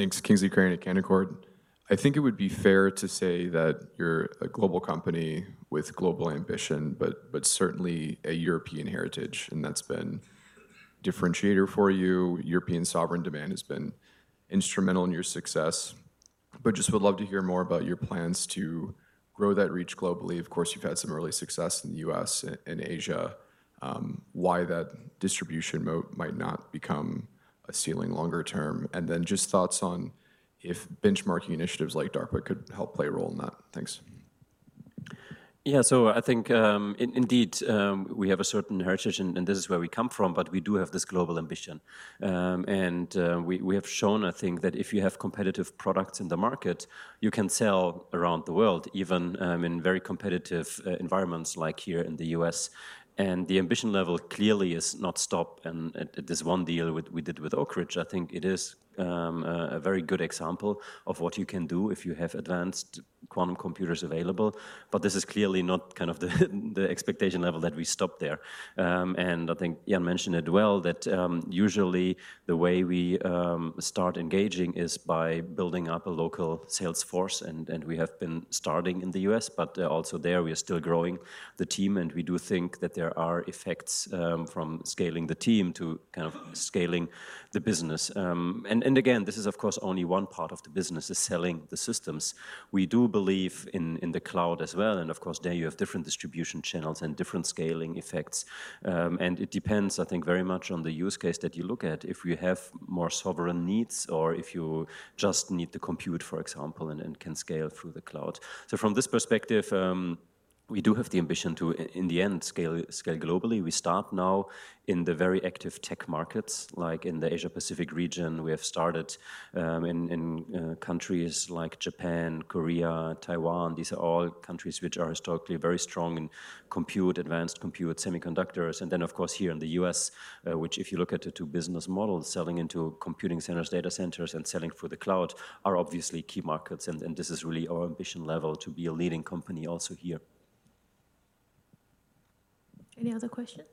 I'll give this side a chance. Thanks. Kingsley Crane at Canaccord. I think it would be fair to say that you're a global company with global ambition, certainly a European heritage, and that's been a differentiator for you. European sovereign demand has been instrumental in your success. Just would love to hear more about your plans to grow that reach globally. Of course, you've had some early success in the U.S. and Asia. Why that distribution moat might not become a ceiling longer term. Then just thoughts on if benchmarking initiatives like DARPA could help play a role in that. Thanks. Yeah. I think, indeed, we have a certain heritage, and this is where we come from, but we do have this global ambition. We have shown, I think, that if you have competitive products in the market, you can sell around the world, even in very competitive environments like here in the U.S. The ambition level clearly has not stopped at this one deal we did with Oak Ridge. I think it is a very good example of what you can do if you have advanced quantum computers available. This is clearly not the expectation level that we stop there. I think Jan mentioned it well, that usually the way we start engaging is by building up a local sales force. We have been starting in the U.S., but also there, we are still growing the team. We do think that there are effects from scaling the team to scaling the business. Again, this is, of course, only one part of the business, is selling the systems. We do believe in the cloud as well. Of course, there you have different distribution channels and different scaling effects. It depends, I think, very much on the use case that you look at if you have more sovereign needs or if you just need the compute, for example, and can scale through the cloud. From this perspective, we do have the ambition to, in the end, scale globally. We start now in the very active tech markets, like in the Asia Pacific region. We have started in countries like Japan, Korea, Taiwan. These are all countries which are historically very strong in compute, advanced compute, semiconductors. Then, of course, here in the U.S., which if you look at the two business models, selling into computing centers, data centers, and selling for the cloud, are obviously key markets. This is really our ambition level to be a leading company also here. Any other questions?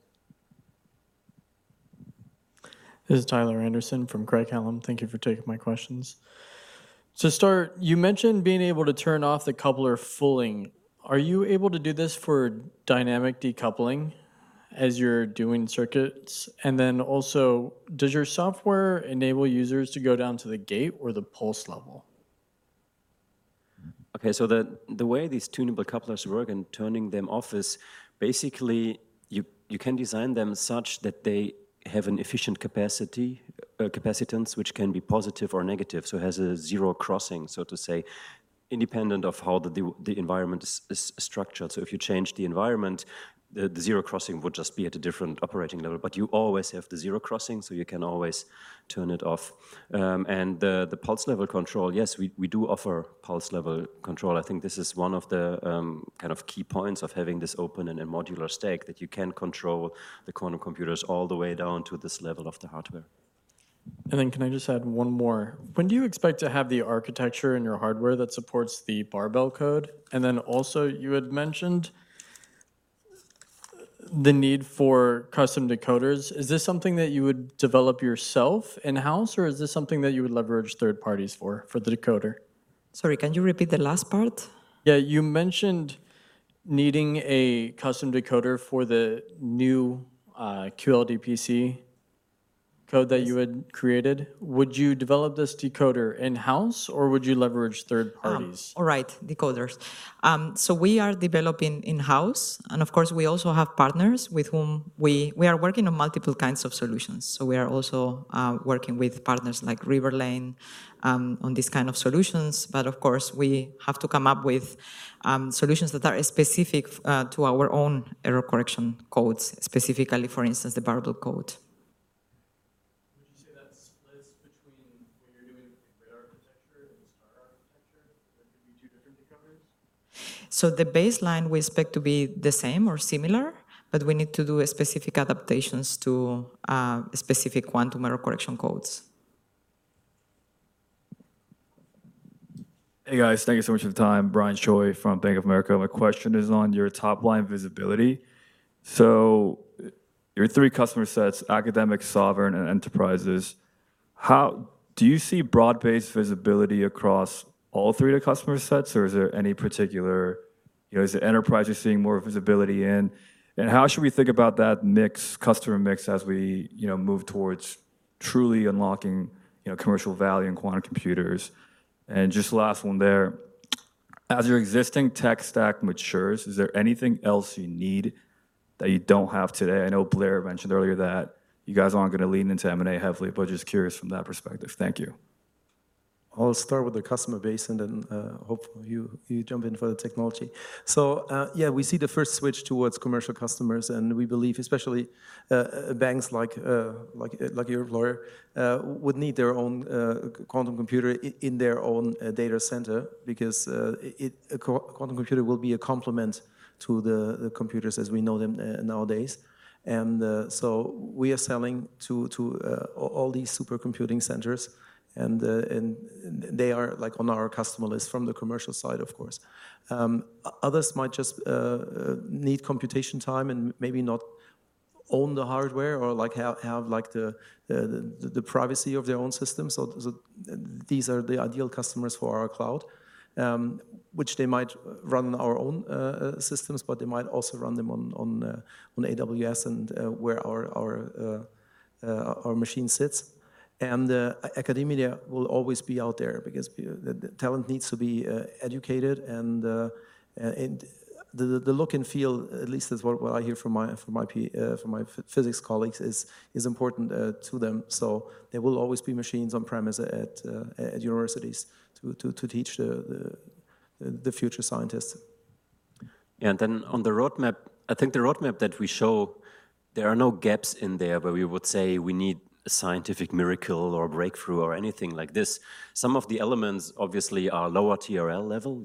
This is Tyler Anderson from Craig-Hallum. Thank you for taking my questions. You mentioned being able to turn off the coupler fully. Are you able to do this for dynamic decoupling as you're doing circuits? Does your software enable users to go down to the gate or the pulse level? The way these tunable couplers work in turning them off is you can design them such that they have an efficient capacitance, which can be positive or negative. It has a zero crossing, so to say, independent of how the environment is structured. If you change the environment, the zero crossing would just be at a different operating level. You always have the zero crossing, you can always turn it off. The pulse level control, yes, we do offer pulse level control. I think this is one of the key points of having this open and a modular stack that you can control the quantum computers all the way down to this level of the hardware. Can I just add one more? When do you expect to have the architecture in your hardware that supports the barbell code? You had mentioned the need for custom decoders. Is this something that you would develop yourself in-house, or is this something that you would leverage third parties for the decoder? Sorry, can you repeat the last part? Yeah. You mentioned needing a custom decoder for the new QLDPC code that you had created. Would you develop this decoder in-house, or would you leverage third parties? Oh, right. Decoders. We are developing in-house, and of course, we also have partners with whom we are working on multiple kinds of solutions. We are also working with partners like Riverlane on these kind of solutions. Of course, we have to come up with solutions that are specific to our own error correction codes, specifically, for instance, the barbell code. Would you say that splits between when you're doing the grid architecture and the star architecture, that there could be two different decoders? The baseline we expect to be the same or similar, but we need to do specific adaptations to specific quantum error correction codes. Hey, guys. Thank you so much for the time. Brian Choi from Bank of America. My question is on your top-line visibility. Your 3 customer sets, academic, sovereign, and enterprises. Do you see broad-based visibility across all 3 of the customer sets, or is there any particular, is it enterprise you're seeing more visibility in? How should we think about that customer mix as we move towards truly unlocking commercial value in quantum computers? Just the last one there. As your existing tech stack matures, is there anything else you need that you don't have today? I know Blair mentioned earlier that you guys aren't going to lean into M&A heavily, but just curious from that perspective. Thank you. I'll start with the customer base and then hopefully you jump in for the technology. Yeah, we see the first switch towards commercial customers, and we believe especially banks like your employer, would need their own quantum computer in their own data center because a quantum computer will be a complement to the computers as we know them nowadays. We are selling to all these supercomputing centers, and they are on our customer list from the commercial side, of course. Others might just need computation time and maybe not own the hardware or have the privacy of their own system. These are the ideal customers for our cloud, which they might run our own systems, but they might also run them on AWS and where our machine sits. Academia will always be out there because talent needs to be educated and the look and feel, at least that's what I hear from my physics colleagues, is important to them. There will always be machines on-premise at universities to teach the future scientists. Yeah. On the roadmap, I think the roadmap that we show, there are no gaps in there where we would say we need a scientific miracle or breakthrough or anything like this. Some of the elements obviously are lower TRL level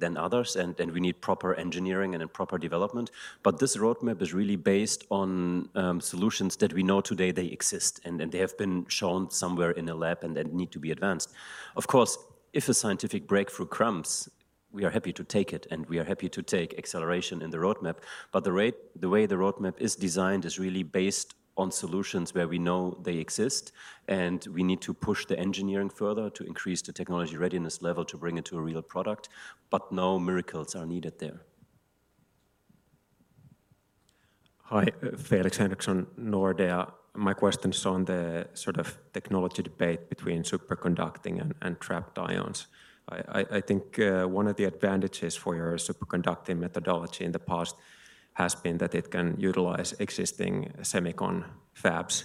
than others, and we need proper engineering and proper development. This roadmap is really based on solutions that we know today exist, and they have been shown somewhere in a lab and need to be advanced. Of course, if a scientific breakthrough comes, we are happy to take it, and we are happy to take acceleration in the roadmap. The way the roadmap is designed is really based on solutions where we know they exist, and we need to push the engineering further to increase the technology readiness level to bring it to a real product. No miracles are needed there. Hi. Felix Henriksson, Nordea. My question is on the technology debate between superconducting and trapped ions. I think one of the advantages for your superconducting methodology in the past has been that it can utilize existing semicon fabs.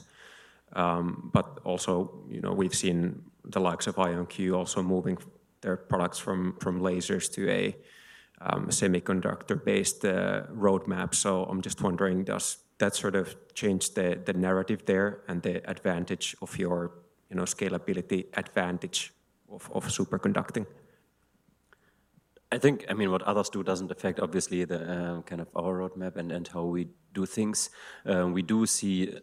Also, we've seen the likes of IonQ also moving their products from lasers to a semiconductor-based roadmap. I am just wondering, does that change the narrative there and the scalability advantage of superconducting? I think what others do doesn't affect, obviously, our roadmap and how we do things. We do see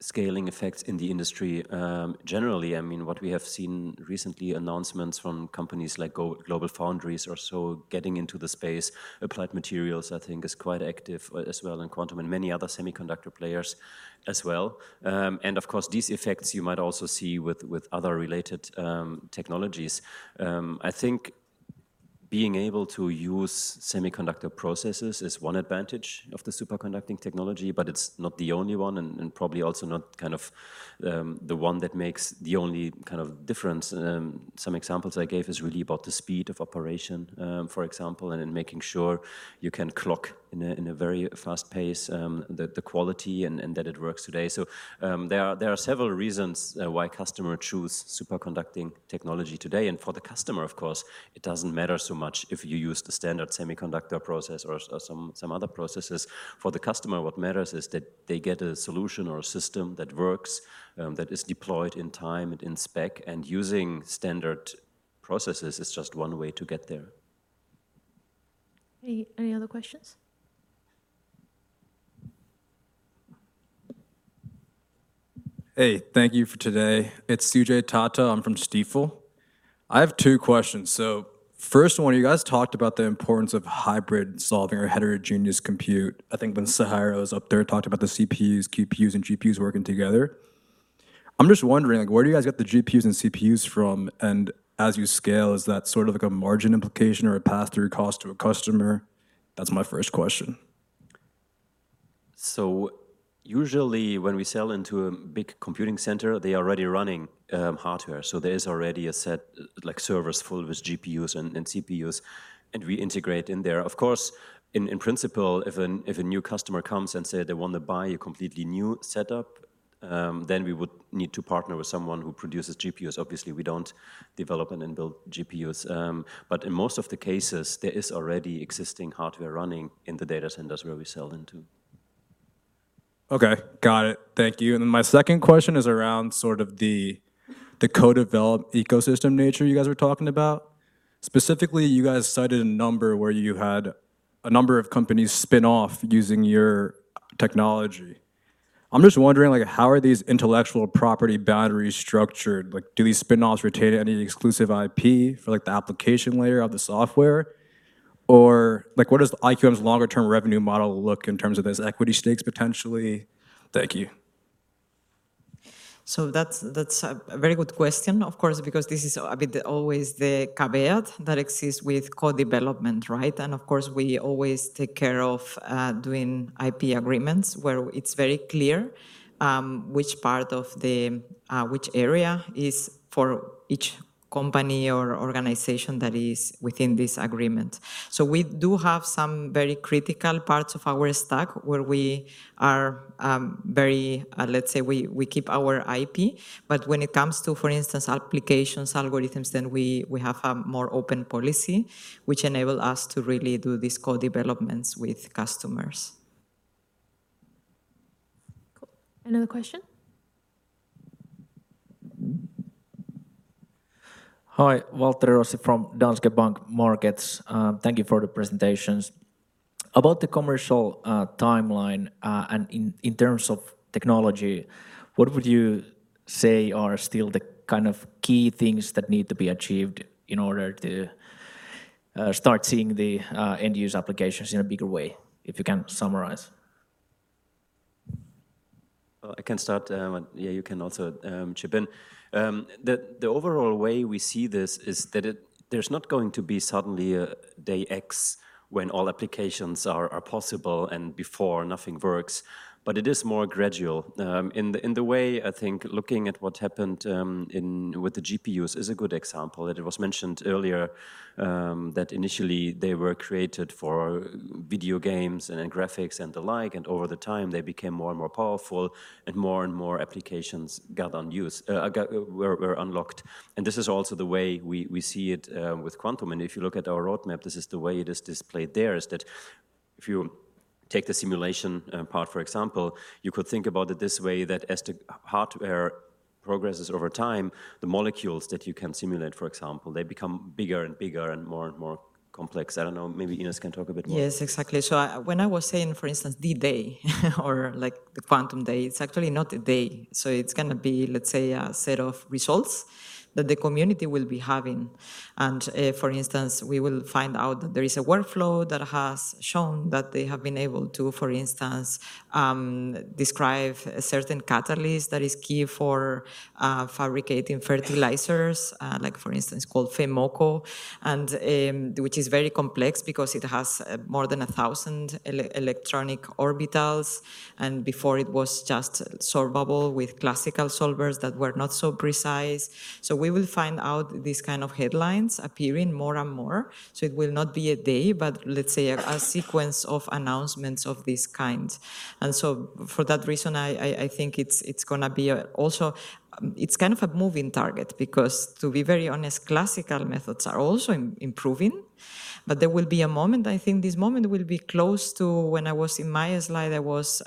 scaling effects in the industry. Generally, what we have seen recently, announcements from companies like GlobalFoundries also getting into the space. Applied Materials, I think, is quite active as well in quantum, and many other semiconductor players as well. Of course, these effects you might also see with other related technologies. I think being able to use semiconductor processes is one advantage of the superconducting technology, but it's not the only one, and probably also not the one that makes the only difference. Some examples I gave is really about the speed of operation, for example, and in making sure you can clock in a very fast pace, the quality, and that it works today. There are several reasons why customers choose superconducting technology today. For the customer, of course, it doesn't matter so much if you use the standard semiconductor process or some other processes. For the customer, what matters is that they get a solution or a system that works, that is deployed in time and in spec, and using standard processes is just one way to get there. Any other questions? Thank you for today. It is Sujay Tuteja. I am from Stifel. I have two questions. First one, you guys talked about the importance of hybrid solving or heterogeneous compute. I think when Sahiro was up there, talked about the CPUs, QPUs, and GPUs working together. I am just wondering, where do you guys get the GPUs and CPUs from? As you scale, is that a margin implication or a passthrough cost to a customer? That is my first question. Usually when we sell into a big computing center, they are already running hardware. There is already a set, like servers full of GPUs and CPUs, and we integrate in there. Of course, in principle, if a new customer comes and say they want to buy a completely new setup, we would need to partner with someone who produces GPUs. Obviously, we do not develop and build GPUs. In most of the cases, there is already existing hardware running in the data centers where we sell into. Got it. Thank you. My second question is around the co-develop ecosystem nature you guys were talking about. Specifically, you guys cited a number where you had a number of companies spin off using your technology. I am just wondering, how are these intellectual property boundaries structured? Do these spin-offs retain any exclusive IP for the application layer of the software? What does IQM's longer-term revenue model look in terms of those equity stakes, potentially? Thank you. That is a very good question. Of course, because this is a bit always the caveat that exists with co-development, right? Of course, we always take care of doing IP agreements where it is very clear which area is for each company or organization that is within this agreement. We do have some very critical parts of our stack where we are very, let us say, we keep our IP. When it comes to, for instance, applications, algorithms, we have a more open policy, which enables us to really do these co-developments with customers. Cool. Another question? Hi. Walter Rossi from Danske Bank Markets. Thank you for the presentations. About the commercial timeline, and in terms of technology, what would you say are still the key things that need to be achieved in order to start seeing the end-use applications in a bigger way, if you can summarize? I can start. Yeah, you can also chip in. The overall way we see this is that there's not going to be suddenly a day X when all applications are possible and before nothing works, but it is more gradual. In the way, I think, looking at what happened with the GPUs is a good example. It was mentioned earlier that initially they were created for video games and graphics and the like, and over the time, they became more and more powerful and more and more applications were unlocked. This is also the way we see it with quantum. If you look at our roadmap, this is the way it is displayed there, is that if you take the simulation part, for example, you could think about it this way, that as the hardware progresses over time, the molecules that you can simulate, for example, they become bigger and bigger and more and more complex. I don't know, maybe Inês can talk a bit more. Yes, exactly. When I was saying, for instance, the day, or the quantum day, it's actually not a day. It's going to be, let's say, a set of results that the community will be having. For instance, we will find out that there is a workflow that has shown that they have been able to, for instance, describe a certain catalyst that is key for fabricating fertilizers, for instance, called FeMoco, which is very complex because it has more than 1,000 electronic orbitals, and before it was just solvable with classical solvers that were not so precise. We will find out these kind of headlines appearing more and more. It will not be a day, but let's say a sequence of announcements of this kind. For that reason, I think it's kind of a moving target, because to be very honest, classical methods are also improving. There will be a moment, I think this moment will be close to when I was in my slide, I was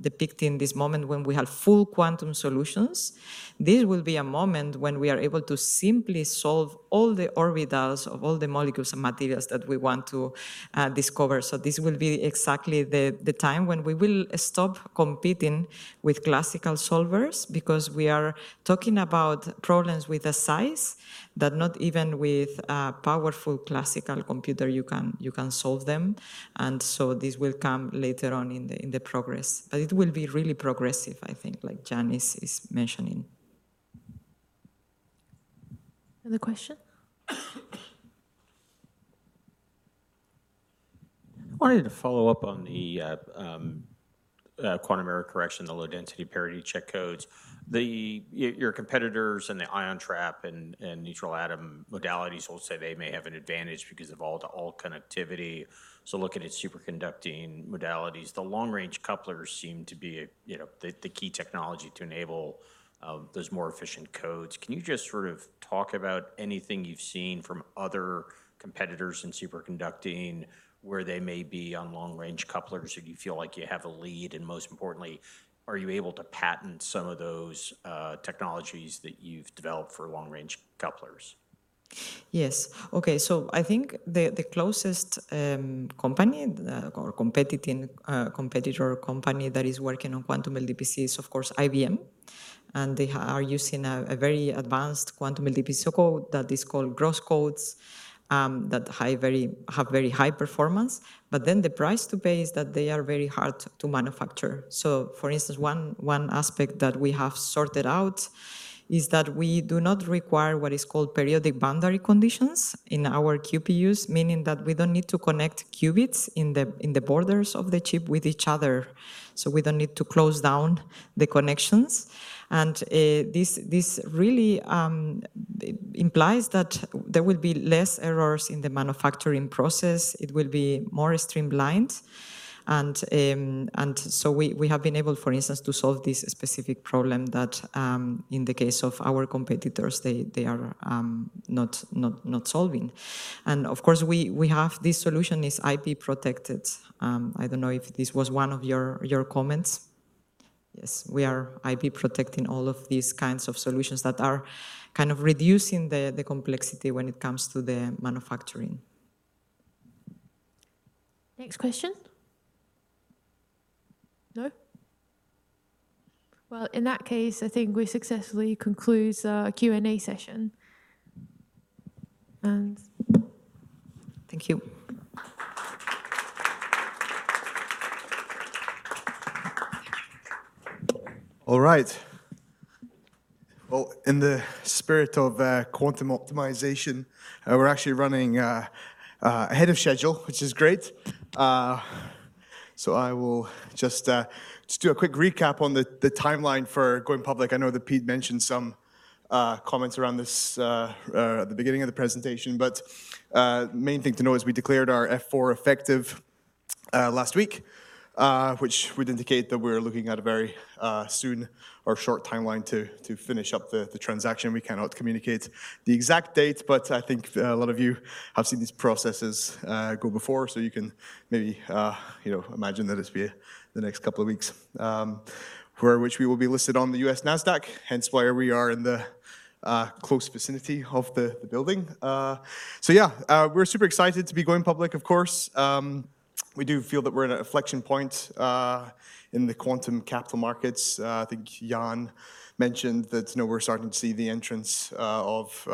depicting this moment when we have full quantum solutions. This will be a moment when we are able to simply solve all the orbitals of all the molecules and materials that we want to discover. This will be exactly the time when we will stop competing with classical solvers, because we are talking about problems with a size that not even with a powerful classical computer you can solve them. This will come later on in the progress. It will be really progressive, I think, like Jan is mentioning. Another question? I wanted to follow up on the quantum error correction, the low-density parity check codes. Your competitors in the ion trap and neutral atom modalities will say they may have an advantage because of all-to-all connectivity. Looking at superconducting modalities, the long-range couplers seem to be the key technology to enable those more efficient codes. Can you just sort of talk about anything you've seen from other competitors in superconducting, where they may be on long-range couplers? Do you feel like you have a lead? Most importantly, are you able to patent some of those technologies that you've developed for long-range couplers? I think the closest company or competitor company that is working on quantum LDPC is, of course, IBM, and they are using a very advanced quantum LDPC code that is called Gross code, that have very high performance. The price to pay is that they are very hard to manufacture. For instance, one aspect that we have sorted out is that we do not require what is called periodic boundary conditions in our QPUs, meaning that we don't need to connect qubits in the borders of the chip with each other. We don't need to close down the connections. This really implies that there will be less errors in the manufacturing process. It will be more streamlined. We have been able, for instance, to solve this specific problem that, in the case of our competitors, they are not solving. Of course, this solution is IP protected. I don't know if this was one of your comments. Yes, we are IP protecting all of these kinds of solutions that are kind of reducing the complexity when it comes to the manufacturing. Next question? No? In that case, I think we successfully conclude our Q&A session. Thank you. All right. Well, in the spirit of quantum optimization, we're actually running ahead of schedule, which is great. I will just do a quick recap on the timeline for going public. I know that Pete mentioned some comments around this at the beginning of the presentation, main thing to know is we declared our F-4 effective last week, which would indicate that we're looking at a very soon or short timeline to finish up the transaction. We cannot communicate the exact date, I think a lot of you have seen these processes go before, you can maybe imagine that it'll be the next couple of weeks, for which we will be listed on the U.S. NASDAQ, hence why we are in the close vicinity of the building. Yeah, we're super excited to be going public, of course. We do feel that we're in an inflection point in the quantum capital markets. I think Jan mentioned that we're starting to see the entrance of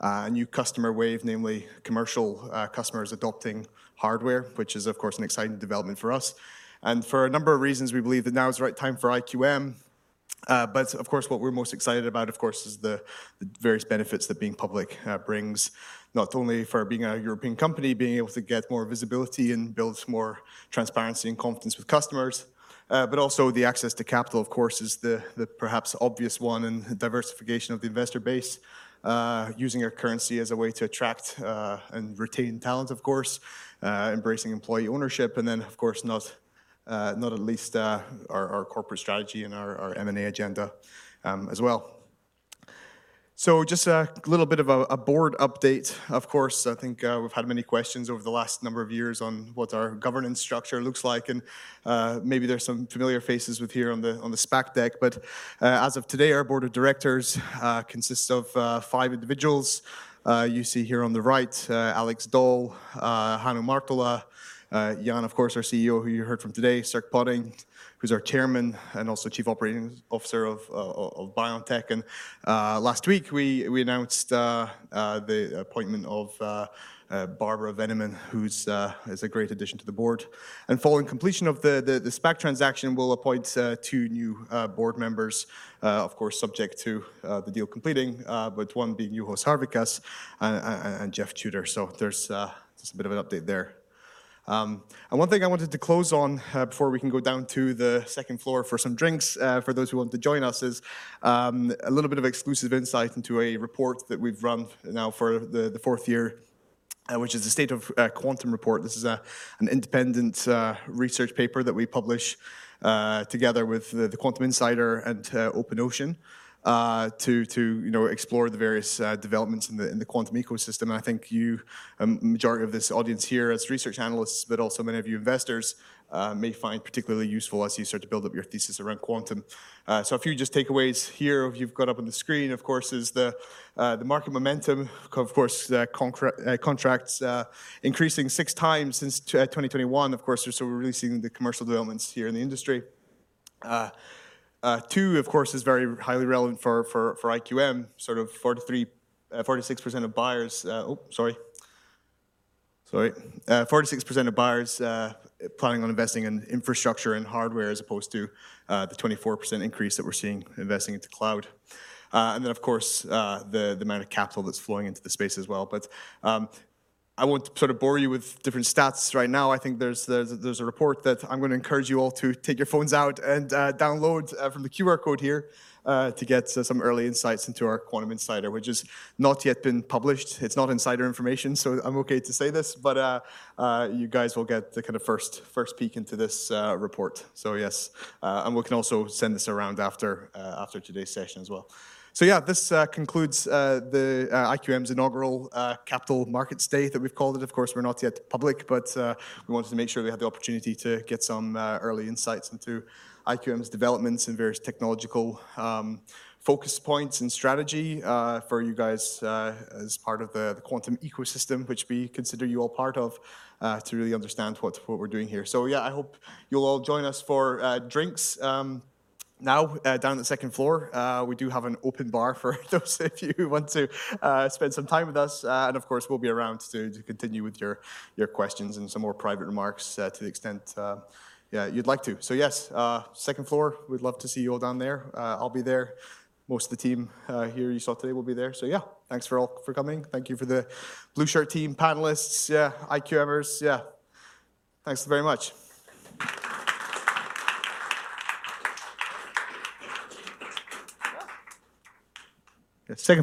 a new customer wave, namely commercial customers adopting hardware, which is, of course, an exciting development for us. For a number of reasons, we believe that now is the right time for IQM. Of course, what we're most excited about is the various benefits that being public brings, not only for being a European company, being able to get more visibility and build more transparency and confidence with customers. Also the access to capital, of course, is the perhaps obvious one, and diversification of the investor base, using our currency as a way to attract and retain talent, of course. Embracing employee ownership and then, of course, not at least our corporate strategy and our M&A agenda as well. Just a little bit of a board update. Of course, I think we've had many questions over the last number of years on what our governance structure looks like, and maybe there's some familiar faces with here on the SPAC deck. As of today, our board of directors consists of five individuals. You see here on the right, Alex Doll, Hannu Martola, Jan, of course, our CEO, who you heard from today, Sierk Poetting, who's our chairman and also chief operating officer of BioNTech. Last week we announced the appointment of Barbara Venneman, who's a great addition to the board. Following completion of the SPAC transaction, we'll appoint two new board members, of course, subject to the deal completing, but one being Juho Sarvikas and Jeff Tuder. There's a bit of an update there. One thing I wanted to close on before we can go down to the second floor for some drinks for those who want to join us, is a little bit of exclusive insight into a report that we've run now for the fourth year, which is the State of Quantum Report. This is an independent research paper that we publish together with The Quantum Insider and OpenOcean to explore the various developments in the quantum ecosystem. I think you, majority of this audience here as research analysts, but also many of you investors may find particularly useful as you start to build up your thesis around quantum. A few just takeaways here you've got up on the screen, of course, is the market momentum. Of course, contracts increasing six times since 2021. Of course, we're really seeing the commercial developments here in the industry. Two, of course, is very highly relevant for IQM, 46% of buyers planning on investing in infrastructure and hardware as opposed to the 24% increase that we're seeing investing into cloud. Then, of course, the amount of capital that's flowing into the space as well. I won't bore you with different stats right now. I think there's a report that I'm going to encourage you all to take your phones out and download from the QR code here to get some early insights into our Quantum Insider, which has not yet been published. It's not insider information, so I'm okay to say this, but you guys will get the first peek into this report. Yes and we can also send this around after today's session as well. Yeah, this concludes the IQM's inaugural Capital Markets Day that we've called it. Of course, we're not yet public, but we wanted to make sure we had the opportunity to get some early insights into IQM's developments and various technological focus points and strategy for you guys as part of the quantum ecosystem which we consider you all part of to really understand what we're doing here. Yeah, I hope you'll all join us for drinks now down on the second floor. We do have an open bar for those if you want to spend some time with us. Of course, we'll be around to continue with your questions and some more private remarks to the extent you'd like to. Yes second floor, we'd love to see you all down there. I'll be there. Most of the team here you saw today will be there. Yeah, thanks for all for coming. Thank you for the Blue Shirt Team panelists. Yeah, IQMers. Yeah. Thanks very much. Yeah. Second floor